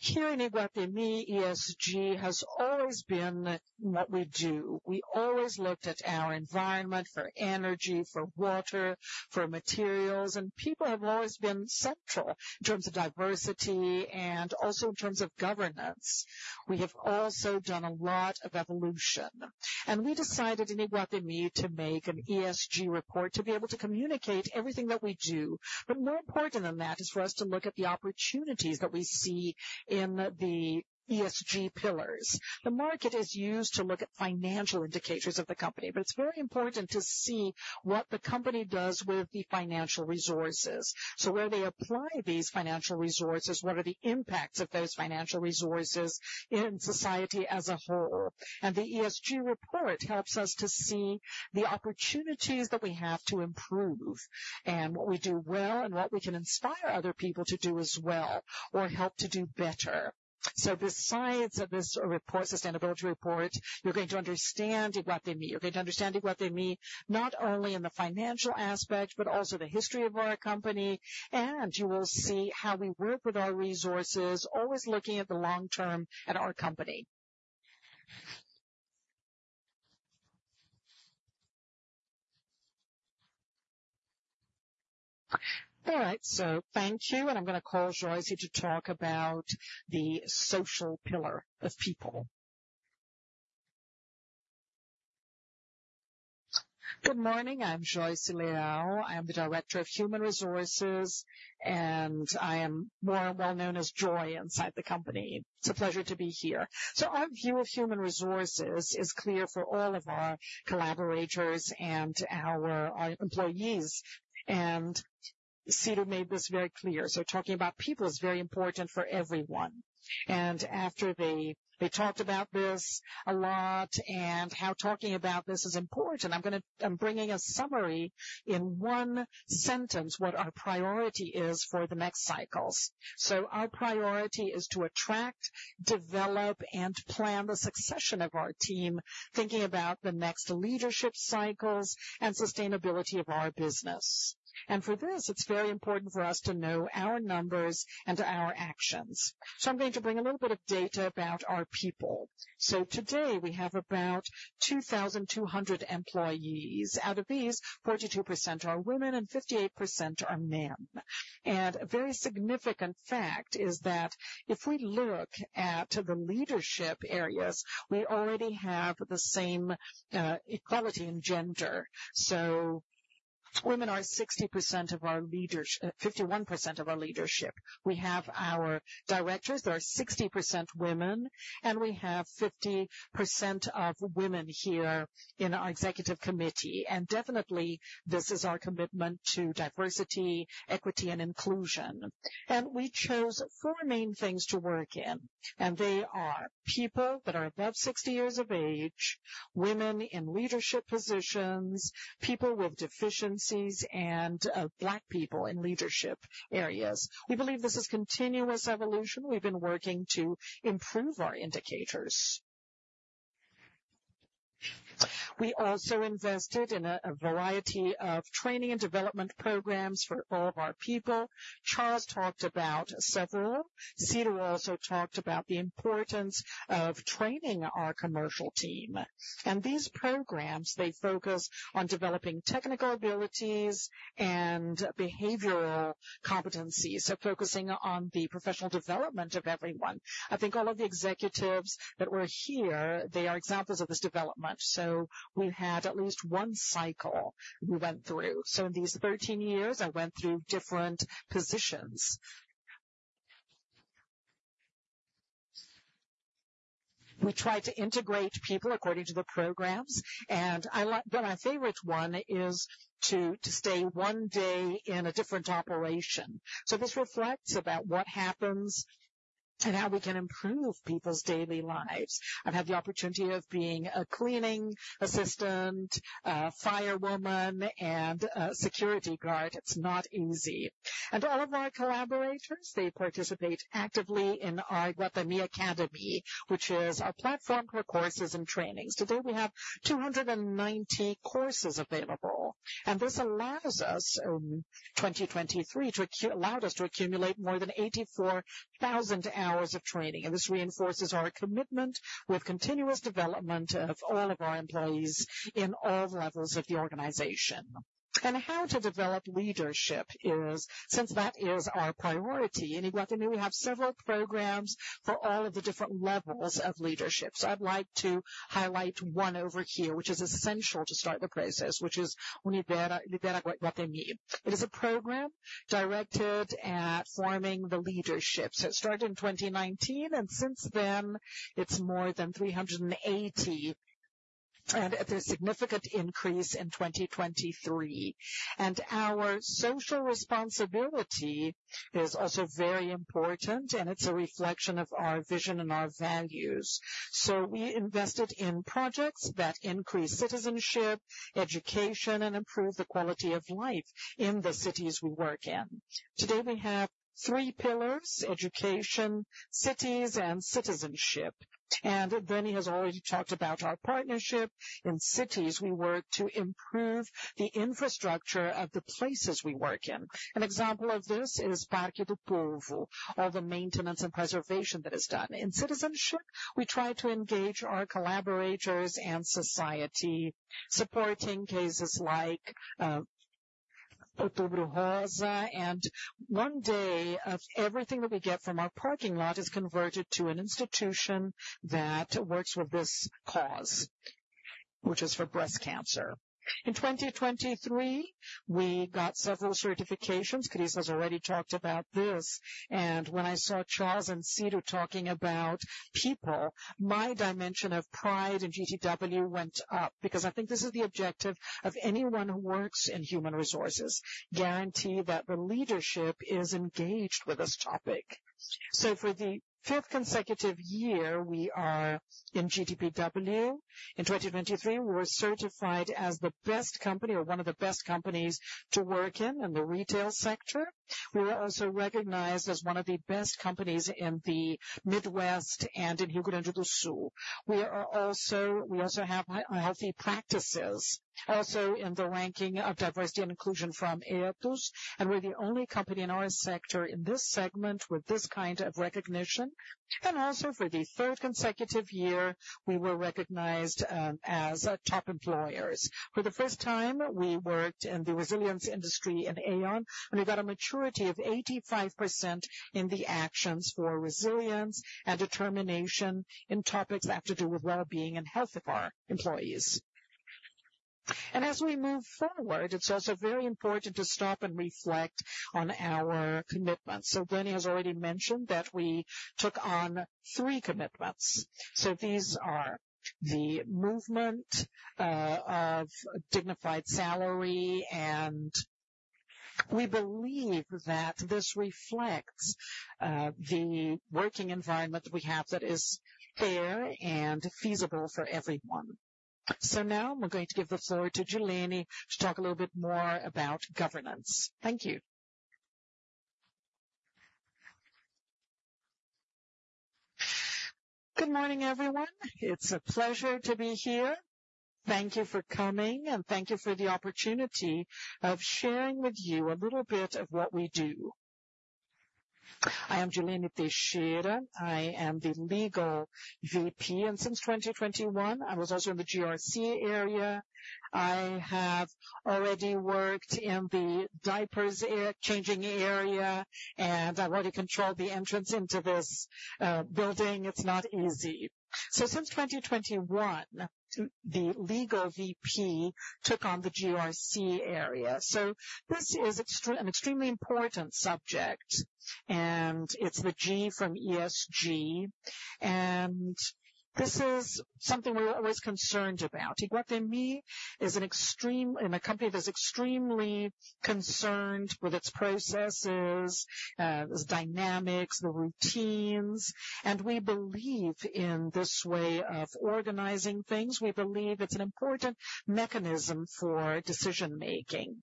Here in Iguatemi, ESG has always been what we do. We always looked at our environment for energy, for water, for materials. People have always been central in terms of diversity and also in terms of governance. We have also done a lot of evolution. We decided in Iguatemi to make an ESG report to be able to communicate everything that we do. More important than that is for us to look at the opportunities that we see in the ESG pillars. The market is used to look at financial indicators of the company. It's very important to see what the company does with the financial resources. Where they apply these financial resources, what are the impacts of those financial resources in society as a whole? The ESG report helps us to see the opportunities that we have to improve and what we do well and what we can inspire other people to do as well or help to do better. So besides this report, sustainability report, you're going to understand Iguatemi. You're going to understand Iguatemi not only in the financial aspect but also the history of our company. And you will see how we work with our resources, always looking at the long term at our company. All right. Thank you. I'm going to call Joyce here to talk about the social pillar of people. Good morning. I'm Joyce Leal. I am the Director of Human Resources. And I am more well known as Joy inside the company. It's a pleasure to be here. Our view of human resources is clear for all of our collaborators and our employees. Ciro made this very clear. Talking about people is very important for everyone. After they talked about this a lot and how talking about this is important, I'm going to bring a summary in one sentence what our priority is for the next cycles. So our priority is to attract, develop, and plan the succession of our team, thinking about the next leadership cycles and sustainability of our business. For this, it's very important for us to know our numbers and our actions. So I'm going to bring a little bit of data about our people. So today, we have about 2,200 employees. Out of these, 42% are women and 58% are men. A very significant fact is that if we look at the leadership areas, we already have the same equality in gender. So women are 60% of our leaders, 51% of our leadership. We have our directors. There are 60% women. We have 50% of women here in our executive committee. Definitely, this is our commitment to diversity, equity, and inclusion. We chose four main things to work in. They are people that are above 60 years of age, women in leadership positions, people with deficiencies, and Black people in leadership areas. We believe this is continuous evolution. We've been working to improve our indicators. We also invested in a variety of training and development programs for all of our people. Charles talked about several. Ciro also talked about the importance of training our commercial team. These programs, they focus on developing technical abilities and behavioral competencies, so focusing on the professional development of everyone. I think all of the executives that were here, they are examples of this development. We had at least one cycle we went through. So in these 13 years, I went through different positions. We tried to integrate people according to the programs. And I like but my favorite one is to, to stay one day in a different operation. So this reflects about what happens and how we can improve people's daily lives. I've had the opportunity of being a cleaning assistant, a firewoman, and a security guard. It's not easy. And all of our collaborators, they participate actively in our Iguatemi Academy, which is our platform for courses and trainings. Today, we have 290 courses available. And this allowed us in 2023 to accumulate more than 84,000 hours of training. And this reinforces our commitment with continuous development of all of our employees in all levels of the organization. How to develop leadership is, since that is our priority in Iguatemi, we have several programs for all of the different levels of leadership. So I'd like to highlight one over here, which is essential to start the process, which is Lidera Iguatemi. It is a program directed at forming the leadership. So it started in 2019. And since then, it's more than 380. And there's significant increase in 2023. And our social responsibility is also very important. And it's a reflection of our vision and our values. So we invested in projects that increase citizenship, education, and improve the quality of life in the cities we work in. Today, we have three pillars: education, cities, and citizenship. And Dilene has already talked about our partnership. In cities, we work to improve the infrastructure of the places we work in. An example of this is Parque do Povo, all the maintenance and preservation that is done. In citizenship, we try to engage our collaborators and society, supporting cases like Outubro Rosa. One day of everything that we get from our parking lot is converted to an institution that works with this cause, which is for breast cancer. In 2023, we got several certifications. Cris has already talked about this. When I saw Charles and Ciro talking about people, my dimension of pride in GPTW went up because I think this is the objective of anyone who works in human resources: guarantee that the leadership is engaged with this topic. For the fifth consecutive year, we are in GPTW. In 2023, we were certified as the best company or one of the best companies to work in the retail sector. We were also recognized as one of the best companies in the Midwest and in Rio Grande do Sul. We also have high, healthy practices also in the ranking of diversity and inclusion from Ethos. We're the only company in our sector in this segment with this kind of recognition. Also for the third consecutive year, we were recognized as top employers. For the first time, we worked in the resilience industry in Aon. We got a maturity of 85% in the actions for resilience and determination in topics that have to do with well-being and health of our employees. As we move forward, it's also very important to stop and reflect on our commitments. Dilene has already mentioned that we took on three commitments. These are the movement of dignified salary. We believe that this reflects the working environment that we have that is fair and feasible for everyone. So now, I'm going to give the floor to Dilene to talk a little bit more about governance. Thank you. Good morning, everyone. It's a pleasure to be here. Thank you for coming. And thank you for the opportunity of sharing with you a little bit of what we do. I am Dilene Teixeira. I am the Legal VP. And since 2021, I was also in the GRC area. I have already worked in the compliance area. And I've already controlled the entrance into this building. It's not easy. So since 2021, the legal VP took on the GRC area. So this is an extremely important subject. And it's the G from ESG. And this is something we're always concerned about. Iguatemi is an extreme and a company that's extremely concerned with its processes, its dynamics, the routines. We believe in this way of organizing things. We believe it's an important mechanism for decision-making.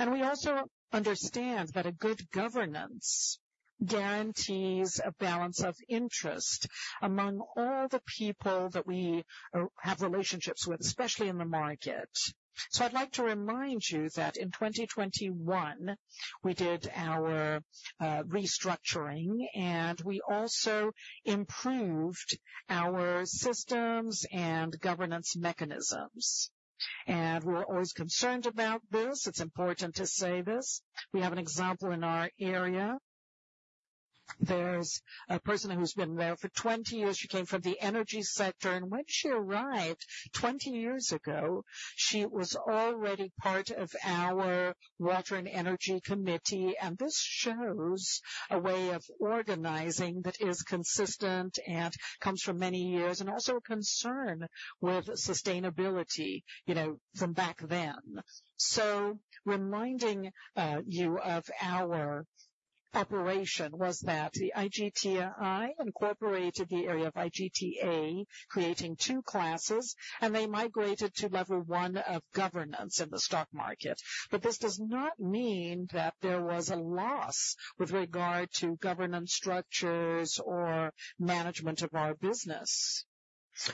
We also understand that a good governance guarantees a balance of interest among all the people that we have relationships with, especially in the market. So I'd like to remind you that in 2021, we did our restructuring. We also improved our systems and governance mechanisms. We're always concerned about this. It's important to say this. We have an example in our area. There's a person who's been there for 20 years. She came from the energy sector. When she arrived 20 years ago, she was already part of our water and energy committee. This shows a way of organizing that is consistent and comes from many years and also a concern with sustainability, you know, from back then. So, reminding you of our operation was that the IGTI incorporated the area of IGTA, creating two classes. And they migrated to level one of governance in the stock market. But this does not mean that there was a loss with regard to governance structures or management of our business.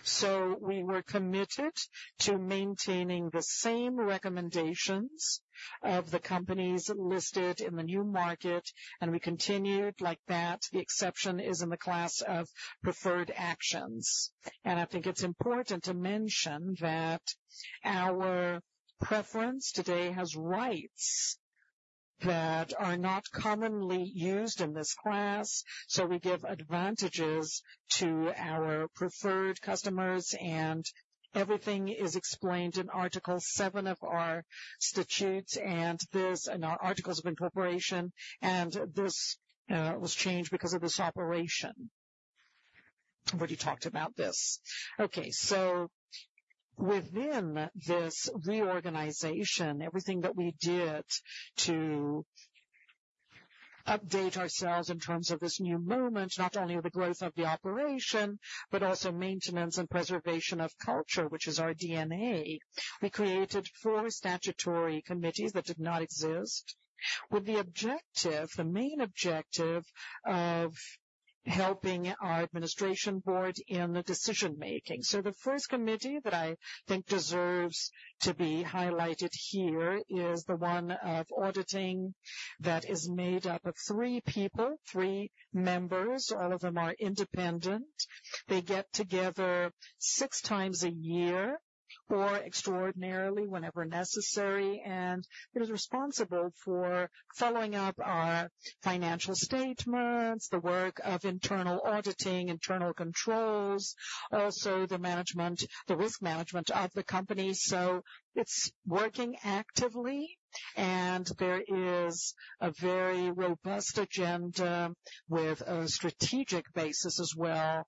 So we were committed to maintaining the same recommendations of the companies listed in the new market. And we continued like that. The exception is in the class of preferred actions. And I think it's important to mention that our preference today has rights that are not commonly used in this class. So we give advantages to our preferred customers. Everything is explained in Article 7 of our statutes and this, and our articles of incorporation. This was changed because of this operation where you talked about this. Okay. Within this reorganization, everything that we did to update ourselves in terms of this new moment, not only with the growth of the operation but also maintenance and preservation of culture, which is our DNA, we created four statutory committees that did not exist with the objective, the main objective of helping our administration board in the decision-making. The first committee that I think deserves to be highlighted here is the one of auditing that is made up of three people, three members. All of them are independent. They get together six times a year or extraordinarily whenever necessary. It is responsible for following up our financial statements, the work of internal auditing, internal controls, also the management, the risk management of the company. It's working actively. There is a very robust agenda with a strategic basis as well,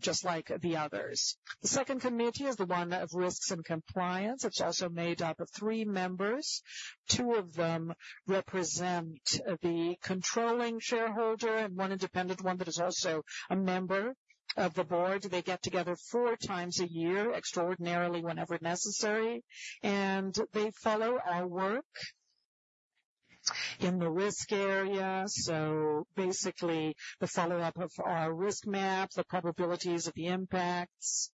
just like the others. The second committee is the one of risks and compliance. It's also made up of three members. Two of them represent the controlling shareholder and one independent one that is also a member of the board. They get together four times a year, extraordinarily whenever necessary. They follow our work in the risk area. So basically, the follow-up of our risk map, the probabilities of the impacts,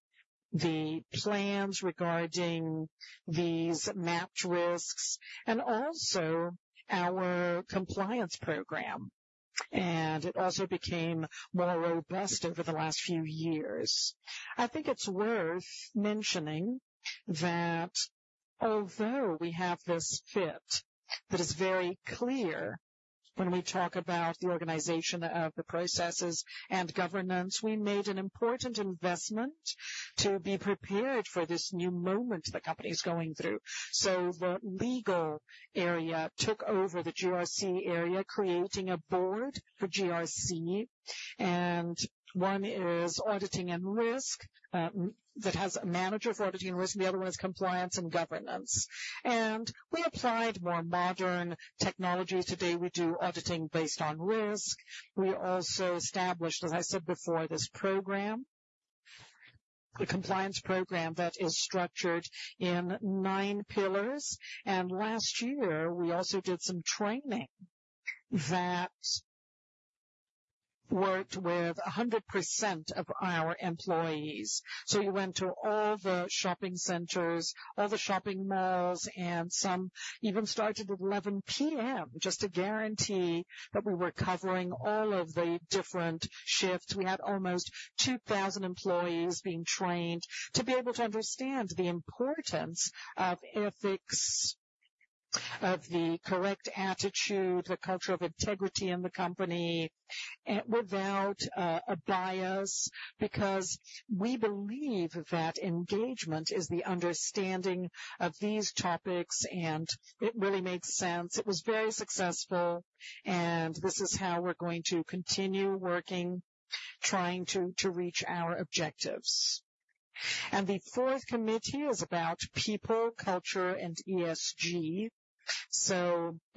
the plans regarding these mapped risks, and also our compliance program. It also became more robust over the last few years. I think it's worth mentioning that although we have this fit that is very clear when we talk about the organization of the processes and governance, we made an important investment to be prepared for this new moment the company is going through. So the legal area took over the GRC area, creating a board for GRC. And one is auditing and risk, that has a manager for auditing and risk. And the other one is compliance and governance. And we applied more modern technology. Today, we do auditing based on risk. We also established, as I said before, this program, the compliance program that is structured in nine pillars. And last year, we also did some training that worked with 100% of our employees. So we went to all the shopping centers, all the shopping malls, and some even started at 11:00 P.M. just to guarantee that we were covering all of the different shifts. We had almost 2,000 employees being trained to be able to understand the importance of ethics, of the correct attitude, the culture of integrity in the company, without a bias because we believe that engagement is the understanding of these topics. It really makes sense. It was very successful. This is how we're going to continue working, trying to reach our objectives. The fourth committee is about people, culture, and ESG.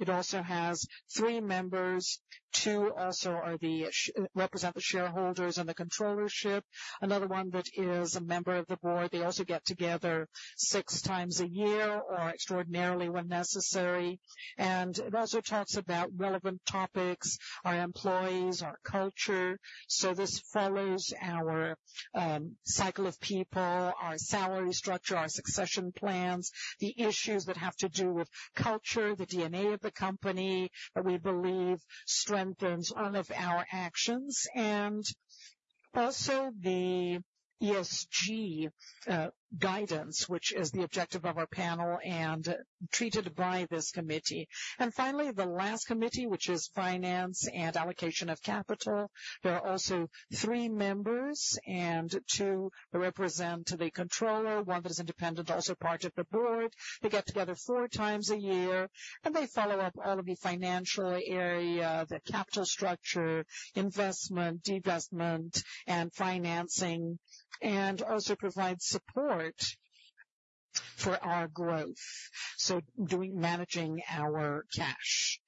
It also has three members. Two also are who represent the shareholders and the controllership. Another one that is a member of the board. They also get together six times a year or extraordinarily when necessary. It also talks about relevant topics, our employees, our culture. This follows our cycle of people, our salary structure, our succession plans, the issues that have to do with culture, the DNA of the company that we believe strengthens all of our actions, and also the ESG guidance, which is the objective of our panel and treated by this committee. Finally, the last committee, which is finance and allocation of capital. There are also three members. Two represent the controller, one that is independent, also part of the board. They get together four times a year. They follow up all of the financial area, the capital structure, investment, de-investment, and financing, and also provide support for our growth, so doing managing our cash.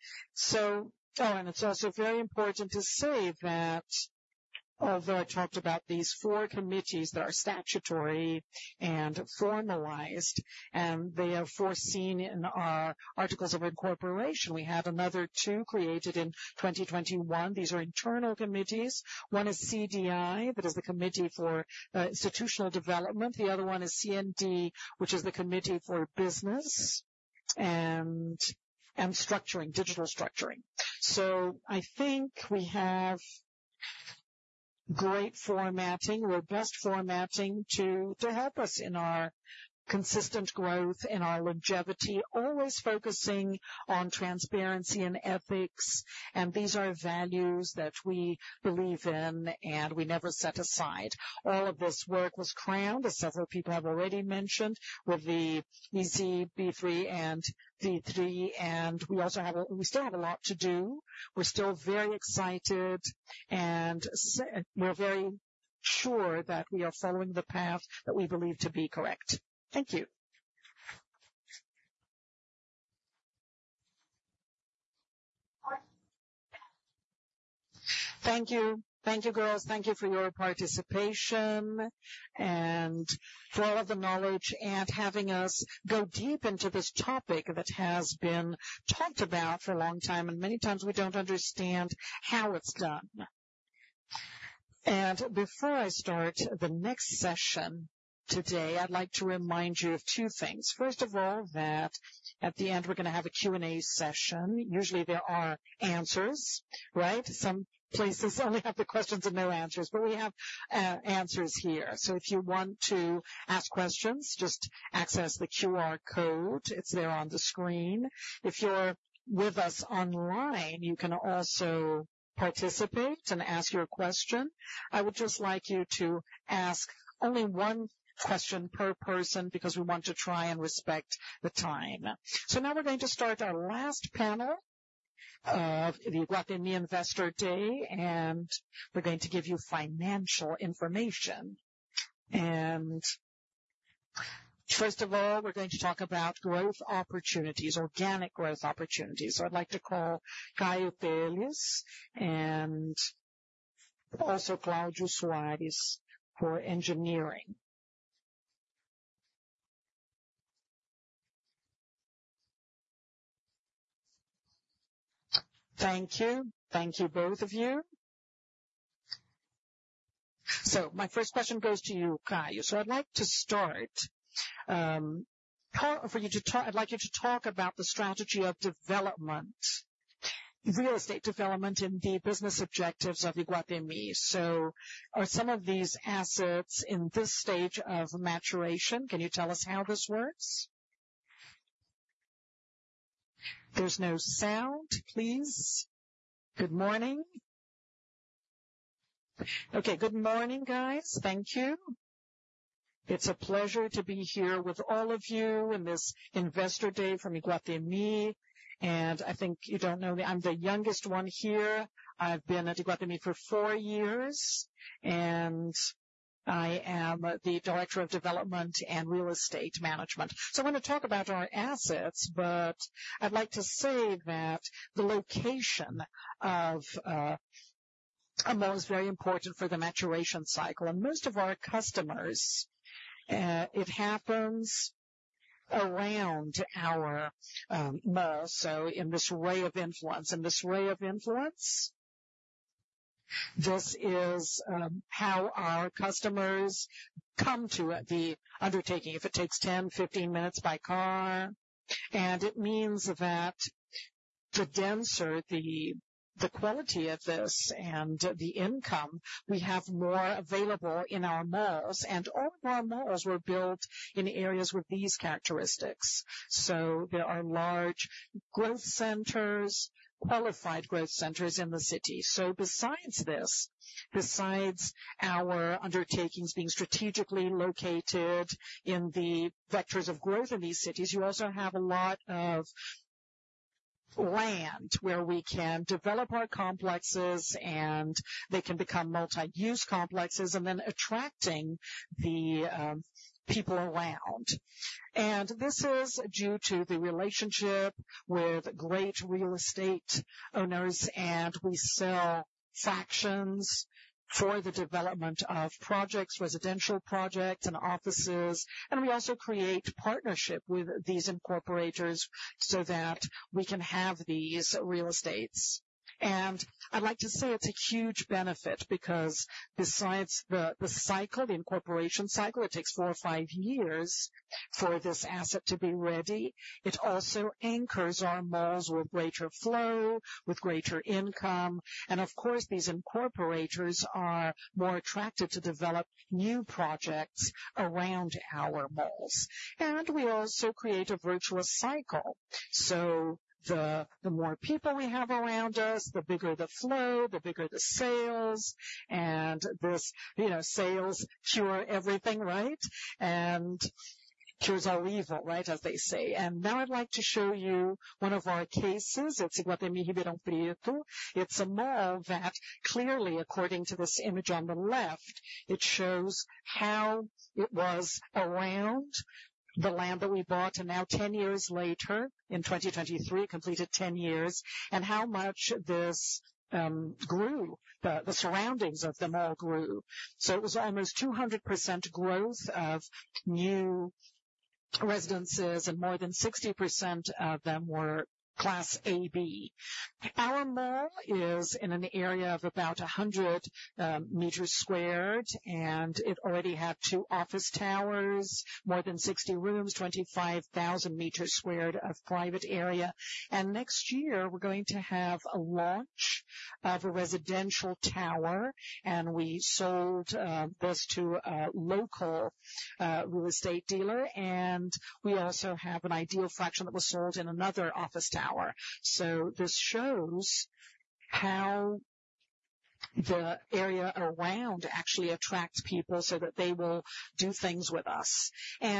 Oh, and it's also very important to say that although I talked about these four committees that are statutory and formalized, and they are foreseen in our articles of incorporation, we had another two created in 2021. These are internal committees. One is CDI, that is the committee for institutional development. The other one is CND, which is the committee for business and structuring, digital structuring. So I think we have great governance, robust governance to help us in our consistent growth and our longevity, always focusing on transparency and ethics. And these are values that we believe in. And we never set aside. All of this work was crowned, as several people have already mentioned, with the ESG B3 and V.E. And we still have a lot to do. We're still very excited. And so we're very sure that we are following the path that we believe to be correct. Thank you. Thank you. Thank you, girls. Thank you for your participation and for all of the knowledge and having us go deep into this topic that has been talked about for a long time. Many times, we don't understand how it's done. Before I start the next session today, I'd like to remind you of two things. First of all, that at the end, we're gonna have a Q&A session. Usually, there are answers, right? Some places only have the questions and no answers. But we have answers here. So if you want to ask questions, just access the QR code. It's there on the screen. If you're with us online, you can also participate and ask your question. I would just like you to ask only one question per person because we want to try and respect the time. So now, we're going to start our last panel of the Iguatemi Investor Day. And we're going to give you financial information. And first of all, we're going to talk about growth opportunities, organic growth opportunities. So I'd like to call Caio Teixeira and also Cláudio Soares for engineering. Thank you. Thank you, both of you. So my first question goes to you, Caio. So I'd like you to talk about the strategy of development, real estate development, and the business objectives of Iguatemi. So are some of these assets in this stage of maturation? Can you tell us how this works? There's no sound, please. Good morning. Okay. Good morning, guys. Thank you. It's a pleasure to be here with all of you in this Investor Day from Iguatemi. I think you don't know me. I'm the youngest one here. I've been at Iguatemi for four years. I am the director of development and real estate management. So I wanna talk about our assets. But I'd like to say that the location of a mall is very important for the maturation cycle. Most of our customers, it happens around our mall. So in this ray of influence, in this ray of influence, this is how our customers come to the undertaking. If it takes 10, 15 minutes by car. It means that the denser, the quality of this and the income, we have more available in our malls. All of our malls were built in areas with these characteristics. So there are large growth centers, qualified growth centers in the city. So besides this, besides our undertakings being strategically located in the vectors of growth in these cities, you also have a lot of land where we can develop our complexes. And they can become multi-use complexes and then attracting the people around. And this is due to the relationship with great real estate owners. And we sell fractions for the development of projects, residential projects, and offices. And we also create partnership with these incorporators so that we can have these real estates. And I'd like to say it's a huge benefit because besides the cycle, the incorporation cycle, it takes four or five years for this asset to be ready. It also anchors our malls with greater flow, with greater income. And of course, these incorporators are more attracted to develop new projects around our malls. And we also create a virtuous cycle. So the more people we have around us, the bigger the flow, the bigger the sales. And this, you know, sales cure everything, right? And cures all evil, right, as they say. And now, I'd like to show you one of our cases. It's Iguatemi Ribeirão Preto. It's a mall that clearly, according to this image on the left, it shows how it was around the land that we bought. And now, 10 years later, in 2023, completed 10 years, and how much this grew, the surroundings of the mall grew. So it was almost 200% growth of new residences. And more than 60% of them were Class AB. Our mall is in an area of about 100 sq m. And it already had two office towers, more than 60 rooms, 25,000 sq m of private area. Next year, we're going to have a launch of a residential tower. We sold this to a local real estate dealer. We also have an ideal fraction that was sold in another office tower. So this shows how the area around actually attracts people so that they will do things with us.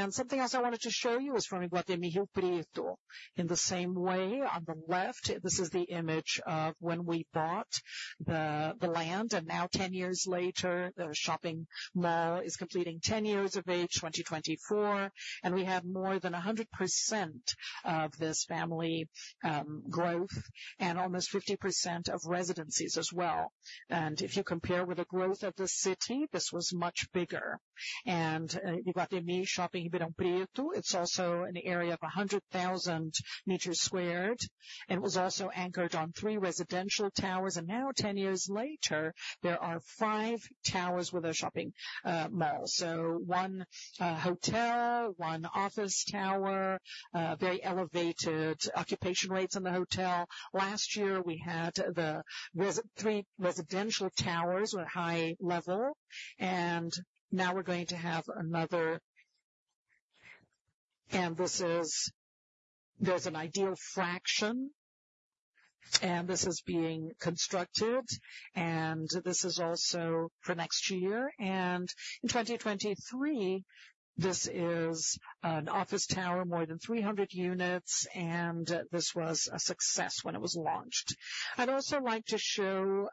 Something else I wanted to show you is from Iguatemi Rio Preto. In the same way, on the left, this is the image of when we bought the land. Now, 10 years later, the shopping mall is completing 10 years of age, 2024. We have more than 100% of this family growth and almost 50% of residencies as well. If you compare with the growth of the city, this was much bigger. Iguatemi Shopping Ribeirão Preto is also an area of 100,000 square meters. It was also anchored on three residential towers. Now, 10 years later, there are five towers with a shopping mall. So one, hotel, one office tower, very elevated occupation rates in the hotel. Last year, we had the three residential towers with high level. Now, we're going to have another. And this is in an ideal location. And this is being constructed. And this is also for next year. And in 2023, this is an office tower, more than 300 units. And this was a success when it was launched. I'd also like to show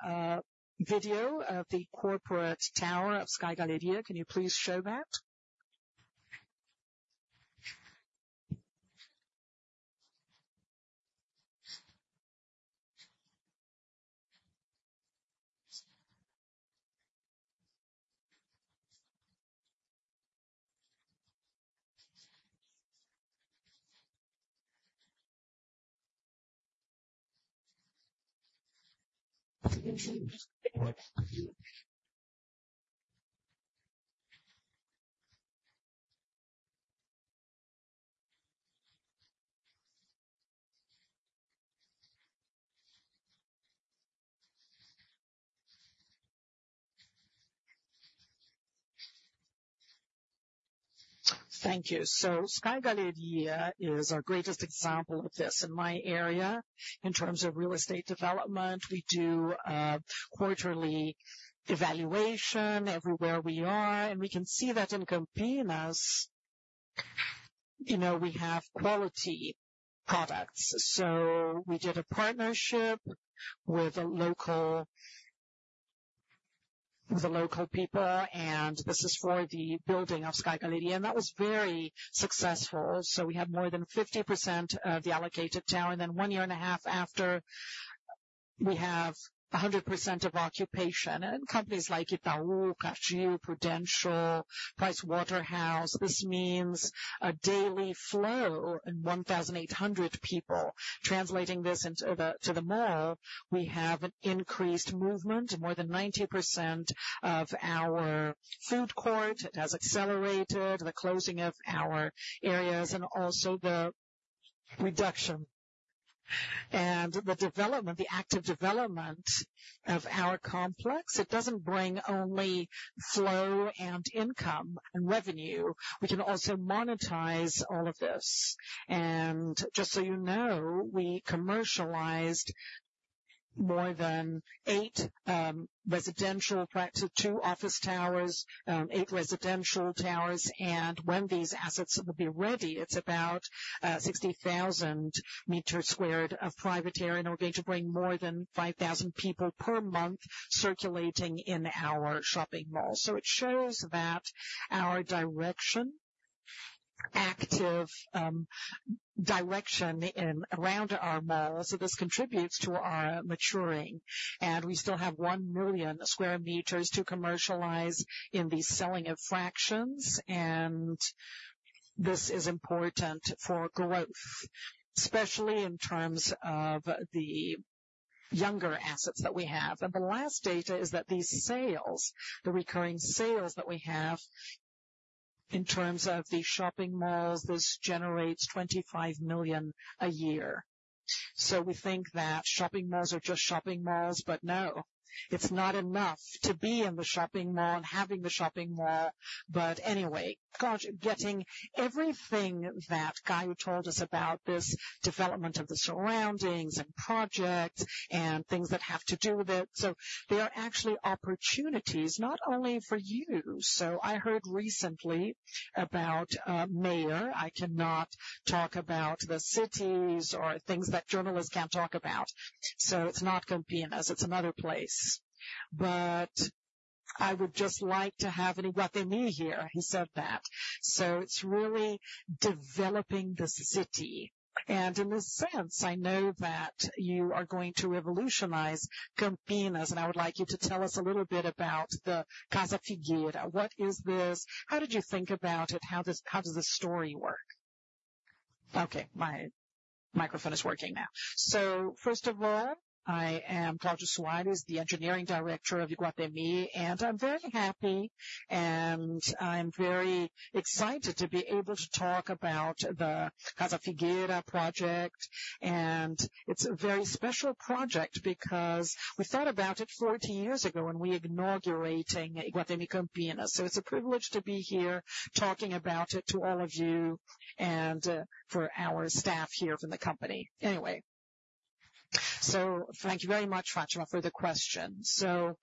a video of the corporate tower of Sky Galleria. Can you please show that? Thank you. So Sky Galleria is our greatest example of this in my area in terms of real estate development. We do a quarterly evaluation everywhere we are. We can see that in Campinas, you know, we have quality products. So we did a partnership with a local with the local people. And this is for the building of Sky Galleria. And that was very successful. So we had more than 50% of the allocated tower. And then one year and a half after, we have 100% of occupation. And companies like Itaú, Cartier, Prudential, PricewaterhouseCoopers, this means a daily flow in 1,800 people. Translating this into the mall, we have an increased movement, more than 90% of our food court. It has accelerated the closing of our areas and also the reduction and the development, the active development of our complex. It doesn't bring only flow and income and revenue. We can also monetize all of this. And just so you know, we commercialized more than eight residential projects, two office towers, eight residential towers. When these assets will be ready, it's about 60,000 square meters of private area. And we're going to bring more than 5,000 people per month circulating in our shopping mall. So it shows that our direction, active, direction in around our mall, so this contributes to our maturing. We still have 1 million square meters to commercialize in the selling of fractions. And this is important for growth, especially in terms of the younger assets that we have. The last data is that these sales, the recurring sales that we have in terms of the shopping malls, this generates 25 million a year. So we think that shopping malls are just shopping malls. But no, it's not enough to be in the shopping mall and having the shopping mall. But anyway, gosh, getting everything that Caio told us about this development of the surroundings and projects and things that have to do with it, so there are actually opportunities not only for you. So I heard recently about, Mayor. I cannot talk about the cities or things that journalists can't talk about. So it's not Campinas. It's another place. But I would just like to have an Iguatemi here. He said that. So it's really developing the city. And in this sense, I know that you are going to revolutionize Campinas. And I would like you to tell us a little bit about the Casa Figueira. What is this? How did you think about it? How does how does the story work? Okay. My microphone is working now. So first of all, I am Cláudio Soares, the engineering director of Iguatemi. And I'm very happy. I'm very excited to be able to talk about the Casa Figueira project. It's a very special project because we thought about it 40 years ago. We're inaugurating Iguatemi Campinas. It's a privilege to be here talking about it to all of you and for our staff here from the company. Anyway, thank you very much, Fátima, for the question. Caio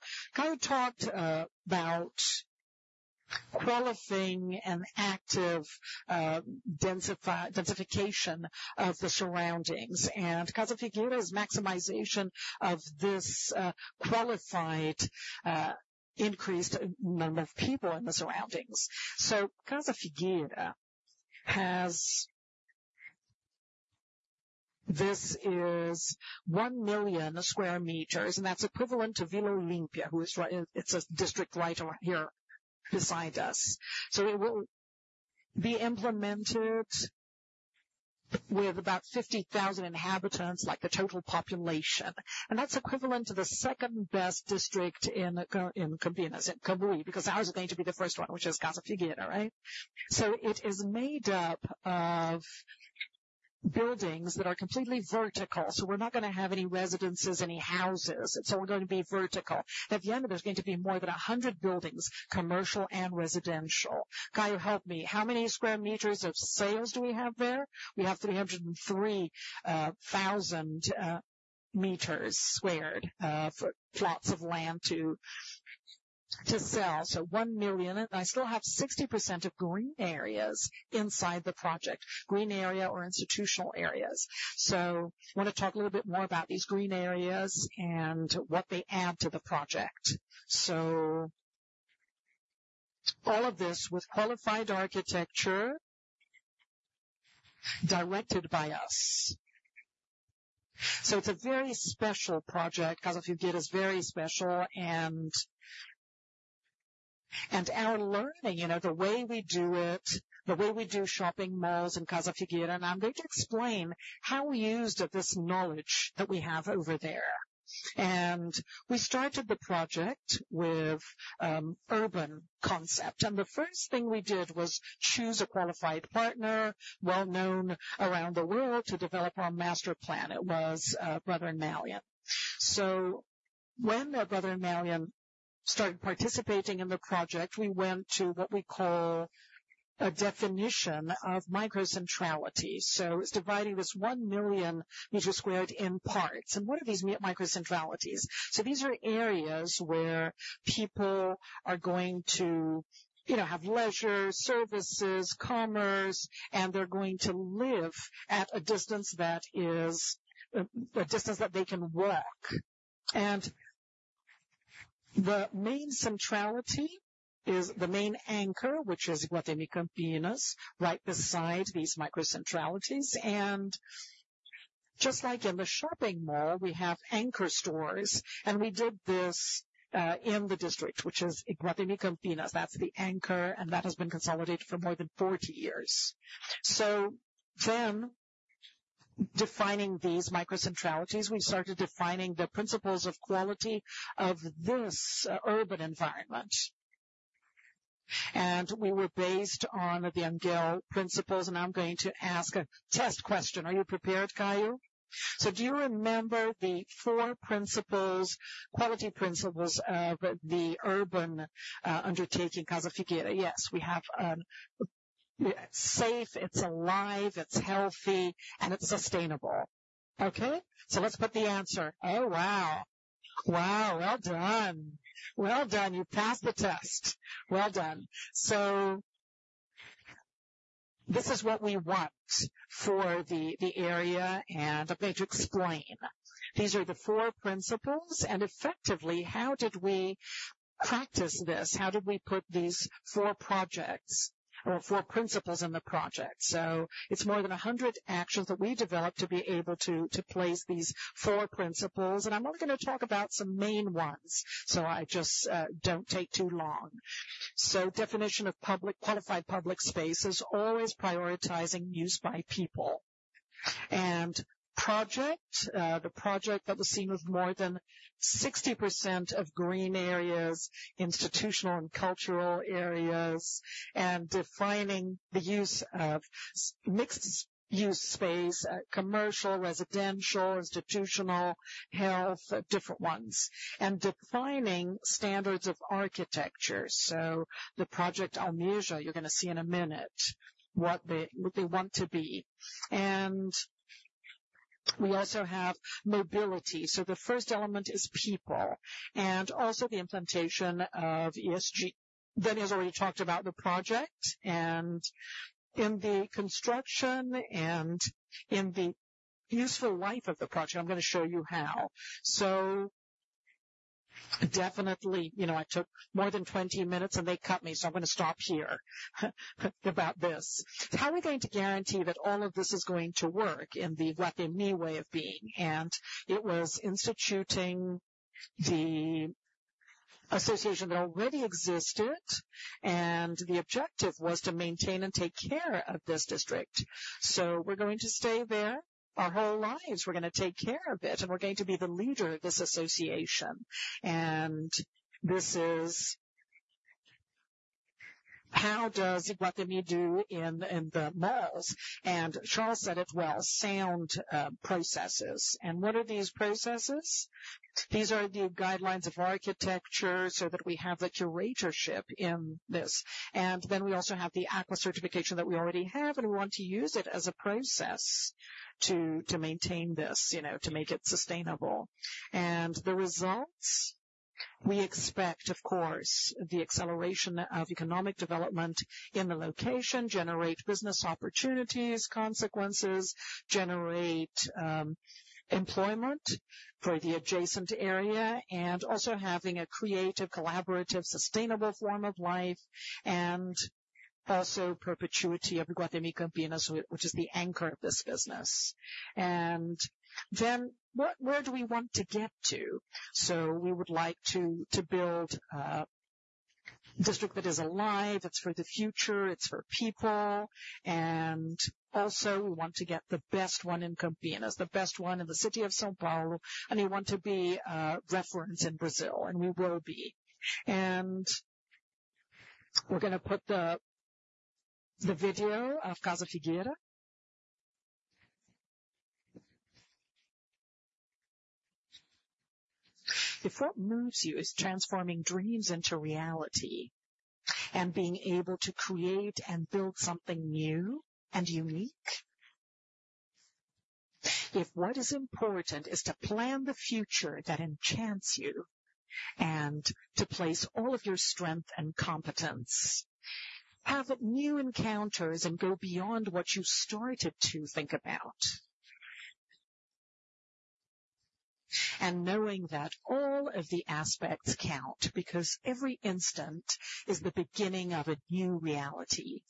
talked about qualifying and active densification of the surroundings. Casa Figueira is maximization of this qualified increased number of people in the surroundings. Casa Figueira is 1 million square meters. That's equivalent to Vila Olímpia, which is a district right around here beside us. It will be implemented with about 50,000 inhabitants, like the total population. That's equivalent to the second-best district in, in Campinas, in Cambuí, because ours is going to be the first one, which is Casa Figueira, right? So it is made up of buildings that are completely vertical. So we're not gonna have any residences, any houses. It's all gonna be vertical. At the end of it, there's going to be more than 100 buildings, commercial and residential. Caio, help me. How many square meters of sales do we have there? We have 303,000 square meters for plots of land to sell. So 1 million. And I still have 60% of green areas inside the project, green area or institutional areas. So I wanna talk a little bit more about these green areas and what they add to the project. So all of this with qualified architecture directed by us. So it's a very special project. Casa Figueira is very special. And our learning, you know, the way we do it, the way we do shopping malls in Casa Figueira. I'm going to explain how we used this knowledge that we have over there. We started the project with urban concept. The first thing we did was choose a qualified partner, well-known around the world, to develop our master plan. It was Broadway Malyan. So when Broadway Malyan started participating in the project, we went to what we call a definition of microcentrality. So it's dividing this 1 million meters squared in parts. What are these microcentralities? So these are areas where people are going to, you know, have leisure, services, commerce. They're going to live at a distance that is a distance that they can walk. The main centrality is the main anchor, which is Iguatemi Campinas, right beside these microcentralities. Just like in the shopping mall, we have anchor stores. We did this, in the district, which is Iguatemi Campinas. That's the anchor. That has been consolidated for more than 40 years. Then, defining these microcentralities, we started defining the principles of quality of this urban environment. We were based on the Gehl principles. I'm going to ask a test question. Are you prepared, Caio? Do you remember the four principles, quality principles of the urban undertaking, Casa Figueira? Yes. We have an safe, it's alive, it's healthy, and it's sustainable. Okay? Let's put the answer. Oh, wow. Wow. Well done. Well done. You passed the test. Well done. This is what we want for the area. I'm going to explain. These are the four principles. Effectively, how did we practice this? How did we put these four projects or four principles in the project? It's more than 100 actions that we developed to be able to, to place these four principles. I'm only gonna talk about some main ones so I just, don't take too long. Definition of public, qualified public space is always prioritizing use by people. Project, the project that was seen with more than 60% of green areas, institutional and cultural areas, and defining the use of mixed-use space, commercial, residential, institutional, health, different ones, and defining standards of architecture. The project Almeja, you're gonna see in a minute what they what they want to be. We also have mobility. The first element is people and also the implementation of ESG. Dennis has already talked about the project. In the construction and in the useful life of the project, I'm gonna show you how. So definitely, you know, I took more than 20 minutes. And they cut me. So I'm gonna stop here about this. How are we going to guarantee that all of this is going to work in the Iguatemi way of being? And it was instituting the association that already existed. And the objective was to maintain and take care of this district. So we're going to stay there our whole lives. We're gonna take care of it. And we're going to be the leader of this association. And this is how does Iguatemi do in, in the malls? And Charles said it well. Sound processes. And what are these processes? These are the guidelines of architecture so that we have the curatorship in this. We also have the AQUA Certification that we already have. We want to use it as a process to maintain this, you know, to make it sustainable. The results we expect, of course, the acceleration of economic development in the location, generate business opportunities, consequences, generate employment for the adjacent area, and also having a creative, collaborative, sustainable form of life and also perpetuity of Iguatemi Campinas, which is the anchor of this business. Then what, where do we want to get to? We would like to build a district that is alive. It's for the future. It's for people. We also want to get the best one in Campinas, the best one in the city of São Paulo. We want to be a reference in Brazil. We will be. And we're gonna put the video of Casa Figueira. If what moves you is transforming dreams into reality and being able to create and build something new and unique, if what is important is to plan the future that enchants you and to place all of your strength and competence, have new encounters, and go beyond what you started to think about, and knowing that all of the aspects count because every instant is the beginning of a new reality.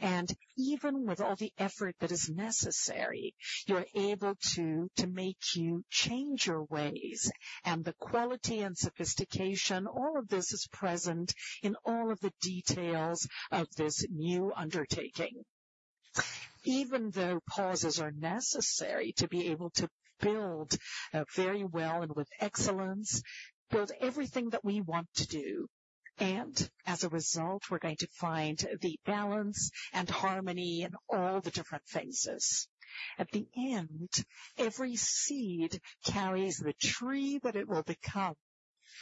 And even with all the effort that is necessary, you're able to make you change your ways. And the quality and sophistication, all of this is present in all of the details of this new undertaking, even though pauses are necessary to be able to build, very well and with excellence, build everything that we want to do. As a result, we're going to find the balance and harmony in all the different phases. At the end, every seed carries the tree that it will become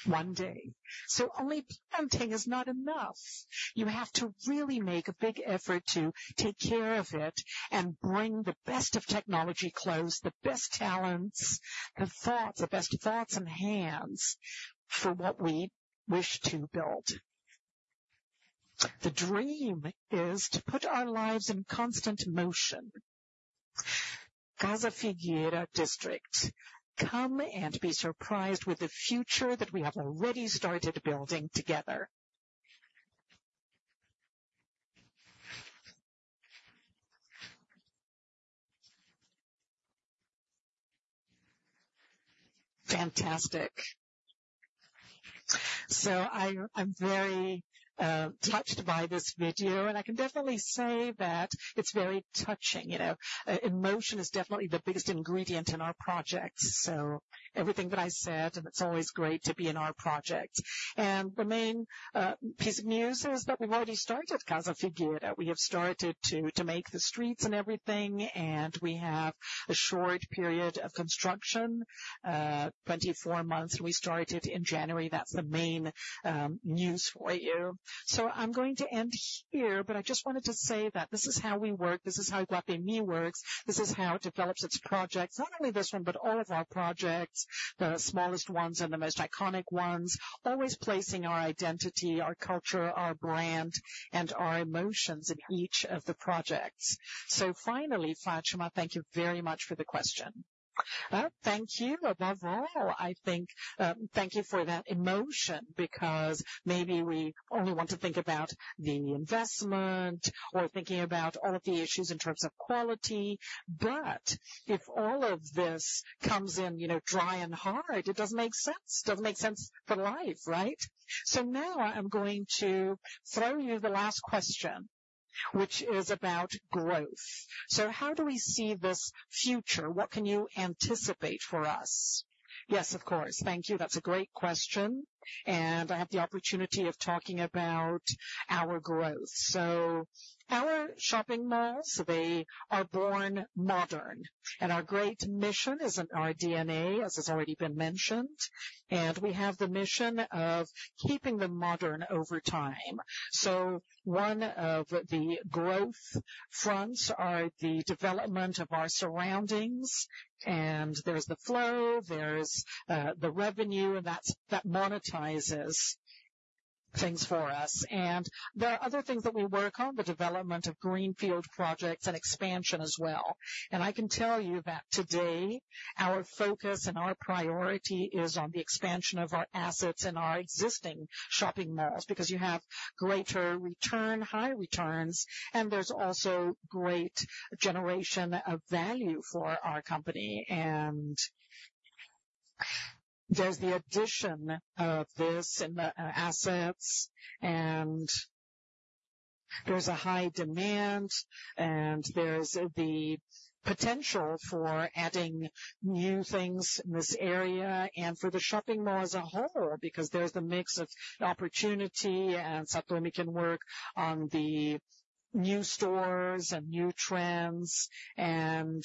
one day. So only planting is not enough. You have to really make a big effort to take care of it and bring the best of technology close, the best talents, the thoughts, the best thoughts and hands for what we wish to build. The dream is to put our lives in constant motion. Casa Figueira district, come and be surprised with the future that we have already started building together. Fantastic. So I'm very touched by this video. And I can definitely say that it's very touching, you know. Emotion is definitely the biggest ingredient in our projects. So everything that I said, and it's always great to be in our project. The main piece of news is that we've already started Casa Figueira. We have started to make the streets and everything. We have a short period of construction, 24 months. We started in January. That's the main news for you. I'm going to end here. But I just wanted to say that this is how we work. This is how Iguatemi works. This is how it develops its projects, not only this one but all of our projects, the smallest ones and the most iconic ones, always placing our identity, our culture, our brand, and our emotions in each of the projects. Finally, Fátima, thank you very much for the question. Thank you above all. I think thank you for that emotion because maybe we only want to think about the investment or thinking about all of the issues in terms of quality. But if all of this comes in, you know, dry and hard, it doesn't make sense. It doesn't make sense for life, right? So now, I'm going to throw you the last question, which is about growth. So how do we see this future? What can you anticipate for us? Yes, of course. Thank you. That's a great question. I have the opportunity of talking about our growth. So our shopping malls, they are born modern. Our great mission is in our DNA, as has already been mentioned. We have the mission of keeping them modern over time. One of the growth fronts is the development of our surroundings. And there's the flow. There's the revenue. And that's that monetizes things for us. There are other things that we work on, the development of greenfield projects and expansion as well. I can tell you that today, our focus and our priority is on the expansion of our assets in our existing shopping malls because you have greater return, high returns. And there's also great generation of value for our company. And there's the addition of this in the assets. And there's a high demand. And there's the potential for adding new things in this area and for the shopping mall as a whole because there's the mix of opportunity. And so today, we can work on the new stores and new trends and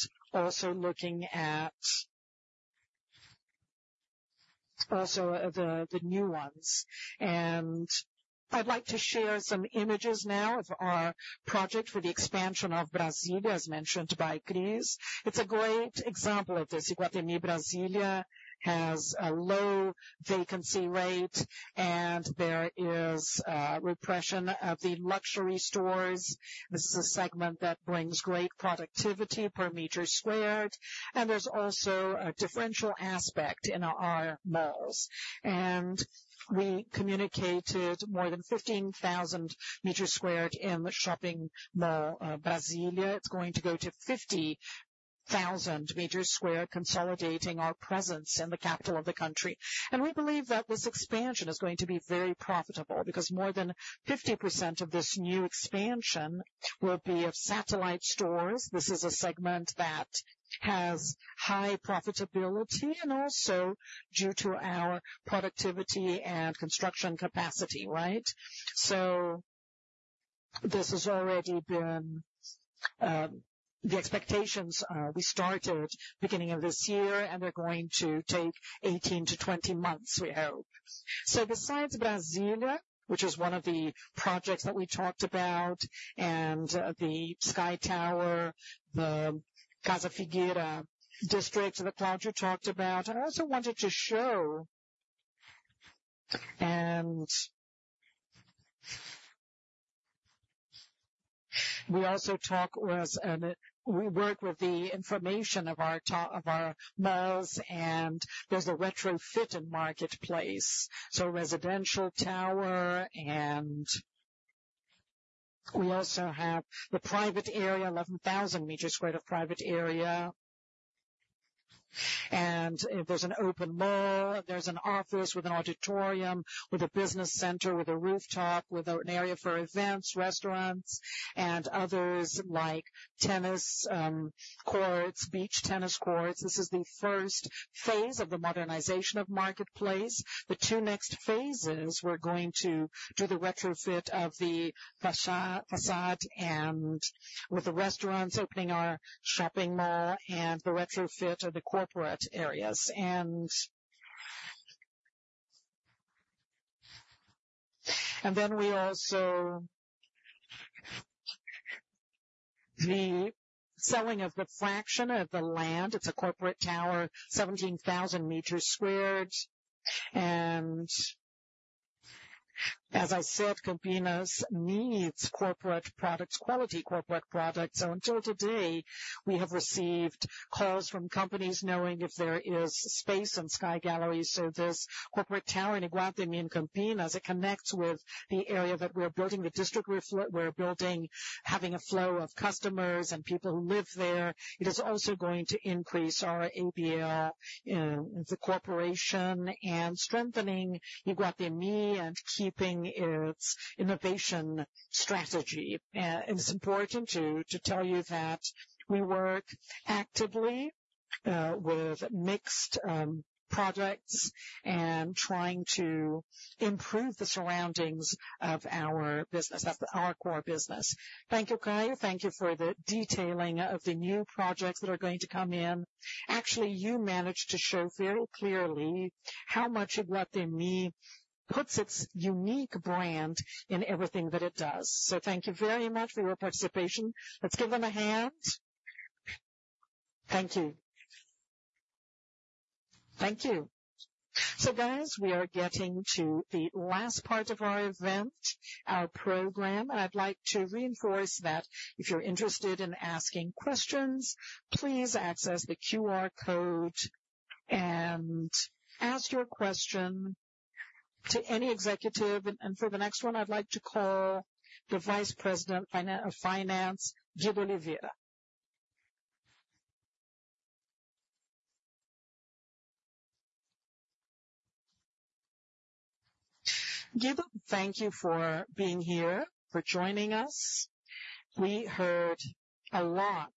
also looking at the new ones. And I'd like to share some images now of our project for the expansion of Brasília, as mentioned by Cris. It's a great example of this. Iguatemi Brasília has a low vacancy rate. And there is representation of the luxury stores. This is a segment that brings great productivity per square meter. There's also a differential aspect in our malls. We communicated more than 15,000 square meters in the shopping mall, Brasília. It's going to go to 50,000 square meters, consolidating our presence in the capital of the country. We believe that this expansion is going to be very profitable because more than 50% of this new expansion will be of satellite stores. This is a segment that has high profitability and also due to our productivity and construction capacity, right? So this has already been the expectations. We started beginning of this year. They're going to take 18-20 months, we hope. So besides Brasília, which is one of the projects that we talked about, and the Sky Galleria, the Casa Figueira district that Cláudio talked about, I also wanted to show and we also talk was, and we work with the information of our data of our malls. And there's a retrofitted Market Place. So residential tower. And we also have the private area, 11,000 square meters of private area. And there's an open mall. There's an office with an auditorium with a business center with a rooftop with an area for events, restaurants, and others like tennis courts, beach tennis courts. This is the first phase of the modernization of Market Place. The two next phases, we're going to do the retrofit of the facade, facade, and with the restaurants opening our shopping mall and the retrofit of the corporate areas. And then we also [have] the selling of the fraction of the land. It's a corporate tower, 17,000 square meters. And as I said, Campinas needs corporate products, quality corporate products. So until today, we have received calls from companies asking if there is space in Sky Galleria. So this corporate tower in Iguatemi Campinas, it connects with the area that we're building, the district we're building, having a flow of customers and people who live there. It is also going to increase our ABL in the corporation and strengthening Iguatemi and keeping its innovation strategy. And it's important to tell you that we work actively with mixed products and trying to improve the surroundings of our business. That's our core business. Thank you, Caio. Thank you for the detailing of the new projects that are going to come in. Actually, you managed to show very clearly how much Iguatemi puts its unique brand in everything that it does. So thank you very much for your participation. Let's give them a hand. Thank you. Thank you. So guys, we are getting to the last part of our event, our program. And I'd like to reinforce that if you're interested in asking questions, please access the QR code and ask your question to any executive. And for the next one, I'd like to call the Vice President of Finance, Guido Oliveira. Guido, thank you for being here, for joining us. We heard a lot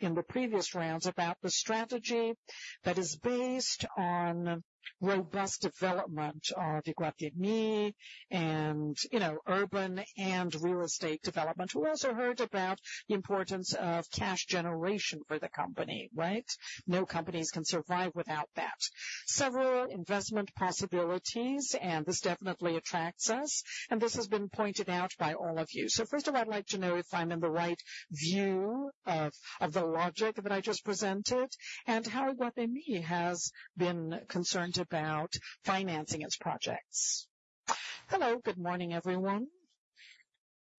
in the previous rounds about the strategy that is based on robust development of Iguatemi and, you know, urban and real estate development. We also heard about the importance of cash generation for the company, right? No companies can survive without that. Several investment possibilities. And this definitely attracts us. And this has been pointed out by all of you. So first of all, I'd like to know if I'm in the right view of, of the logic that I just presented and how Iguatemi has been concerned about financing its projects. Hello. Good morning, everyone.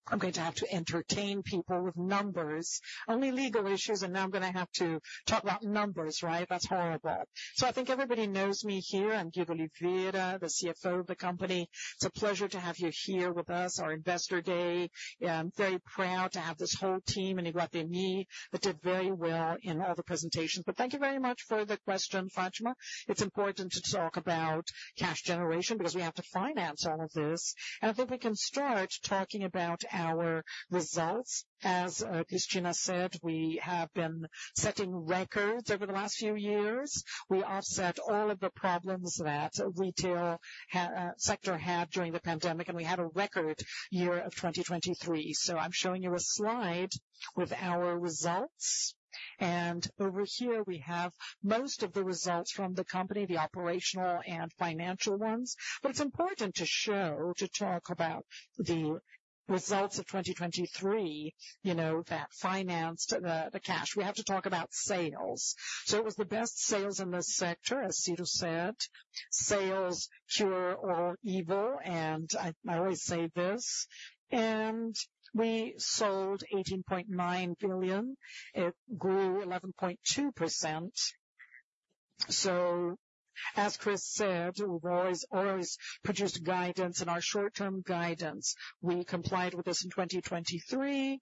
I'm going to have to entertain people with numbers, only legal issues. And now, I'm gonna have to talk about numbers, right? That's horrible. So I think everybody knows me here. I'm Guido Oliveira, the CFO of the company. It's a pleasure to have you here with us, our Investor Day. Very proud to have this whole team in Iguatemi that did very well in all the presentations. But thank you very much for the question, Fátima. It's important to talk about cash generation because we have to finance all of this. I think we can start talking about our results. As Cristina said, we have been setting records over the last few years. We offset all of the problems that retail sector had during the pandemic. We had a record year of 2023. I'm showing you a slide with our results. Over here, we have most of the results from the company, the operational and financial ones. But it's important to show, to talk about the results of 2023, you know, that financed, the cash. We have to talk about sales. It was the best sales in the sector, as Ciro said, sales cure all evil. I, I always say this. We sold 18.9 billion. It grew 11.2%. As Cris said, we've always, always produced guidance. Our short-term guidance, we complied with this in 2023.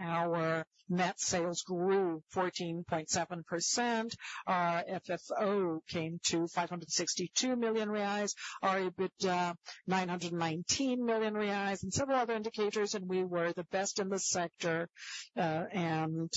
Our net sales grew 14.7%. Our FFO came to 562 million reais, our EBITDA, 919 million reais, and several other indicators. We were the best in the sector, and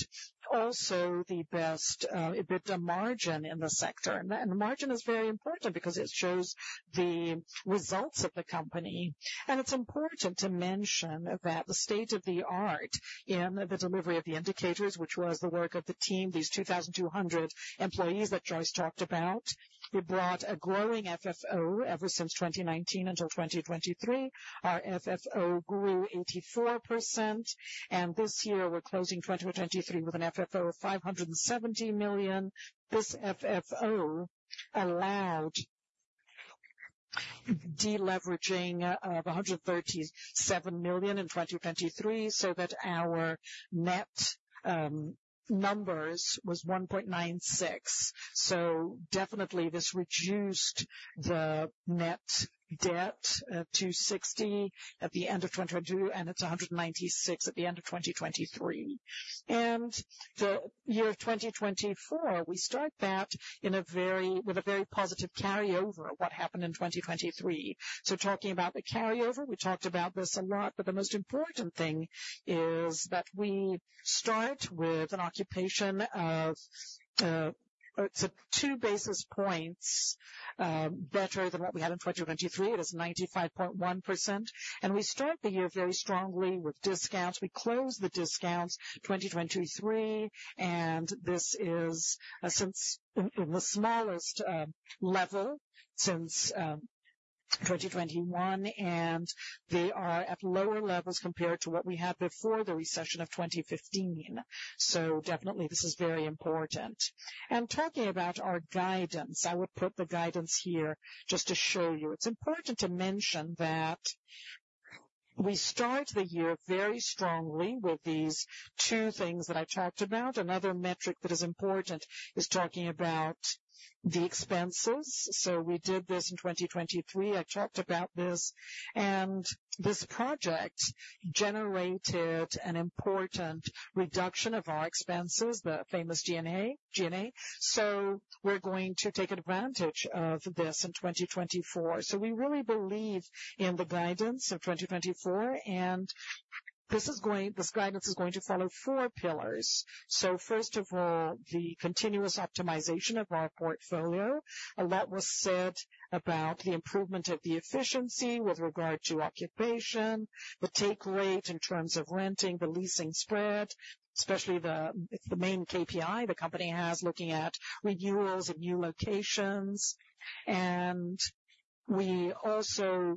also the best EBITDA margin in the sector. That and the margin is very important because it shows the results of the company. It's important to mention that the state of the art in the delivery of the indicators, which was the work of the team, these 2,200 employees that Joyce talked about, it brought a growing FFO ever since 2019 until 2023. Our FFO grew 84%. This year, we're closing 2023 with an FFO of 570 million. This FFO allowed de-leveraging of 137 million in 2023 so that our net numbers was 1.96. So definitely, this reduced the net debt to 0.60 at the end of 2022. It's 1.96 at the end of 2023. The year 2024, we start that in a very with a very positive carryover of what happened in 2023. So talking about the carryover, we talked about this a lot. But the most important thing is that we start with an occupation of, it's at 2 basis points, better than what we had in 2023. It is 95.1%. And we start the year very strongly with discounts. We close the discounts 2023. And this is the smallest level since 2021. And they are at lower levels compared to what we had before the recession of 2015. So definitely, this is very important. And talking about our guidance, I would put the guidance here just to show you. It's important to mention that we start the year very strongly with these two things that I talked about. Another metric that is important is talking about the expenses. So we did this in 2023. I talked about this. And this project generated an important reduction of our expenses, the famous G&A, G&A. So we're going to take advantage of this in 2024. So we really believe in the guidance of 2024. And this guidance is going to follow four pillars. So first of all, the continuous optimization of our portfolio. A lot was said about the improvement of the efficiency with regard to occupation, the take rate in terms of renting, the leasing spread, especially, it's the main KPI the company has looking at renewals and new locations. And we also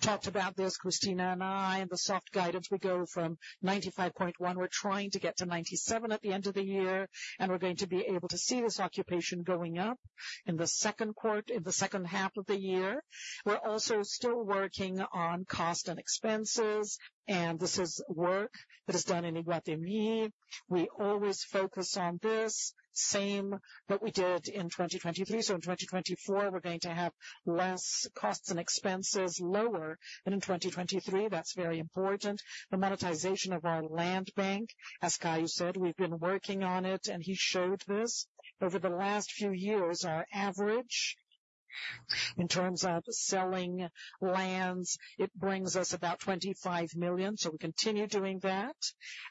talked about this, Cristina and I, and the soft guidance. We go from 95.1%. We're trying to get to 97% at the end of the year. We're going to be able to see this occupation going up in the second quarter in the second half of the year. We're also still working on cost and expenses. This is work that is done in Iguatemi. We always focus on this, same that we did in 2023. In 2024, we're going to have less costs and expenses, lower than in 2023. That's very important. The monetization of our land bank, as Caio said, we've been working on it. He showed this. Over the last few years, our average in terms of selling lands, it brings us about 25 million. We continue doing that.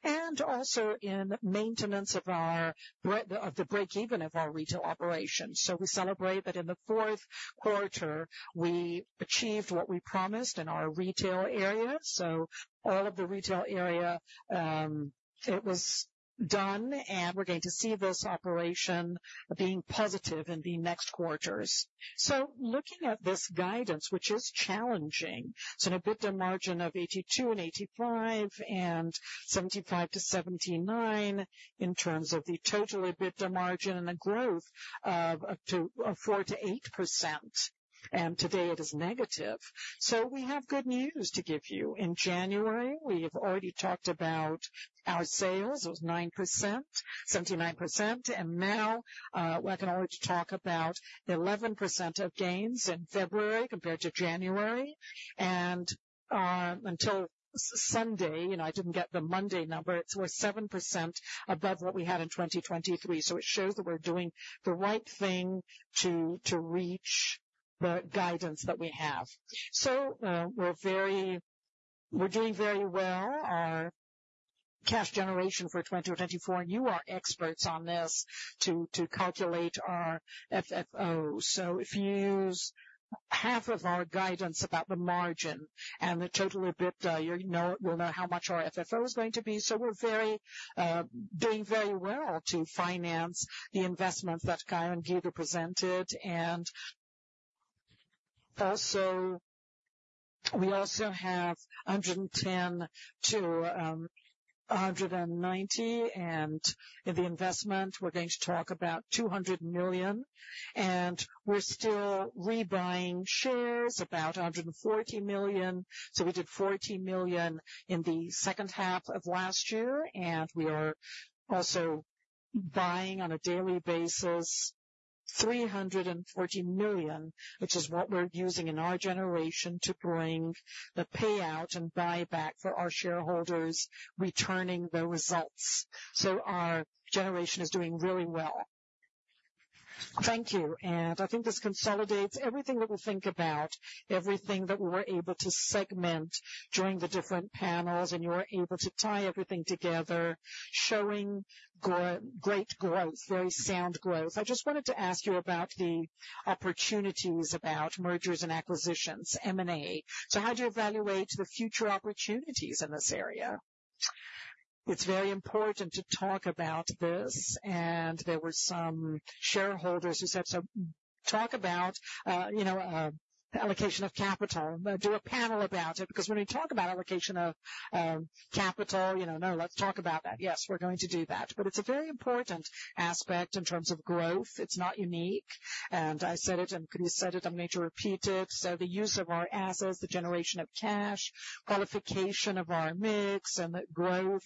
And also in maintenance of our break-even of our retail operations. We celebrate that in the fourth quarter, we achieved what we promised in our retail area. So all of the retail area, it was done. And we're going to see this operation being positive in the next quarters. So looking at this guidance, which is challenging, it's an EBITDA margin of 82%-85% and 75%-79% in terms of the total EBITDA margin and the growth of to 4%-8%. And today, it is negative. So we have good news to give you. In January, we have already talked about our sales. It was 9%, 79%. And now, we're gonna already talk about 11% of gains in February compared to January. And until Sunday, you know, I didn't get the Monday number, it's we're 7% above what we had in 2023. So it shows that we're doing the right thing to to reach the guidance that we have. So, we're very we're doing very well. Our cash generation for 2024, and you are experts on this too, to calculate our FFO. So if you use half of our guidance about the margin and the total EBITDA, you know you'll know how much our FFO is going to be. So we're very, doing very well to finance the investments that Caio and Guido presented. And also, we also have 110-190. And in the investment, we're going to talk about 200 million. And we're still rebuying shares, about 140 million. So we did 14 million in the second half of last year. And we are also buying on a daily basis 340 million, which is what we're using in our generation to bring the payout and buyback for our shareholders, returning the results. So our generation is doing really well. Thank you. I think this consolidates everything that we'll think about, everything that we were able to segment during the different panels. You were able to tie everything together, showing great growth, very sound growth. I just wanted to ask you about the opportunities about mergers and acquisitions, M&A. So how do you evaluate the future opportunities in this area? It's very important to talk about this. There were some shareholders who said, "So talk about, you know, allocation of capital, do a panel about it." Because when we talk about allocation of capital, you know, "No, let's talk about that." Yes, we're going to do that. But it's a very important aspect in terms of growth. It's not unique. And I said it. And Cris said it. I'm going to repeat it. So the use of our assets, the generation of cash, qualification of our mix, and the growth,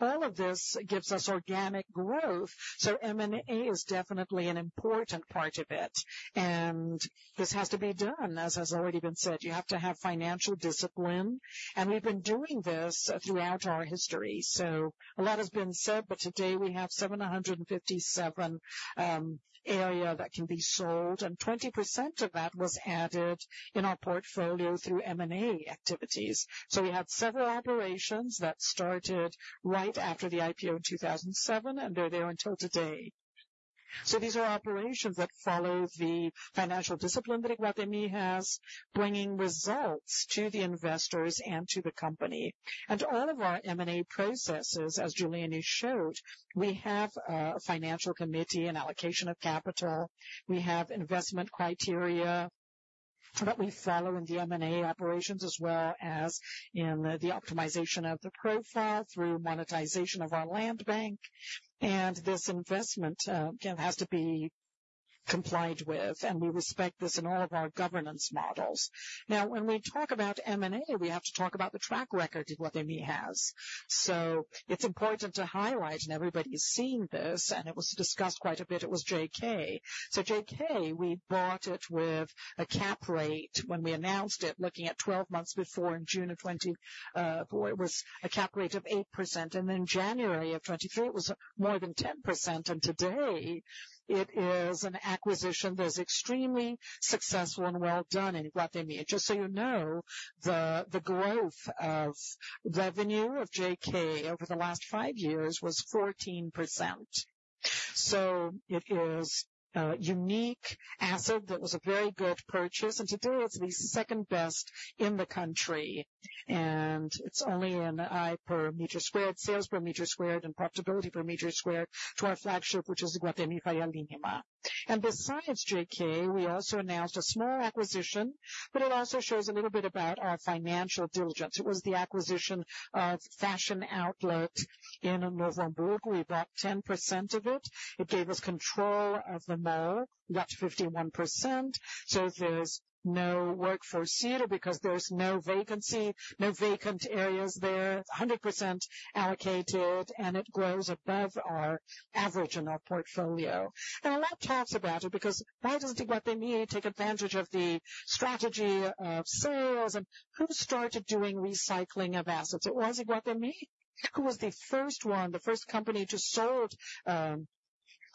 all of this gives us organic growth. So M&A is definitely an important part of it. And this has to be done, as has already been said. You have to have financial discipline. And we've been doing this, throughout our history. So a lot has been said. But today, we have 757 area that can be sold. And 20% of that was added in our portfolio through M&A activities. So we had several operations that started right after the IPO in 2007. And they're there until today. So these are operations that follow the financial discipline that Iguatemi has, bringing results to the investors and to the company. And all of our M&A processes, as Julianne showed, we have a financial committee, an allocation of capital. We have investment criteria that we follow in the M&A operations as well as in the optimization of the profile through monetization of our land bank. This investment, again, has to be complied with. We respect this in all of our governance models. Now, when we talk about M&A, we have to talk about the track record Iguatemi has. It's important to highlight. Everybody's seen this. It was discussed quite a bit. It was JK. So JK, we bought it with a Cap Rate when we announced it, looking at 12 months before in June of 2020, it was a Cap Rate of 8%. Then January of 2023, it was more than 10%. Today, it is an acquisition that is extremely successful and well done in Iguatemi. And just so you know, the growth of revenue of JK over the last five years was 14%. So it is a unique asset that was a very good purchase. And today, it's the second best in the country. And it's only in the 1 per meter squared, sales per meter squared, and profitability per meter squared to our flagship, which is Iguatemi Faria Lima. And besides JK, we also announced a small acquisition. But it also shows a little bit about our financial diligence. It was the acquisition of Fashion Outlet in Novo Hamburgo. We bought 10% of it. It gave us control of the mall, up to 51%. So there's no work for Ciro because there's no vacancy, no vacant areas there. It's 100% allocated. And it grows above our average in our portfolio. A lot talks about it because, "Why doesn't Iguatemi take advantage of the strategy of sales? And who started doing recycling of assets?" It was Iguatemi. Who was the first one, the first company to sold a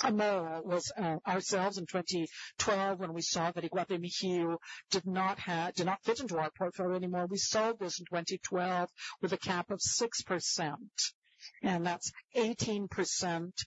mall? It was ourselves in 2012 when we saw that Iguatemi Rio did not fit into our portfolio anymore. We sold this in 2012 with a cap of 6%. And that's 18x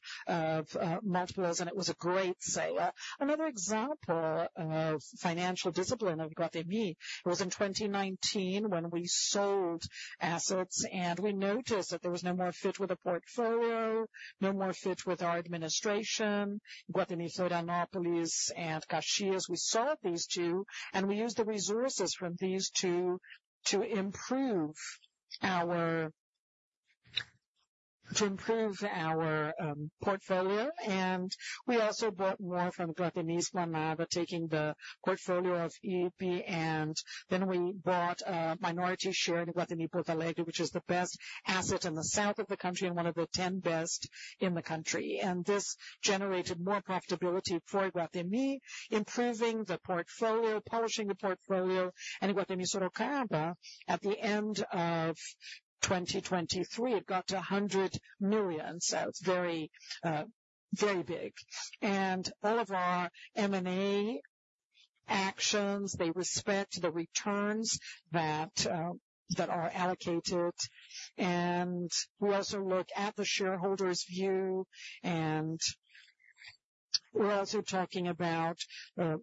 multiples. And it was a great sale. Another example of financial discipline of Iguatemi, it was in 2019 when we sold assets. And we noticed that there was no more fit with the portfolio, no more fit with our administration, Iguatemi Florianópolis and Caxias. We sold these two. And we used the resources from these two to improve our portfolio. And we also bought more from Iguatemi Esplanada, taking the portfolio of EPI. And then we bought a minority share in Iguatemi Porto Alegre, which is the best asset in the south of the country and one of the 10 best in the country. And this generated more profitability for Iguatemi, improving the portfolio, polishing the portfolio. And Iguatemi Sorocaba, at the end of 2023, it got to 100 million. So it's very, very big. And all of our M&A actions, they respect the returns that, that are allocated. And we also look at the shareholders' view. And we're also talking about,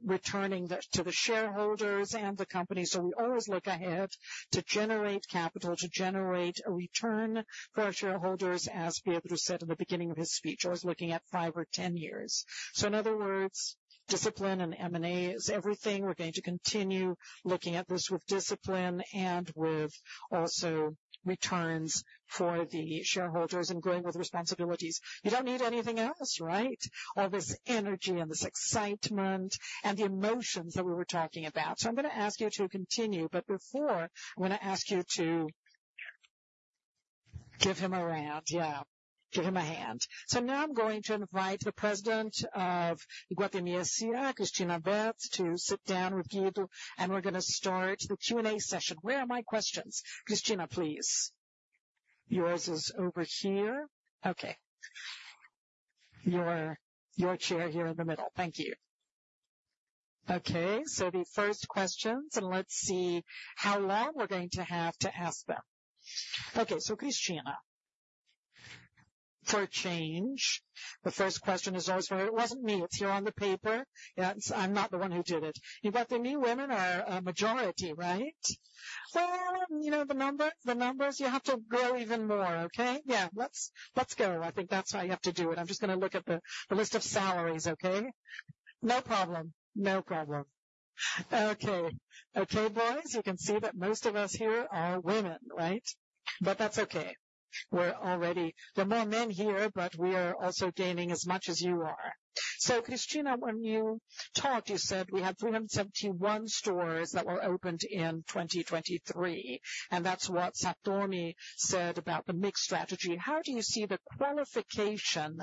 returning the to the shareholders and the company. So we always look ahead to generate capital, to generate a return for our shareholders, as Pietro said in the beginning of his speech. Always looking at five or 10 years. So in other words, discipline and M&A is everything. We're going to continue looking at this with discipline and with also returns for the shareholders and growing with responsibilities. You don't need anything else, right, all this energy and this excitement and the emotions that we were talking about. So I'm going to ask you to continue. But before, I'm going to ask you to give him a round. Yeah. Give him a hand. So now, I'm going to invite the president of Iguatemi S.A., Cristina Betts, to sit down with Guido. And we're going to start the Q&A session. Where are my questions? Cristina, please. Yours is over here. Okay. Your, your chair here in the middle. Thank you. Okay. So the first questions. And let's see how long we're going to have to ask them. Okay. So Cristina, for a change, the first question is always for it wasn't me. It's here on the paper. Yeah. I'm not the one who did it. Iguatemi women are a majority, right? Well, you know, the numbers, you have to grow even more, okay? Yeah. Let's go. I think that's how you have to do it. I'm just going to look at the list of salaries, okay? No problem .No problem. Okay. Okay, boys. You can see that most of us here are women, right? But that's okay. We're already there are more men here. But we are also gaining as much as you are. So Cristina, when you talked, you said we had 371 stores that were opened in 2023. And that's what Satomi said about the mixed strategy. How do you see the qualification,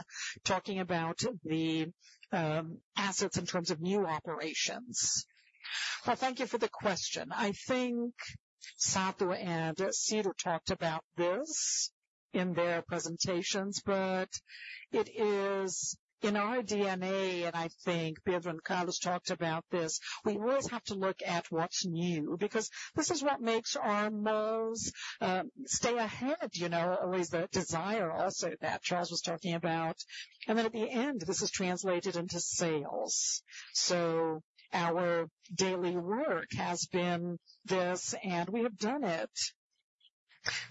talking about the assets in terms of new operations? Well, thank you for the question. I think Satomi and Ciro talked about this in their presentations. But it is in our DNA and I think Pietro and Carlos talked about this. We always have to look at what's new because this is what makes our malls stay ahead, you know, always the desire also that Charles was talking about. And then at the end, this is translated into sales. So our daily work has been this. And we have done it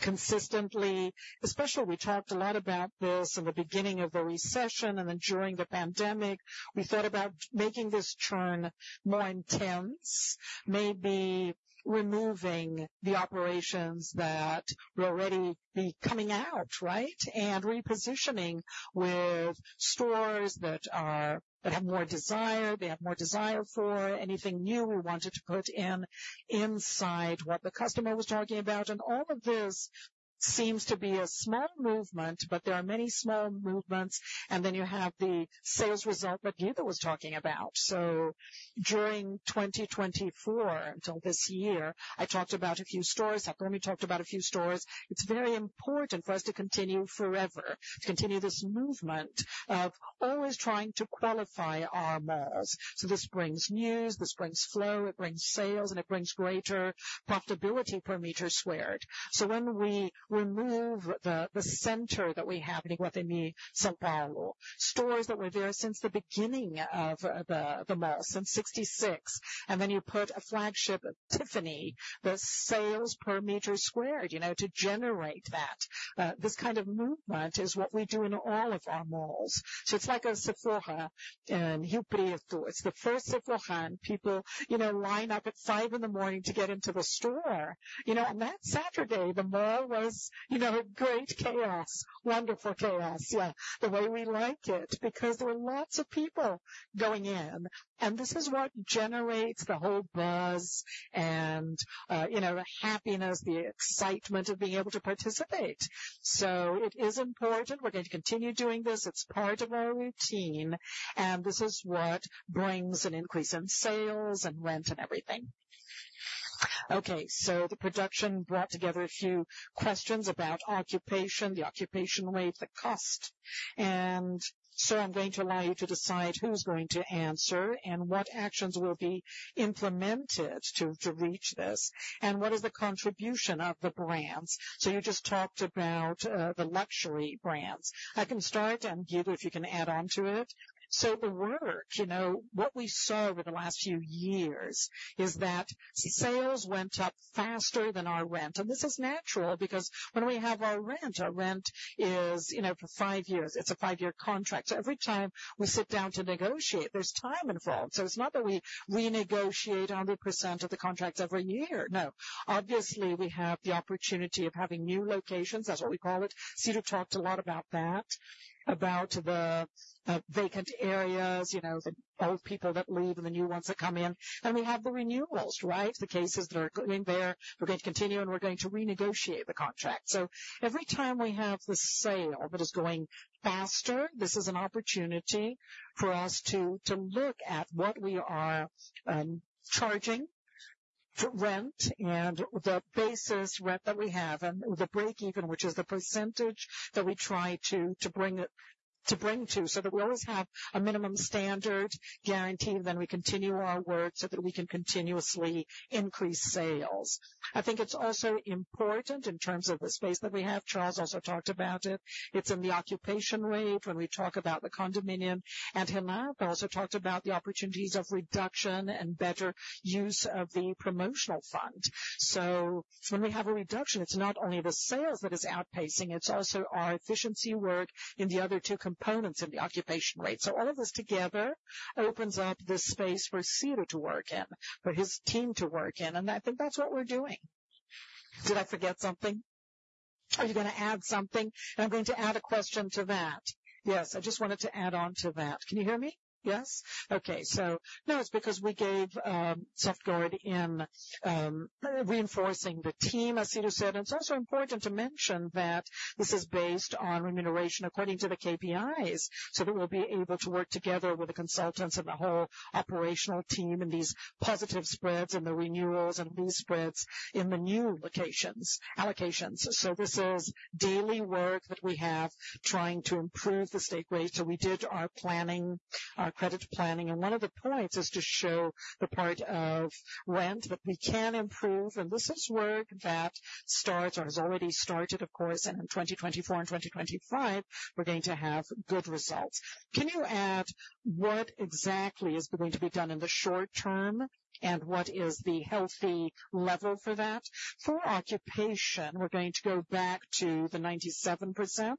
consistently, especially we talked a lot about this in the beginning of the recession. And then during the pandemic, we thought about making this turn more intense, maybe removing the operations that will already be coming out, right, and repositioning with stores that are that have more desire, they have more desire for anything new we wanted to put in inside what the customer was talking about. And all of this seems to be a small movement. But there are many small movements. Then you have the sales result that Guido was talking about. So during 2024 until this year, I talked about a few stores. Satomi talked about a few stores. It's very important for us to continue forever, to continue this movement of always trying to qualify our malls. So this brings news. This brings flow. It brings sales. And it brings greater profitability per meter squared. So when we remove the center that we have in Iguatemi Esplanada, stores that were there since the beginning of the mall, since 1966, and then you put a flagship Tiffany, the sales per meter squared, you know, to generate that, this kind of movement is what we do in all of our malls. So it's like a Sephora in JK Iguatemi. The first Sephora, people, you know, line up at 5:00 A.M. to get into the store, you know? And that Satomiday, the mall was, you know, great chaos, wonderful chaos, yeah, the way we like it because there were lots of people going in. And this is what generates the whole buzz and, you know, the happiness, the excitement of being able to participate. So it is important. We're going to continue doing this. It's part of our routine. And this is what brings an increase in sales and rent and everything. Okay. So the production brought together a few questions about occupation, the occupation rate, the cost. And so I'm going to allow you to decide who's going to answer and what actions will be implemented to, to reach this. And what is the contribution of the brands? So you just talked about, the luxury brands. I can start. Guido, if you can add on to it. The work, you know, what we saw over the last few years is that sales went up faster than our rent. This is natural because when we have our rent, our rent is, you know, for five years. It's a five-year contract. Every time we sit down to negotiate, there's time involved. It's not that we renegotiate 100% of the contract every year. No. Obviously, we have the opportunity of having new locations. That's what we call it. Ciro talked a lot about that, about the vacant areas, you know, the old people that leave and the new ones that come in. We have the renewals, right, the cases that are going there. We're going to continue. We're going to renegotiate the contract. So every time we have the sales that are going faster, this is an opportunity for us to look at what we are charging for rent and the base rent that we have and the break-even, which is the percentage that we try to bring it to so that we always have a minimum standard guaranteed. And then we continue our work so that we can continuously increase sales. I think it's also important in terms of the space that we have. Charles also talked about it. It's in the occupation rate when we talk about the condominium. And Helen also talked about the opportunities of reduction and better use of the promotional fund. So when we have a reduction, it's not only the sales that is outpacing. It's also our efficiency work in the other two components in the occupation rate. So all of this together opens up this space for Ciro to work in, for his team to work in. I think that's what we're doing. Did I forget something? Are you going to add something? I'm going to add a question to that. Yes. I just wanted to add on to that. Can you hear me? Yes? Okay. So no. It's because we gave support in reinforcing the team, as Ciro said. It's also important to mention that this is based on remuneration according to the KPIs so that we'll be able to work together with the consultants and the whole operational team in these positive spreads and the renewals and lease spreads in the new locations, allocations. This is daily work that we have trying to improve the occupancy rate. We did our planning, our credit planning. One of the points is to show the part of rent that we can improve. This is work that starts or has already started, of course. In 2024 and 2025, we're going to have good results. Can you add what exactly is going to be done in the short term and what is the healthy level for that? For occupation, we're going to go back to the 97%,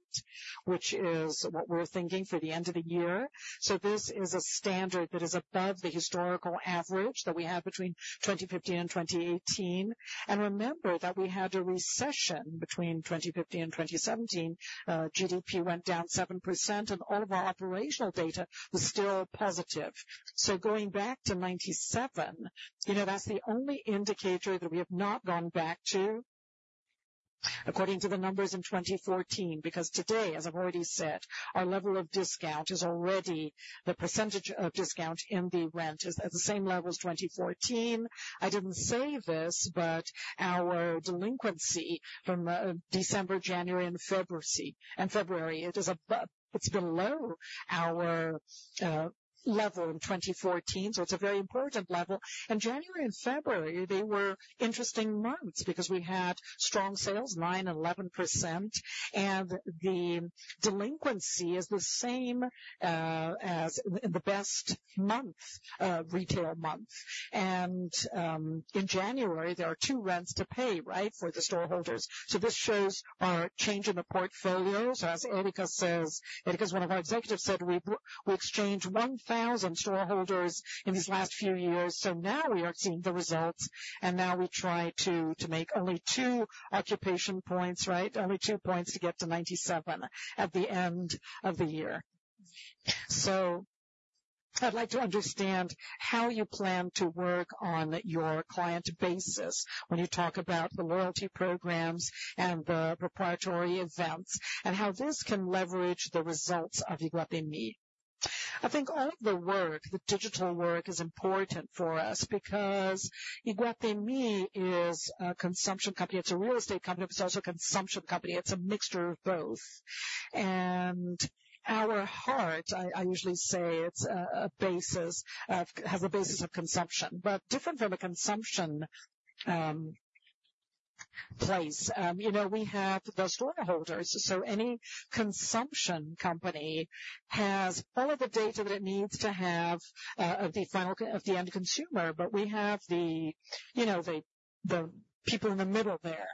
which is what we're thinking for the end of the year. This is a standard that is above the historical average that we had between 2015 and 2018. Remember that we had a recession between 2015 and 2017. GDP went down 7%. All of our operational data was still positive. So going back to 97%, you know, that's the only indicator that we have not gone back to according to the numbers in 2014 because today, as I've already said, our level of discount is already the percentage of discount in the rent is at the same level as 2014. I didn't say this. But our delinquency from December, January, and February, it is above, it's below our level in 2014. So it's a very important level. And January and February, they were interesting months because we had strong sales, 9% and 11%. And the delinquency is the same as in the best month, retail month. And in January, there are two rents to pay, right, for the storeholders. So this shows our change in the portfolio. So as Erika says, Erika is one of our executives, said we exchanged 1,000 storeholders in these last few years. Now, we are seeing the results. Now, we try to make only two occupation points, right, only two points to get to 97% at the end of the year. I'd like to understand how you plan to work on your client basis when you talk about the loyalty programs and the proprietary events and how this can leverage the results of Iguatemi. I think all of the work, the digital work, is important for us because Iguatemi is a consumption company. It's a real estate company. But it's also a consumption company. It's a mixture of both. And our heart, I, I usually say it's a, a basis of has a basis of consumption. But different from a consumption place, you know, we have the stakeholders. So any consumption company has all of the data that it needs to have of the final end consumer. But we have, you know, the people in the middle there.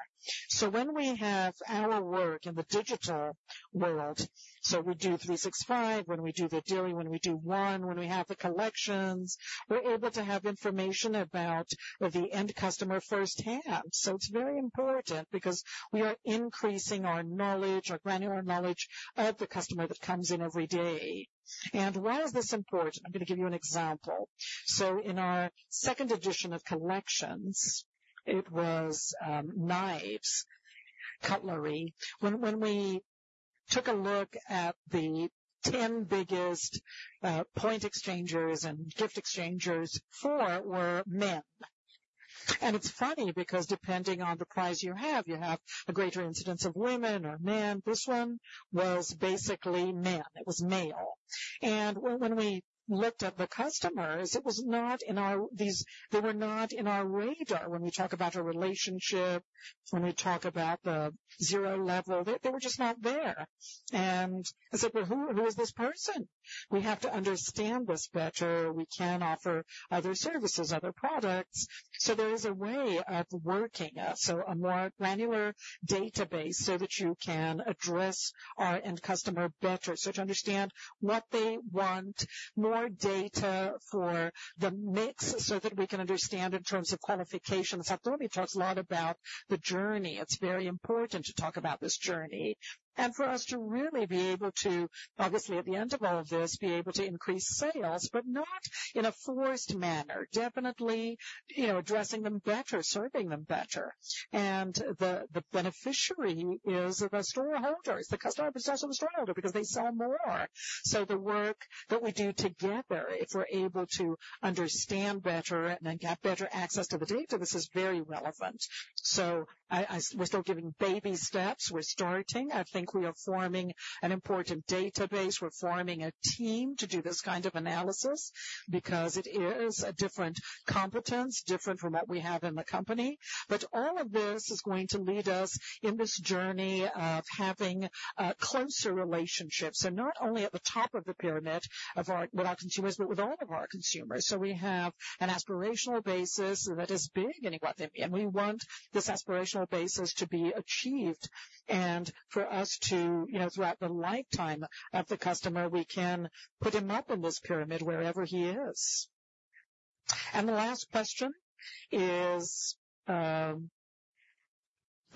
So when we have our work in the digital world, so we do 365. When we do the daily. When we do one. When we have the collections, we're able to have information about the end customer firsthand. So it's very important because we are increasing our knowledge, our granular knowledge of the customer that comes in every day. And why is this important? I'm going to give you an example. So in our second edition of collections, it was knives, cutlery. When we took a look at the 10 biggest point exchangers and gift exchangers, four were men. And it's funny because depending on the prize you have, you have a greater incidence of women or men. This one was basically men. It was male. And when we looked at the customers, they were not in our radar when we talk about our relationship, when we talk about the zero level. They were just not there. And I said, "Well, who is this person? We have to understand this better. We can offer other services, other products." So there is a way of working, so a more granular database so that you can address our end customer better, so to understand what they want, more data for the mix so that we can understand in terms of qualification. And Satomi talks a lot about the journey. It's very important to talk about this journey and for us to really be able to, obviously, at the end of all of this, be able to increase sales but not in a forced manner, definitely, you know, addressing them better, serving them better. The beneficiary is the stakeholders. The customer is also the stakeholder because they sell more. So the work that we do together, if we're able to understand better and then get better access to the data, this is very relevant. So we're still giving baby steps. We're starting. I think we are forming an important database. We're forming a team to do this kind of analysis because it is a different competence, different from what we have in the company. But all of this is going to lead us in this journey of having closer relationships, so not only at the top of the pyramid of our with our consumers but with all of our consumers. So we have an aspirational basis that is big in Iguatemi. And we want this aspirational basis to be achieved and for us to, you know, throughout the lifetime of the customer, we can put him up in this pyramid wherever he is. And the last question is,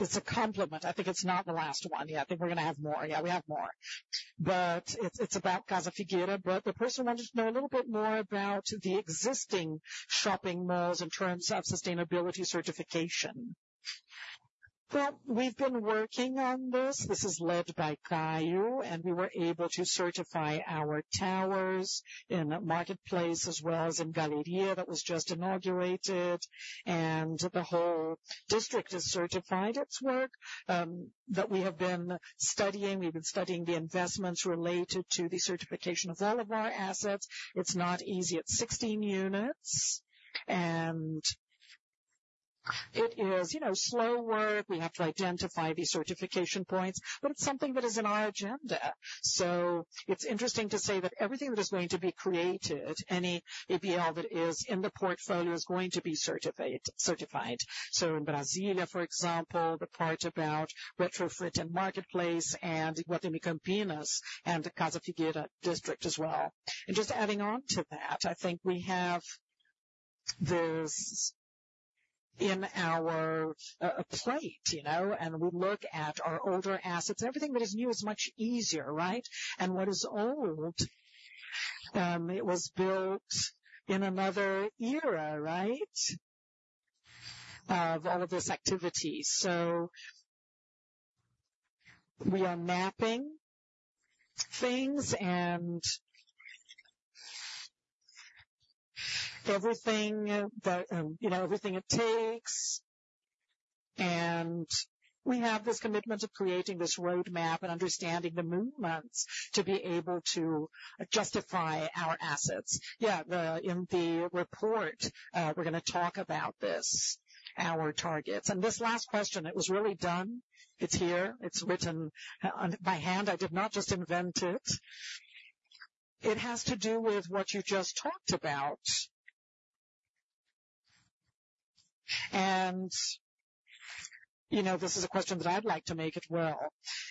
it's a compliment. I think it's not the last one. Yeah. I think we're going to have more. Yeah. We have more. But it's about Casa Figueira. But the person wanted to know a little bit more about the existing shopping malls in terms of sustainability certification. Well, we've been working on this. This is led by Caio. We were able to certify our towers in the Market Place as well as in Galleria that was just inaugurated. The whole district has certified its work, that we have been studying. We've been studying the investments related to the certification of all of our assets. It's not easy. It's 16 units. It is, you know, slow work. We have to identify the certification points. But it's something that is in our agenda. So it's interesting to say that everything that is going to be created, any ABL that is in the portfolio is going to be certified, certified. So in Brasília, for example, the part about retrofit and Market Place and Iguatemi Campinas and the Casa Figueira district as well. Just adding on to that, I think we have this in our plate, you know? We look at our older assets. Everything that is new is much easier, right? And what is old, it was built in another era, right, of all of this activity. So we are mapping things. And everything that, you know, everything it takes. And we have this commitment to creating this roadmap and understanding the movements to be able to justify our assets. Yeah. Then in the report, we're going to talk about this, our targets. And this last question, it was really done. It's here. It's written by hand. I did not just invent it. It has to do with what you just talked about. And, you know, this is a question that I'd like to make as well.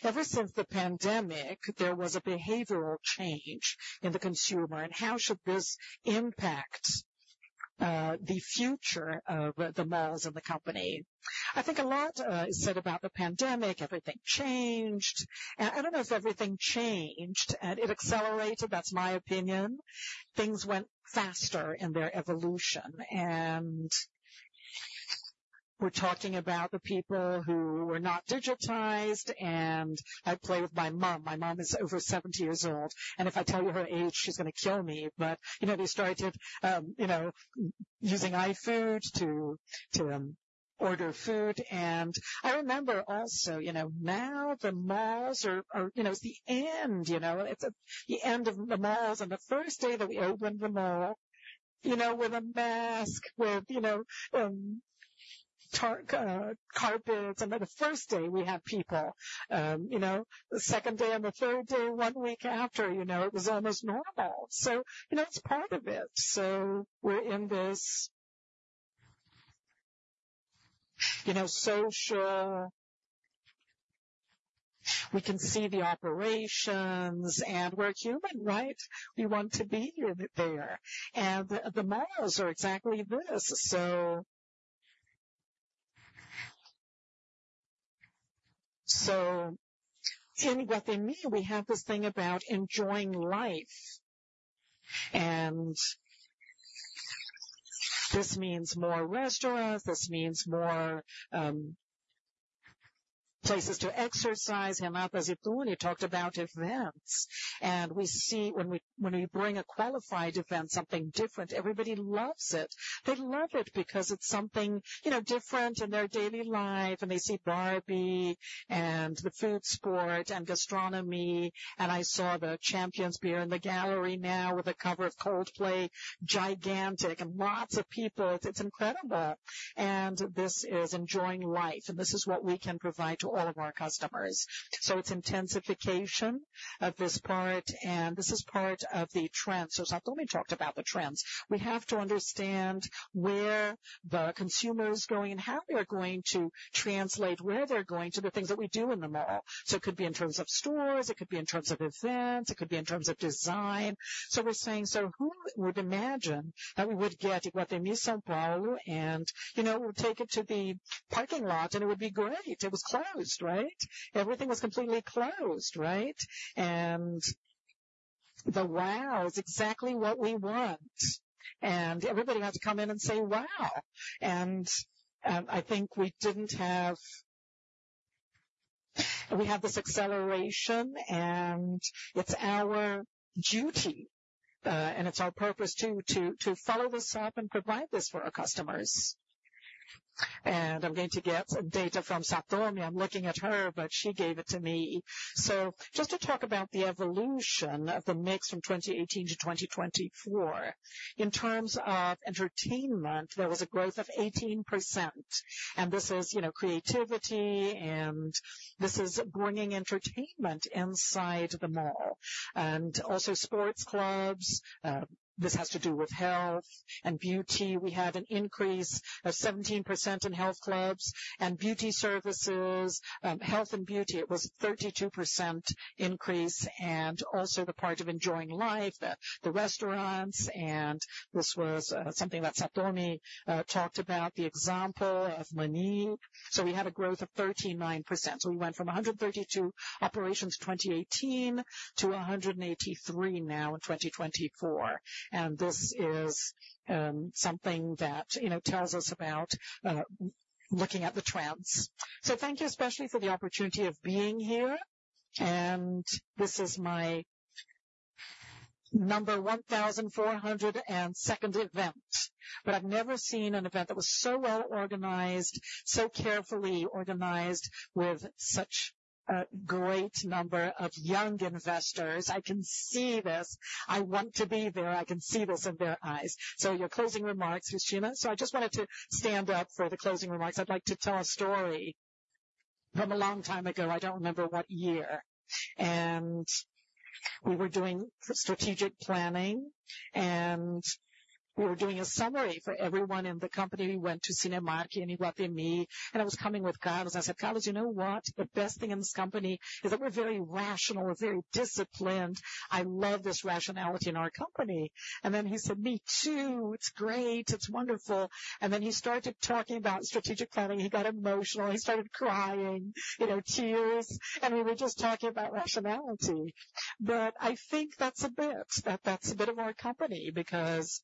Ever since the pandemic, there was a behavioral change in the consumer. And how should this impact the future of the malls and the company? I think a lot is said about the pandemic. Everything changed. I don't know if everything changed. It accelerated. That's my opinion. Things went faster in their evolution. We're talking about the people who were not digitized. I play with my mom. My mom is over 70 years old. If I tell you her age, she's going to kill me. But, you know, they started, you know, using iFood to order food. I remember also, you know, now, the malls are, you know, it's the end, you know? It's the end of the malls. The first day that we opened the mall, you know, with a mask, with, you know, tar, carpets. The first day, we had people, you know? The second day and the third day, one week after, you know, it was almost normal. So, you know, it's part of it. So we're in this, you know, social we can see the operations. And we're human, right? We want to be human there. And the malls are exactly this. So in Iguatemi, we have this thing about enjoying life. And this means more restaurants. This means more places to exercise, Helen, you talked about events. And we see when we bring a qualified event, something different, everybody loves it. They love it because it's something, you know, different in their daily life. And they see Barbie and the Food Spot and gastronomy. And I saw the Champions Beer in the Galleria now with a cover of Coldplay, gigantic, and lots of people. It's incredible. And this is enjoying life. And this is what we can provide to all of our customers. So it's intensification of this part. And this is part of the trends. So Satomi talked about the trends. We have to understand where the consumer is going and how they're going to translate where they're going to the things that we do in the mall. So it could be in terms of stores. It could be in terms of events. It could be in terms of design. So we're saying, so who would imagine that we would get Iguatemi São Paulo and, you know, we'll take it to the parking lot. And it would be great. It was closed, right? Everything was completely closed, right? And the wow is exactly what we want. And everybody had to come in and say, "Wow." And, I think we have this acceleration. And it's our duty, and it's our purpose to follow this up and provide this for our customers. And I'm going to get some data from Satomi. I'm looking at her. But she gave it to me. So just to talk about the evolution of the mix from 2018 to 2024, in terms of entertainment, there was a growth of 18%. And this is, you know, creativity. And this is bringing entertainment inside the mall and also sports clubs. This has to do with health and beauty. We had an increase of 17% in health clubs and beauty services, health and beauty. It was a 32% increase. And also the part of enjoying life, the restaurants. And this was something that Satomi talked about, the example of Mani. So we had a growth of 39%. So we went from 132 operations in 2018 to 183 now in 2024. And this is something that, you know, tells us about looking at the trends. So thank you especially for the opportunity of being here. This is my number 1,402nd event. But I've never seen an event that was so well organized, so carefully organized with such great number of young investors. I can see this. I want to be there. I can see this in their eyes. So your closing remarks, Cristina. So I just wanted to stand up for the closing remarks. I'd like to tell a story from a long time ago. I don't remember what year. And we were doing strategic planning. And we were doing a summary for everyone in the company. We went to Cine Vista in Iguatemi. And I was coming with Carlos. And I said, "Carlos, you know what? The best thing in this company is that we're very rational, very disciplined. I love this rationality in our company." And then he said, "Me too. It's great. It's wonderful." And then he started talking about strategic planning. He got emotional. He started crying, you know, tears. And we were just talking about rationality. But I think that's a bit of our company because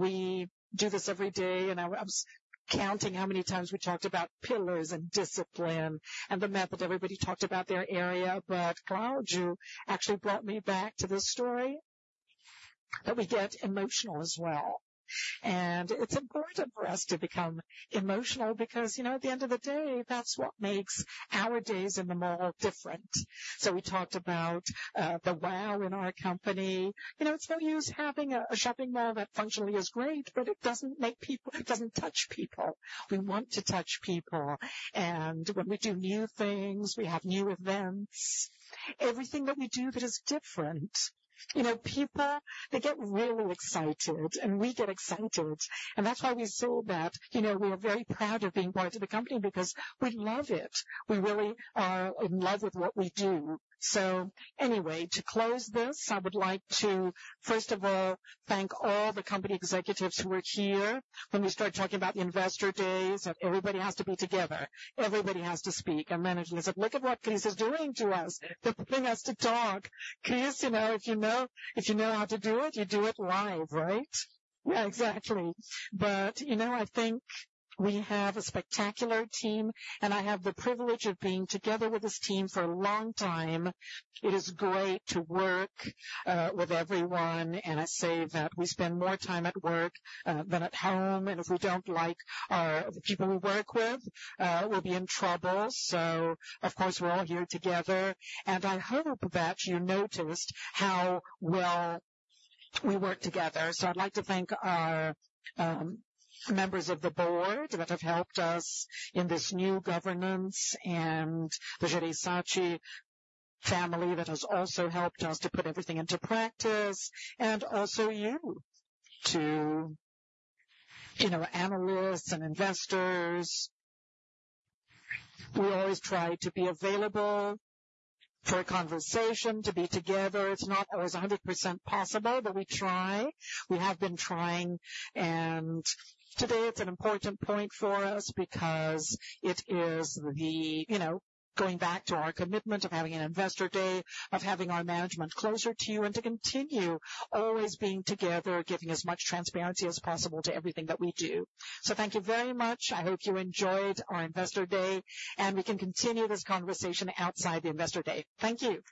we do this every day. And I was counting how many times we talked about pillars and discipline and the method. Everybody talked about their area. But Cláudio, you actually brought me back to this story that we get emotional as well. And it's important for us to become emotional because, you know, at the end of the day, that's what makes our days in the mall different. So we talked about the wow in our company. You know, it's no use having a shopping mall that functionally is great. But it doesn't make people. It doesn't touch people. We want to touch people. And when we do new things, we have new events, everything that we do that is different, you know, people, they get really excited. And we get excited. And that's why we saw that, you know, we are very proud of being part of the company because we love it. We really are in love with what we do. So anyway, to close this, I would like to, first of all, thank all the company executives who were here when we started talking about the investor days that everybody has to be together. Everybody has to speak. And management said, "Look at what Cris is doing to us. They're putting us to talk." Cris, you know, if you know if you know how to do it, you do it live, right? Yeah. Exactly. But, you know, I think we have a spectacular team. I have the privilege of being together with this team for a long time. It is great to work with everyone. I say that we spend more time at work than at home. If we don't like our people, we'll be in trouble. So, of course, we're all here together. I hope that you noticed how well we work together. So I'd like to thank our members of the board that have helped us in this new governance and the Jereissati family that has also helped us to put everything into practice and also you too, you know, analysts and investors. We always try to be available for a conversation, to be together. It's not always 100% possible. But we try. We have been trying. Today, it's an important point for us because it is the, you know, going back to our commitment of having an investor day, of having our management closer to you and to continue always being together, giving as much transparency as possible to everything that we do. Thank you very much. I hope you enjoyed our investor day. We can continue this conversation outside the investor day. Thank you.